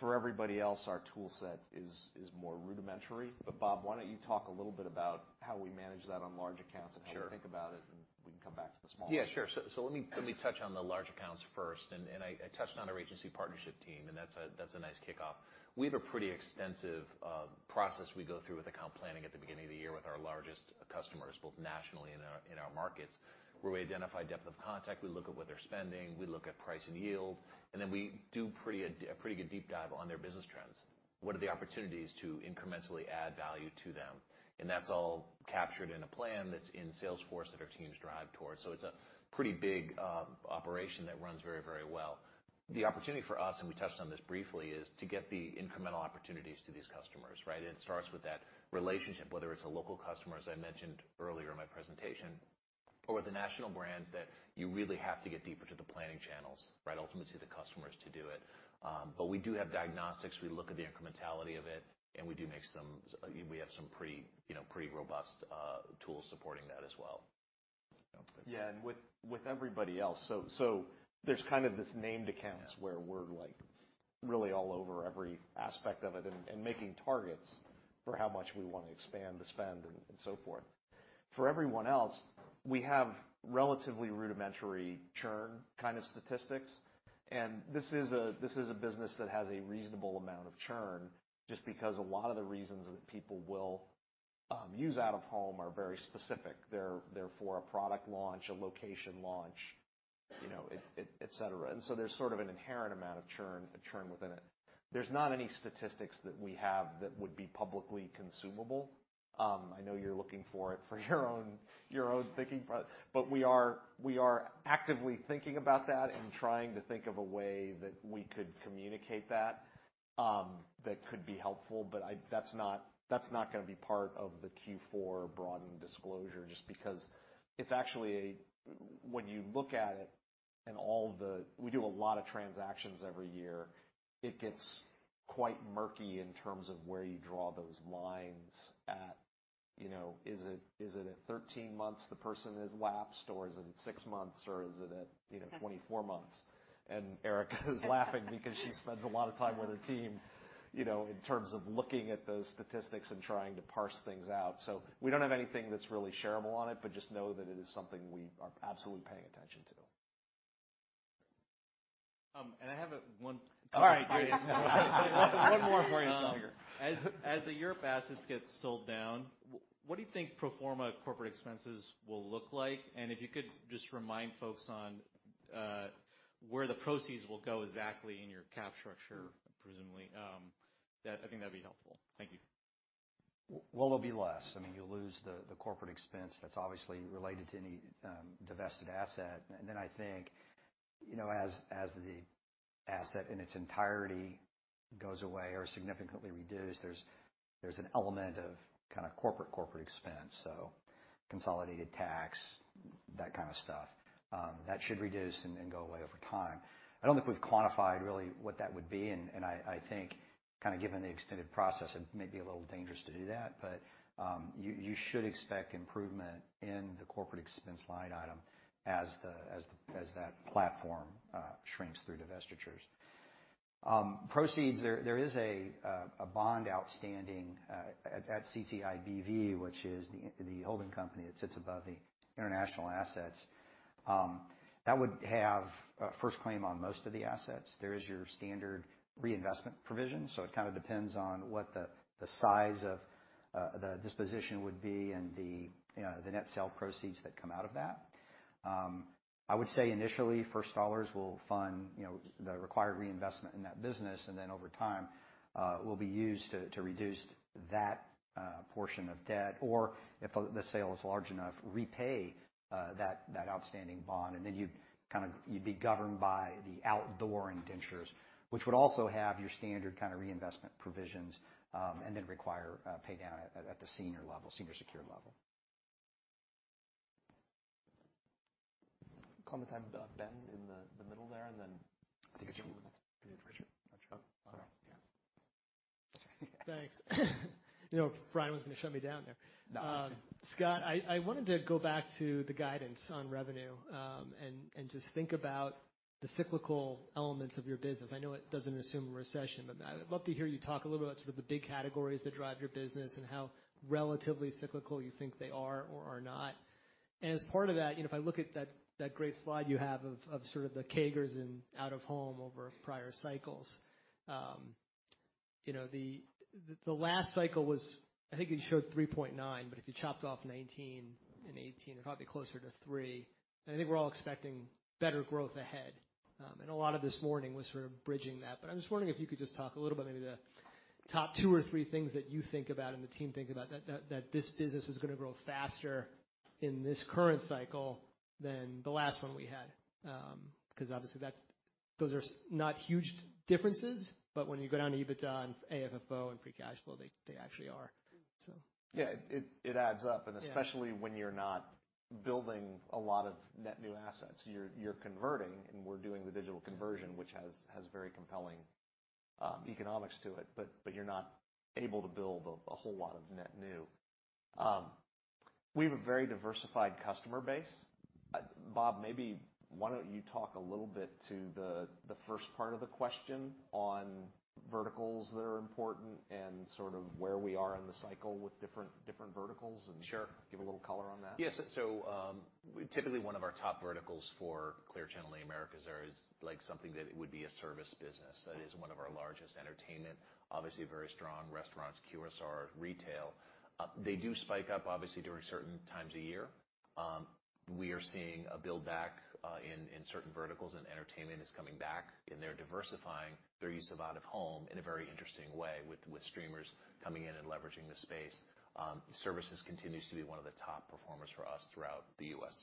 S2: For everybody else, our tool set is more rudimentary. Bob, why don't you talk a little bit about how we manage that on large accounts-
S3: Sure
S2: how we think about it, and we can come back to the small accounts.
S3: Yeah, sure. Let me touch on the large accounts first, and I touched on our agency partnership team, and that's a nice kickoff. We have a pretty extensive process we go through with account planning at the beginning of the year with our largest customers, both nationally and in our markets, where we identify depth of contact, we look at what they're spending, we look at price and yield, and then we do a pretty good deep dive on their business trends. What are the opportunities to incrementally add value to them? That's all captured in a plan that's in Salesforce that our teams drive towards. It's a pretty big operation that runs very well. The opportunity for us, and we touched on this briefly, is to get the incremental opportunities to these customers, right? It starts with that relationship, whether it's a local customer, as I mentioned earlier in my presentation or the national brands that you really have to get deeper to the planning channels, right, ultimately to the customers to do it. We do have diagnostics. We look at the incrementality of it. We have some pretty, you know, pretty robust tools supporting that as well. You know, that's
S2: Yeah. With everybody else, so there's kind of this named accounts where we're, like, really all over every aspect of it and making targets for how much we wanna expand the spend and so forth. For everyone else, we have relatively rudimentary churn kind of statistics. This is a business that has a reasonable amount of churn just because a lot of the reasons that people will use out-of-home are very specific. They're for a product launch, a location launch, you know, et cetera. There's sort of an inherent amount of churn within it. There's not any statistics that we have that would be publicly consumable. I know you're looking for it for your own thinking but we are actively thinking about that and trying to think of a way that we could communicate that that could be helpful. That's not gonna be part of the Q4 broadened disclosure just because it's actually a. When you look at it and all the, we do a lot of transactions every year. It gets quite murky in terms of where you draw those lines. You know, is it at 13 months the person has lapsed, or is it at six months, or is it at 24 months? Erika is laughing because she spends a lot of time with her team, you know, in terms of looking at those statistics and trying to parse things out. We don't have anything that's really shareable on it, but just know that it is something we are absolutely paying attention to.
S3: I have a one-
S2: All right.
S3: One more for you, Scott. As the Europe assets get sold down, what do you think pro forma corporate expenses will look like? And if you could just remind folks on where the proceeds will go exactly in your cap structure, presumably, I think that'd be helpful. Thank you.
S8: Well, it'll be less. I mean, you'll lose the corporate expense that's obviously related to any divested asset. Then I think, you know, as the asset in its entirety goes away or significantly reduced, there's an element of kind of corporate expense, so consolidated tax, that kind of stuff, that should reduce and go away over time. I don't think we've quantified really what that would be, and I think kind of given the extended process, it may be a little dangerous to do that. You should expect improvement in the corporate expense line item as that platform shrinks through divestitures. Proceeds. There is a bond outstanding at Clear Channel International B.V., which is the holding company that sits above the international assets. That would have a first claim on most of the assets. There is your standard reinvestment provision, so it kind of depends on what the size of the disposition would be and you know the net sale proceeds that come out of that. I would say initially, first dollars will fund you know the required reinvestment in that business, and then over time will be used to reduce that portion of debt, or if the sale is large enough, repay that outstanding bond. You'd be governed by the outdoor indentures, which would also have your standard kind of reinvestment provisions, and then require pay down at the senior level, senior secured level.
S2: Call on Ben in the middle there, and then.
S8: I think it's you.
S2: You.
S8: Oh, all right.
S2: Yeah.
S12: Thanks. You know, Brian was gonna shut me down there.
S2: No.
S12: Scott, I wanted to go back to the guidance on revenue, and just think about the cyclical elements of your business. I know it doesn't assume a recession, but I'd love to hear you talk a little about sort of the big categories that drive your business and how relatively cyclical you think they are or are not. As part of that, you know, if I look at that great slide you have of sort of the CAGRs in out-of-home over prior cycles, you know, the last cycle was, I think you showed 3.9, but if you chopped off 2019 and 2018, you're probably closer to three. I think we're all expecting better growth ahead. A lot of this morning was sort of bridging that. I'm just wondering if you could just talk a little about maybe the top two or three things that you think about and the team think about that this business is gonna grow faster in this current cycle than the last one we had. 'Cause obviously those are not huge differences, but when you go down to EBITDA and AFFO and free cash flow, they actually are.
S2: Yeah, it adds up.
S12: Yeah.
S2: especially when you're not building a lot of net new assets. You're converting, and we're doing the digital conversion, which has very compelling economics to it. But you're not able to build a whole lot of net new. We have a very diversified customer base. Bob, maybe why don't you talk a little bit to the first part of the question on verticals that are important and sort of where we are in the cycle with different verticals, and-
S3: Sure.
S2: Give a little color on that.
S3: Yes. Typically one of our top verticals for Clear Channel in the Americas area is like something that would be a service business. That is one of our largest, entertainment, obviously a very strong, restaurants, QSR, retail. They do spike up obviously during certain times of year. We are seeing a build-back in certain verticals, and entertainment is coming back, and they're diversifying their use of out-of-home in a very interesting way with streamers coming in and leveraging the space. Services continues to be one of the top performers for us throughout the U.S.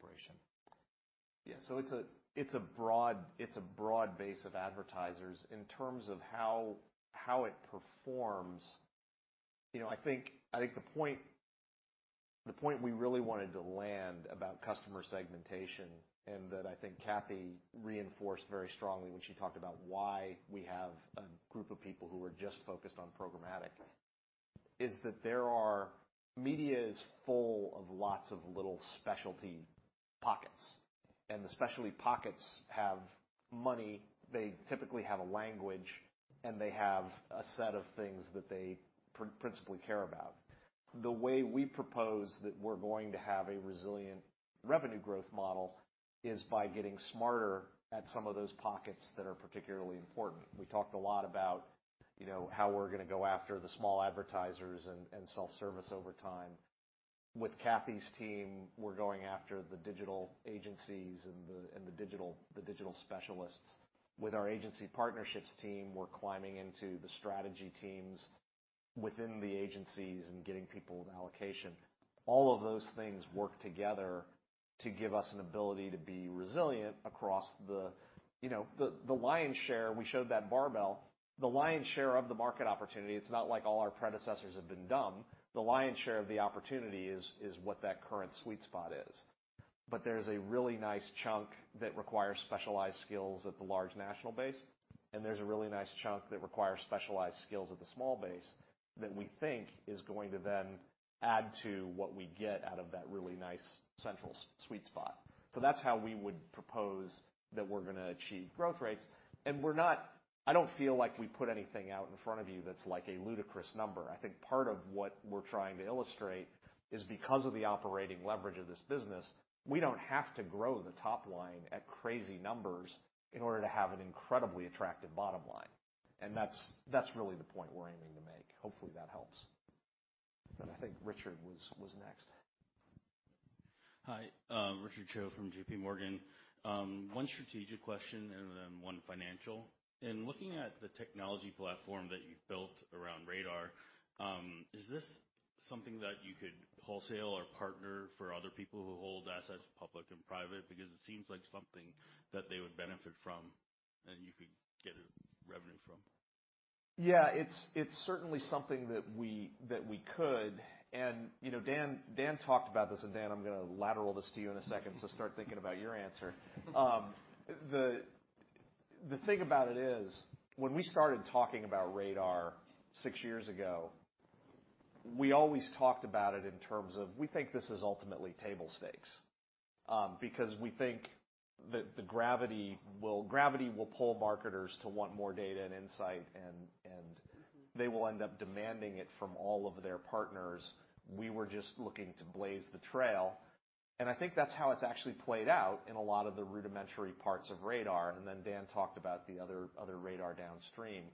S3: operation.
S2: Yeah. It's a broad base of advertisers. In terms of how it performs, you know, I think the point we really wanted to land about customer segmentation, and that I think Cathy reinforced very strongly when she talked about why we have a group of people who are just focused on programmatic, is that media is full of lots of little specialty pockets, and the specialty pockets have money. They typically have a language and they have a set of things that they principally care about. The way we propose that we're going to have a resilient revenue growth model is by getting smarter at some of those pockets that are particularly important. We talked a lot about, you know, how we're gonna go after the small advertisers and self-service over time. With Cathy's team, we're going after the digital agencies and the digital specialists. With our agency partnerships team, we're climbing into the strategy teams within the agencies and getting people with allocation. All of those things work together to give us an ability to be resilient across the. You know, the lion's share, we showed that barbell, the lion's share of the market opportunity. It's not like all our predecessors have been dumb. The lion's share of the opportunity is what that current sweet spot is. There's a really nice chunk that requires specialized skills at the large national base, and there's a really nice chunk that requires specialized skills at the small base that we think is going to then add to what we get out of that really nice central sweet spot. That's how we would propose that we're gonna achieve growth rates. We're not. I don't feel like we put anything out in front of you that's like a ludicrous number. I think part of what we're trying to illustrate is because of the operating leverage of this business, we don't have to grow the top line at crazy numbers in order to have an incredibly attractive bottom line. That's really the point we're aiming to make. Hopefully, that helps. I think Richard was next.
S13: Hi, Richard Choe from JPMorgan. One strategic question and then one financial. In looking at the technology platform that you've built around RADAR, is this something that you could wholesale or partner for other people who hold assets public and private? Because it seems like something that they would benefit from and you could get a revenue from.
S2: Yeah. It's certainly something that we could. You know, Dan talked about this, and Dan, I'm gonna lateral this to you in a second, so start thinking about your answer. The thing about it is, when we started talking about RADAR six years ago, we always talked about it in terms of, we think this is ultimately table stakes. Because we think that the gravity will pull marketers to want more data and insight, and they will end up demanding it from all of their partners. We were just looking to blaze the trail. I think that's how it's actually played out in a lot of the rudimentary parts of RADAR. Dan talked about the other RADAR downstream.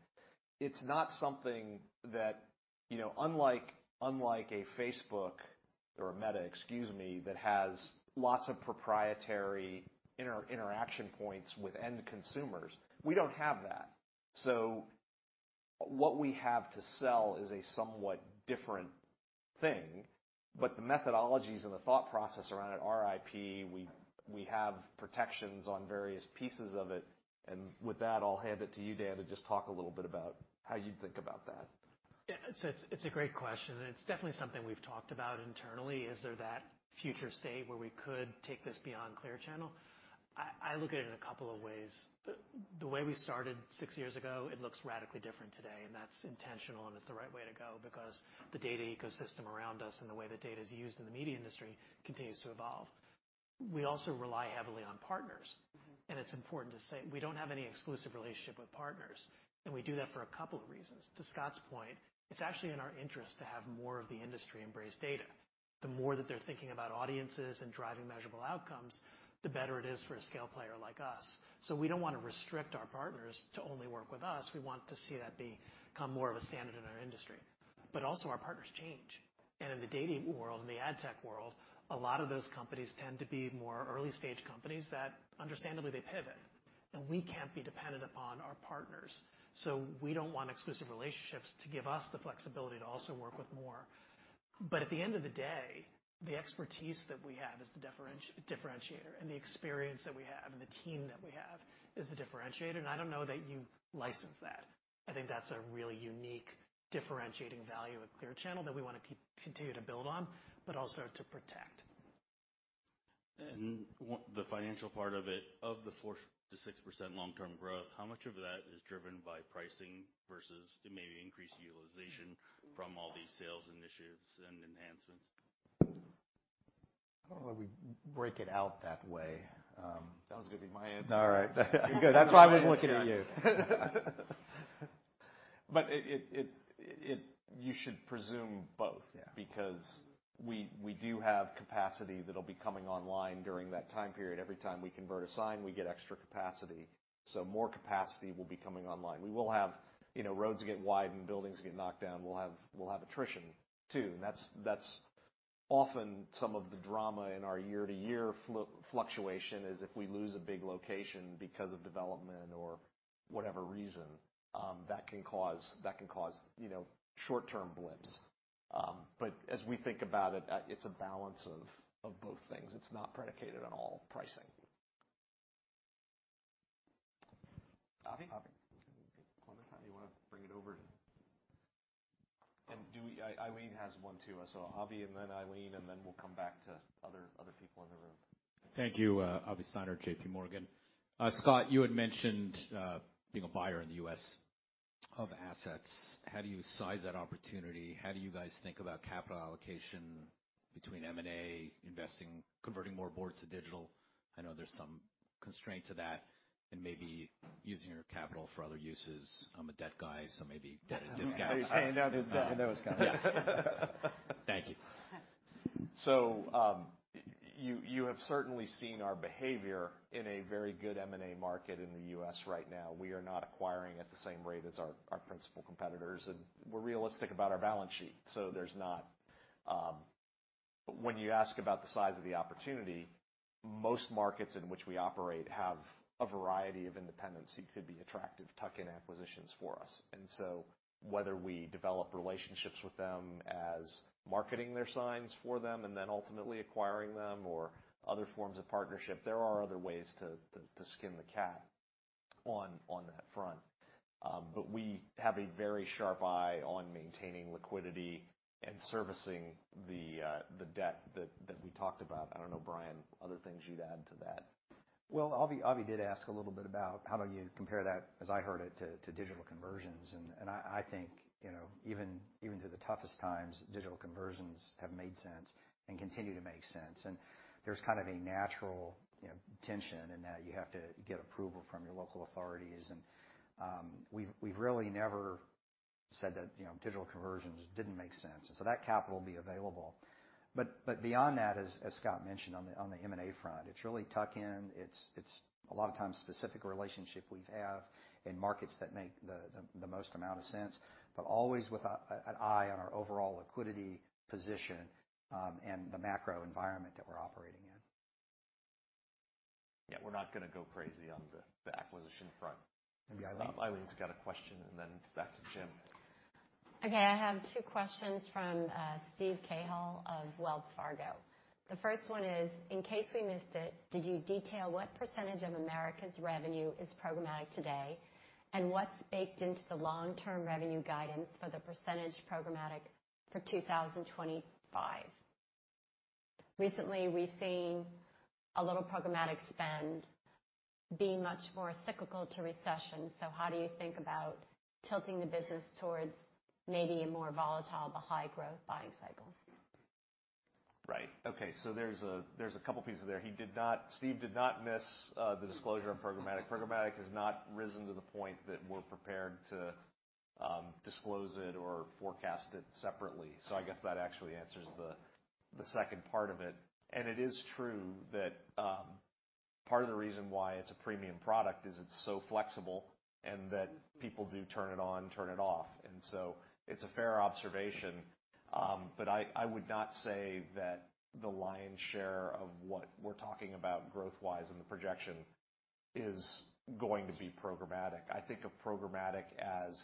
S2: It's not something that, you know, unlike a Facebook or a Meta, excuse me, that has lots of proprietary interaction points with end consumers, we don't have that. So what we have to sell is a somewhat different thing, but the methodologies and the thought process around it, our IP, we have protections on various pieces of it. With that, I'll hand it to you, Dan, to just talk a little bit about how you think about that.
S5: Yeah. It's a great question, and it's definitely something we've talked about internally, is there that future state where we could take this beyond Clear Channel? I look at it in a couple of ways. The way we started six years ago, it looks radically different today, and that's intentional, and it's the right way to go because the data ecosystem around us and the way that data is used in the media industry continues to evolve. We also rely heavily on partners, and it's important to say we don't have any exclusive relationship with partners, and we do that for a couple of reasons. To Scott's point, it's actually in our interest to have more of the industry embrace data. The more that they're thinking about audiences and driving measurable outcomes, the better it is for a scale player like us. We don't wanna restrict our partners to only work with us. We want to see that become more of a standard in our industry. Our partners change. In the data world, in the ad tech world, a lot of those companies tend to be more early-stage companies that understandably, they pivot, and we can't be dependent upon our partners. We don't want exclusive relationships to give us the flexibility to also work with more. At the end of the day, the expertise that we have is the differentiator, and the experience that we have and the team that we have is the differentiator. I don't know that you license that. I think that's a really unique differentiating value at Clear Channel that we wanna continue to build on, but also to protect.
S13: The financial part of it. Of the 4%-6% long-term growth, how much of that is driven by pricing versus maybe increased utilization from all these sales initiatives and enhancements?
S2: I don't know that we break it out that way.
S5: That was gonna be my answer.
S2: All right. That's why I was looking at you. You should presume both.
S5: Yeah.
S2: Because we do have capacity that'll be coming online during that time period. Every time we convert a sign, we get extra capacity, so more capacity will be coming online. We will have. You know, roads get wide and buildings get knocked down. We'll have attrition too, and that's often some of the drama in our year-to-year fluctuation, is if we lose a big location because of development or whatever reason, that can cause you know, short-term blips. But as we think about it's a balance of both things. It's not predicated on all pricing. Avi?
S5: Avi.
S2: You wanna bring it over? Eileen has one too. Avi, and then Eileen, and then we'll come back to other people in the room.
S12: Thank you. Avi Steiner at JP Morgan. Scott, you had mentioned being a buyer in the U.S. of assets. How do you size that opportunity? How do you guys think about capital allocation?
S13: Between M&A, investing, converting more boards to digital, I know there's some constraint to that, and maybe using your capital for other uses. I'm a debt guy, so maybe debt discounts.
S8: I know you're saying that in those kinds.
S13: Yes. Thank you.
S2: You have certainly seen our behavior in a very good M&A market in the U.S. right now. We are not acquiring at the same rate as our principal competitors, and we're realistic about our balance sheet. There's not. When you ask about the size of the opportunity, most markets in which we operate have a variety of independents could be attractive tuck-in acquisitions for us. Whether we develop relationships with them as marketing their signs for them and then ultimately acquiring them or other forms of partnership, there are other ways to skin the cat on that front. We have a very sharp eye on maintaining liquidity and servicing the debt that we talked about. I don't know, Brian, other things you'd add to that.
S8: Well, Avi did ask a little bit about how do you compare that, as I heard it, to digital conversions. I think, you know, even through the toughest times, digital conversions have made sense and continue to make sense. There's kind of a natural, you know, tension in that you have to get approval from your local authorities. We've really never said that, you know, digital conversions didn't make sense. That capital will be available. Beyond that, as Scott mentioned on the M&A front, it's really tuck in. It's a lot of times specific relationship we have in markets that make the most amount of sense, but always with an eye on our overall liquidity position, and the macro environment that we're operating in.
S2: Yeah, we're not gonna go crazy on the acquisition front.
S8: Yeah.
S2: Eileen's got a question, and then back to Jim.
S1: Okay. I have two questions from Steven Cahall of Wells Fargo. The first one is, in case we missed it, did you detail what percentage of Americas' revenue is programmatic today, and what's baked into the long-term revenue guidance for the percentage programmatic for 2025? Recently, we've seen a little programmatic spend being much more cyclical to recession. How do you think about tilting the business towards maybe a more volatile but high-growth buying ycle?
S2: Right. Okay. There's a couple pieces there. Steve did not miss the disclosure on programmatic. Programmatic has not risen to the point that we're prepared to disclose it or forecast it separately. I guess that actually answers the second part of it. It is true that part of the reason why it's a premium product is it's so flexible and that people do turn it on, turn it off. It's a fair observation. But I would not say that the lion's share of what we're talking about growth-wise in the projection is going to be programmatic. I think of programmatic as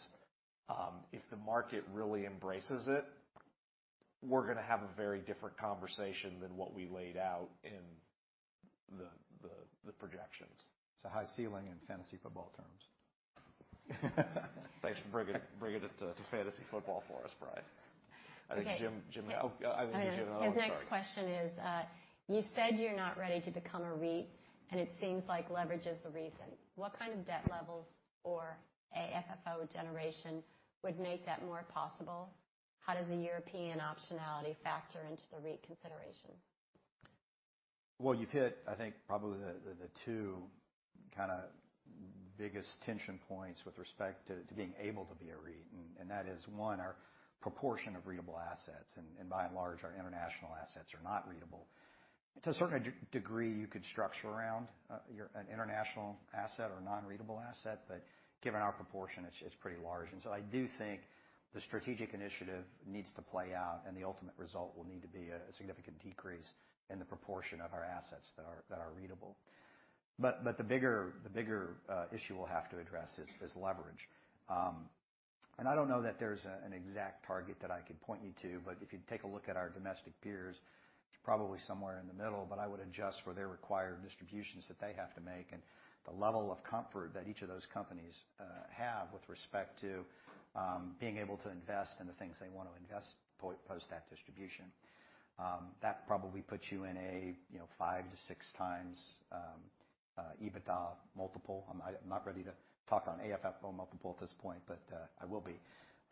S2: if the market really embraces it, we're gonna have a very different conversation than what we laid out in the projections.
S8: It's a high ceiling in fantasy football terms.
S2: Thanks for bringing it to fantasy football for us, Brian.
S1: Okay.
S2: I think Jim. Oh, Eileen, you Jim. Oh, I'm sorry.
S1: His next question is, you said you're not ready to become a REIT, and it seems like leverage is the reason. What kind of debt levels or FFO generation would make that more possible? How does the European optionality factor into the REIT consideration?
S8: Well, you've hit, I think, probably the two kinda biggest tension points with respect to being able to be a REIT, and that is one, our proportion of REITable assets, and by and large, our international assets are not REITable. To a certain degree, you could structure around or an international asset or non-REITable asset, but given our proportion, it's pretty large. I do think the strategic initiative needs to play out, and the ultimate result will need to be a significant decrease in the proportion of our assets that are REITable. The bigger issue we'll have to address is leverage. I don't know that there's an exact target that I could point you to, but if you take a look at our domestic peers, it's probably somewhere in the middle. I would adjust for their required distributions that they have to make and the level of comfort that each of those companies have with respect to being able to invest in the things they want to invest post that distribution. That probably puts you in a, you know, 5-6x EBITDA multiple. I'm not ready to talk on AFFO multiple at this point, but I will be.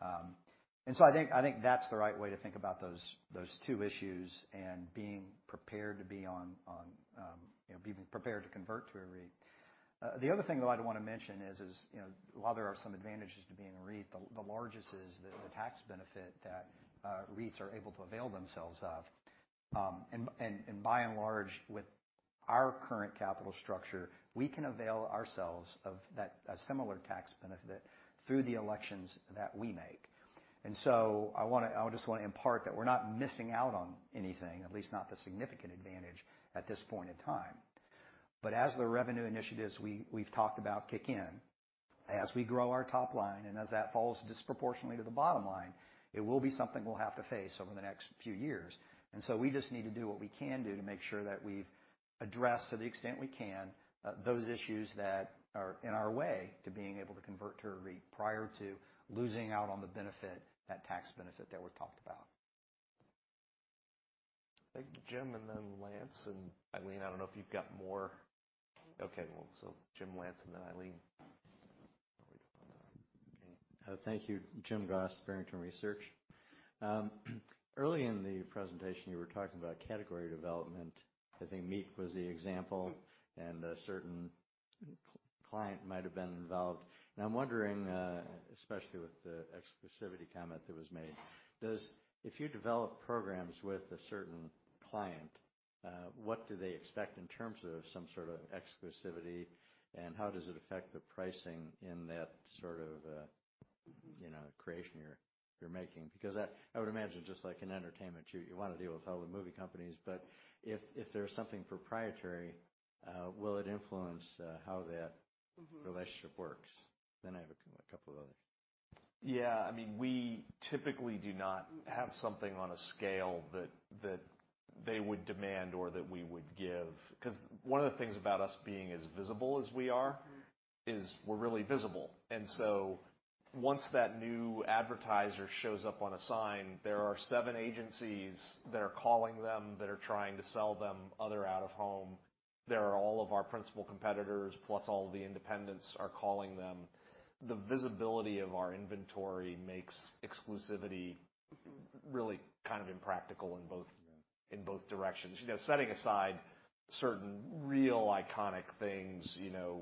S8: I think that's the right way to think about those two issues and being prepared to be on, you know, being prepared to convert to a REIT. The other thing that I'd want to mention is, you know, while there are some advantages to being a REIT, the largest is the tax benefit that REITs are able to avail themselves of. By and large, with our current capital structure, we can avail ourselves of that, a similar tax benefit through the elections that we make. I just wanna impart that we're not missing out on anything, at least not the significant advantage at this point in time. As the revenue initiatives we've talked about kick in, as we grow our top line, and as that falls disproportionately to the bottom line, it will be something we'll have to face over the next few years. We just need to do what we can do to make sure that we've addressed to the extent we can, those issues that are in our way to being able to convert to a REIT prior to losing out on the benefit, that tax benefit that we've talked about.
S2: I'll take Jim and then Lance, and Eileen. I don't know if you've got more. Okay, well, Jim, Lance, and then Eileen.
S14: Thank you. Jim Goss, Barrington Research. Early in the presentation, you were talking about category development. I think meat was the example, and a certain client might have been involved. I'm wondering, especially with the exclusivity comment that was made, if you develop programs with a certain client, what do they expect in terms of some sort of exclusivity? And how does it affect the pricing in that sort of, you know, creation you're making? Because I would imagine just like an entertainment, you wanna deal with all the movie companies. If there's something proprietary, will it influence how that relationship works? I have a couple of other-
S2: Yeah. I mean, we typically do not have something on a scale that they would demand or that we would give. 'Cause one of the things about us being as visible as we are, is we're really visible. Once that new advertiser shows up on a sign, there are seven agencies that are calling them, that are trying to sell them other out-of-home. There are all of our principal competitors, plus all the independents are calling them. The visibility of our inventory makes exclusivity really kind of impractical in both.
S14: Yeah.
S2: In both directions. You know, setting aside certain real iconic things, you know,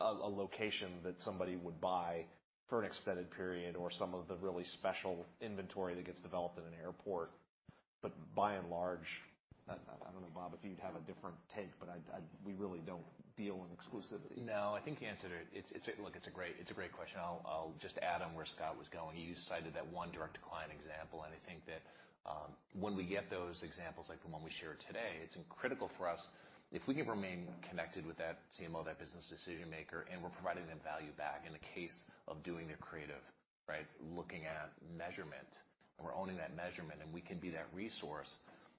S2: a location that somebody would buy for an extended period or some of the really special inventory that gets developed in an airport. By and large, I don't know, Bob, if you'd have a different take. We really don't deal in exclusivity.
S3: No, I think you answered it. It's a great question. I'll just add on where Scott was going. You cited that one direct client example, and I think that when we get those examples like the one we shared today, it's critical for us. If we can remain connected with that CMO, that business decision maker, and we're providing them value back in the case of doing their creative, right? Looking at measurement. We're owning that measurement, and we can be that resource,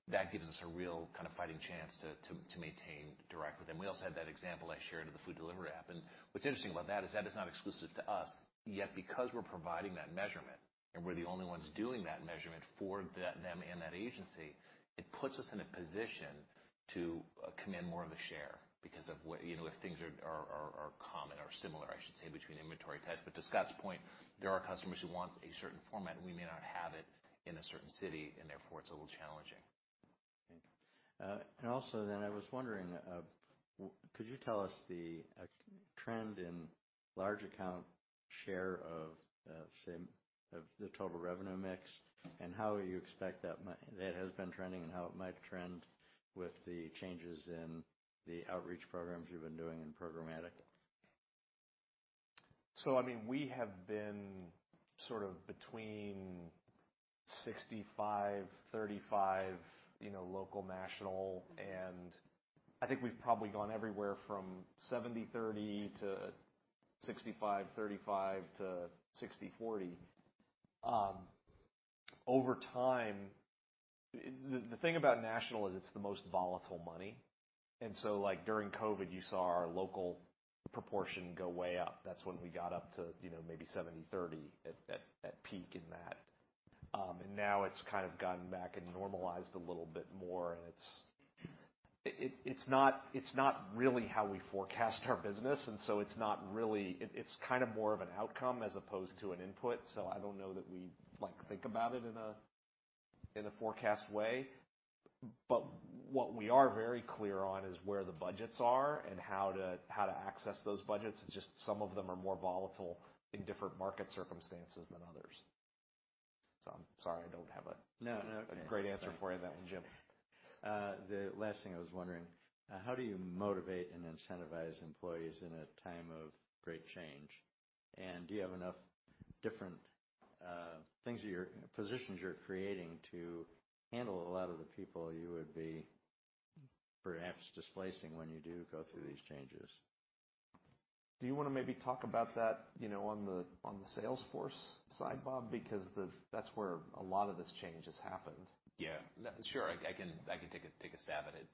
S3: that gives us a real kind of fighting chance to maintain direct with them. We also had that example I shared of the food delivery app, and what's interesting about that is not exclusive to us. Yet because we're providing that measurement, and we're the only ones doing that measurement for them and that agency, it puts us in a position to command more of a share because of what you know, if things are common or similar, I should say, between inventory types. But to Scott's point, there are customers who want a certain format, and we may not have it in a certain city, and therefore it's a little challenging.
S14: Okay, I was wondering, could you tell us the trend in large account share of, say, of the total revenue mix, and how you expect that has been trending and how it might trend with the changes in the outreach programs you've been doing in programmatic?
S2: I mean, we have been sort of between 65-35, you know, local, national, and I think we've probably gone everywhere from 70-30 to 65-35 to 60-40. Over time, the thing about national is it's the most volatile money. Like during COVID, you saw our local proportion go way up. That's when we got up to, you know, maybe 70-30 at peak in that. Now it's kind of gone back and normalized a little bit more and it's not really how we forecast our business. It's not really. It's kind of more of an outcome as opposed to an input. I don't know that we like, think about it in a forecast way. What we are very clear on is where the budgets are and how to access those budgets. It's just some of them are more volatile in different market circumstances than others. I'm sorry I don't have a-
S14: No, no.
S2: A great answer for you, Jim.
S14: The last thing I was wondering, how do you motivate and incentivize employees in a time of great change? Do you have enough different positions you're creating to handle a lot of the people you would be perhaps displacing when you do go through these changes?
S2: Do you wanna maybe talk about that, you know, on the Salesforce side, Bob? Because that's where a lot of this change has happened.
S3: Yeah. Sure. I can take a stab at it.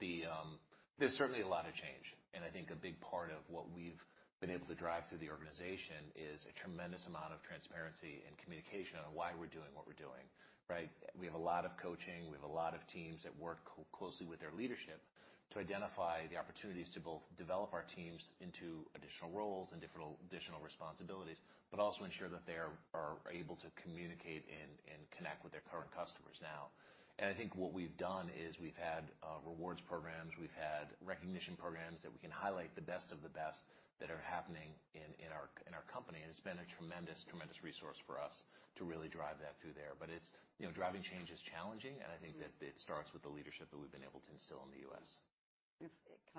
S3: There's certainly a lot of change. I think a big part of what we've been able to drive through the organization is a tremendous amount of transparency and communication on why we're doing what we're doing, right? We have a lot of coaching. We have a lot of teams that work closely with their leadership to identify the opportunities to both develop our teams into additional roles and additional responsibilities, but also ensure that they are able to communicate and connect with their current customers now. I think what we've done is we've had rewards programs. We've had recognition programs that we can highlight the best of the best that are happening in our company. It's been a tremendous resource for us to really drive that through there. It's, you know, driving change is challenging, and I think that it starts with the leadership that we've been able to instill in the U.S.
S4: Can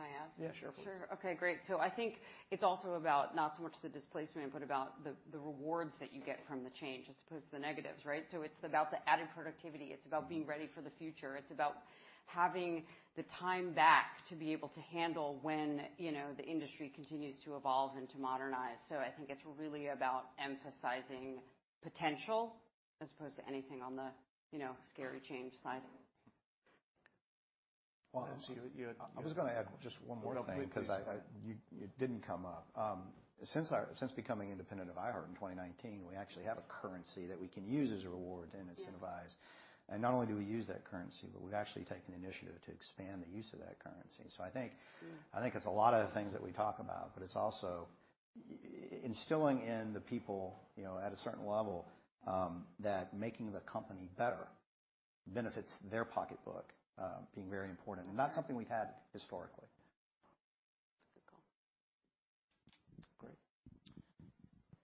S4: I add?
S2: Yeah, sure.
S4: Sure. Okay, great. I think it's also about not so much the displacement, but about the rewards that you get from the change as opposed to the negatives, right? It's about the added productivity. It's about being ready for the future. It's about having the time back to be able to handle when, you know, the industry continues to evolve and to modernize. I think it's really about emphasizing potential as opposed to anything on the, you know, scary change side.
S2: Well-
S3: I was gonna add just one more thing 'cause I. You didn't come up. Since becoming independent of iHeartMedia in 2019, we actually have
S8: Currency that we can use as a reward and as
S1: Yeah
S8: incentivize. Not only do we use that currency, but we've actually taken the initiative to expand the use of that currency. I think-
S1: Mm.
S8: I think it's a lot of the things that we talk about, but it's also instilling in the people, you know, at a certain level, that making the company better benefits their pocketbook, being very important.
S1: Right.
S8: Not something we've had historically.
S1: Good call.
S2: Great.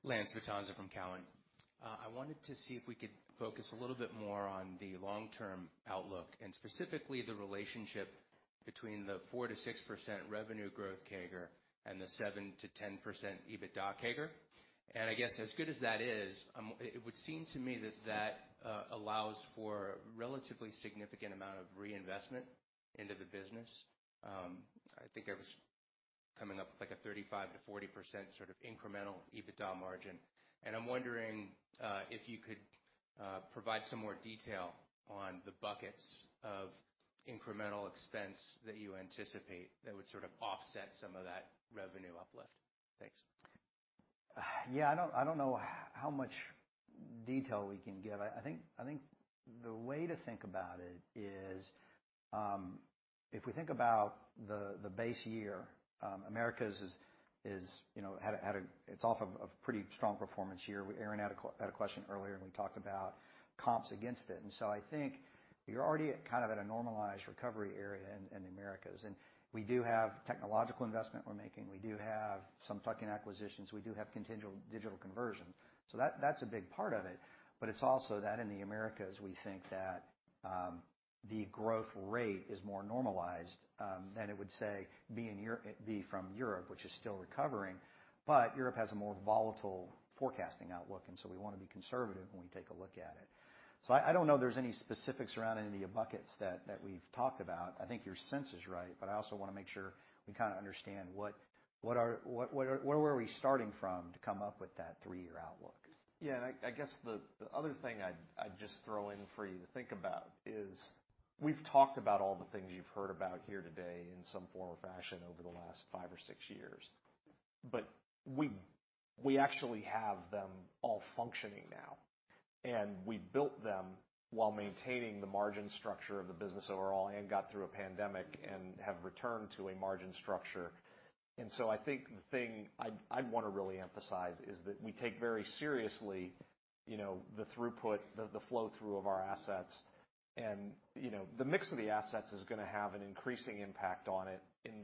S15: Lance Vitanza from Cowen. I wanted to see if we could focus a little bit more on the long-term outlook and specifically the relationship between the 4%-6% revenue growth CAGR and the 7%-10% EBITDA CAGR. I guess as good as that is, it would seem to me that that allows for relatively significant amount of reinvestment into the business. I think I was coming up with like a 35%-40% sort of incremental EBITDA margin. I'm wondering if you could provide some more detail on the buckets of incremental expense that you anticipate that would sort of offset some of that revenue uplift. Thanks.
S8: Yeah, I don't know how much detail we can give. I think the way to think about it is, if we think about the base year, Americas is you know off of a pretty strong performance year. Aaron had a question earlier, and we talked about comps against it. I think you're already at kind of at a normalized recovery area in the Americas. We do have technological investment we're making. We do have some tuck-in acquisitions. We do have continual digital conversion. That's a big part of it. It's also that in the Americas, we think that the growth rate is more normalized than it would say be in Europe, which is still recovering. Europe has a more volatile forecasting outlook, and so we wanna be conservative when we take a look at it. I don't know if there's any specifics around any of the buckets that we've talked about. I think your sense is right, but I also wanna make sure we kinda understand what are we starting from to come up with that three-year outlook.
S2: Yeah. I guess the other thing I'd just throw in for you to think about is we've talked about all the things you've heard about here today in some form or fashion over the last five or six years. We actually have them all functioning now, and we built them while maintaining the margin structure of the business overall and got through a pandemic and have returned to a margin structure. I think the thing I'd wanna really emphasize is that we take very seriously, you know, the throughput, the flow-through of our assets. You know, the mix of the assets is gonna have an increasing impact on it in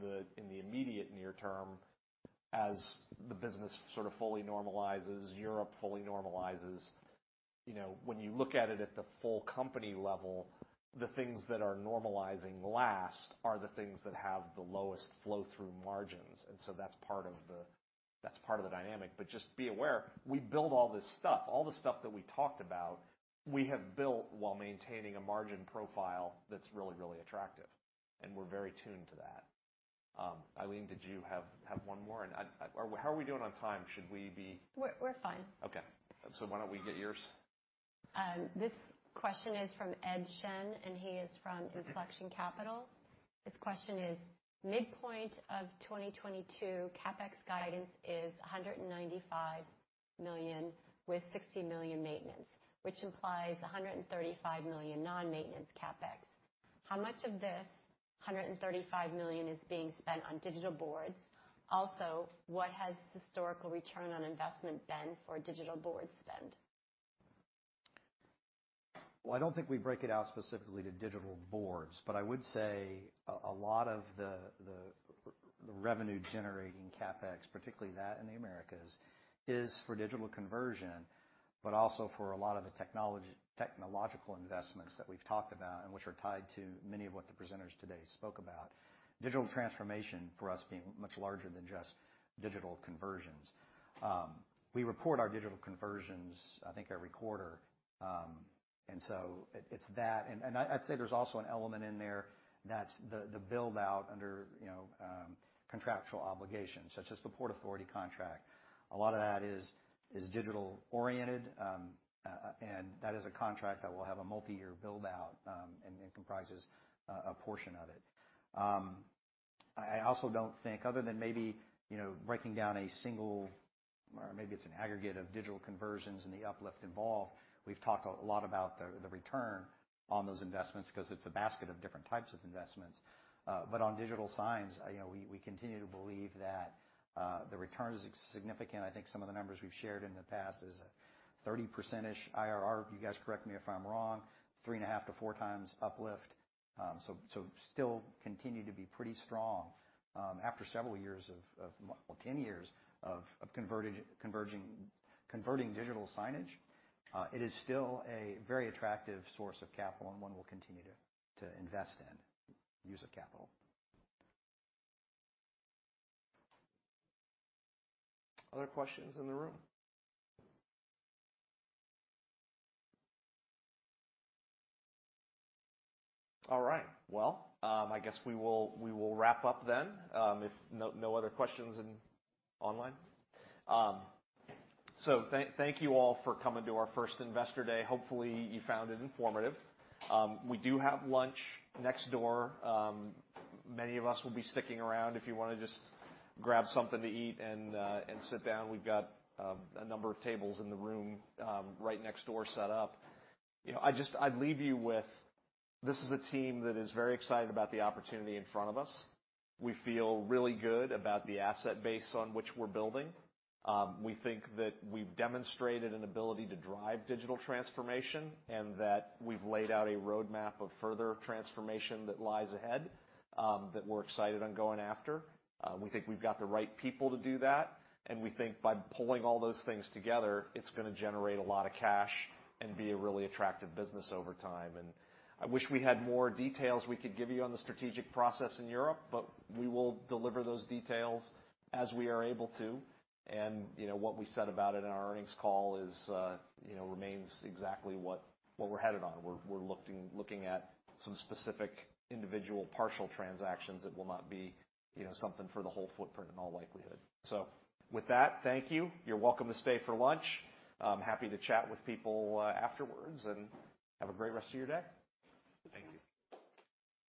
S2: the immediate near term as the business sort of fully normalizes, Europe fully normalizes. You know, when you look at it at the full company level, the things that are normalizing last are the things that have the lowest flow-through margins. That's part of the dynamic. Just be aware, we build all this stuff, all the stuff that we talked about, we have built while maintaining a margin profile that's really, really attractive, and we're very tuned to that. Eileen, did you have one more? How are we doing on time? Should we be-
S1: We're fine.
S2: Okay. Why don't we get yours?
S1: This question is from Ed Shen, and he is from Inflection Capital. His question is, midpoint of 2022 CapEx guidance is $195 million with $60 million maintenance, which implies $135 million non-maintenance CapEx. How much of this $135 million is being spent on digital boards? Also, what has historical return on investment been for digital board spend?
S8: Well, I don't think we break it out specifically to digital boards. I would say a lot of the revenue generating CapEx, particularly that in the Americas, is for digital conversion, but also for a lot of the technological investments that we've talked about and which are tied to many of what the presenters today spoke about. Digital transformation, for us, being much larger than just digital conversions. We report our digital conversions, I think, every quarter. So it's that. I'd say there's also an element in there that's the build-out under, you know, contractual obligations, such as the Port Authority contract. A lot of that is digital oriented, and that is a contract that will have a multi-year build-out, and it comprises a portion of it. I also don't think, other than maybe, you know, breaking down a single or maybe it's an aggregate of digital conversions and the uplift involved, we've talked a lot about the return on those investments because it's a basket of different types of investments. On digital signs, you know, we continue to believe that the return is significant. I think some of the numbers we've shared in the past is 30%-ish IRR. You guys correct me if I'm wrong, 3.5-4 times uplift. Still continue to be pretty strong, after several years of, well, 10 years of converting digital signage. It is still a very attractive source of capital, and one we'll continue to invest in use of capital.
S2: Other questions in the room? All right. Well, I guess we will wrap up then, if no other questions online. Thank you all for coming to our first Investor Day. Hopefully, you found it informative. We do have lunch next door. Many of us will be sticking around if you wanna just grab something to eat and sit down. We've got a number of tables in the room right next door set up. You know, I'd leave you with this is a team that is very excited about the opportunity in front of us. We feel really good about the asset base on which we're building. We think that we've demonstrated an ability to drive digital transformation and that we've laid out a roadmap of further transformation that lies ahead, that we're excited on going after. We think we've got the right people to do that, and we think by pulling all those things together, it's gonna generate a lot of cash and be a really attractive business over time. I wish we had more details we could give you on the strategic process in Europe, but we will deliver those details as we are able to. You know, what we said about it in our earnings call is, you know, remains exactly what we're headed on. We're looking at some specific individual partial transactions that will not be, you know, something for the whole footprint in all likelihood. With that, thank you. You're welcome to stay for lunch. I'm happy to chat with people, afterwards, and have a great rest of your day. Thank you.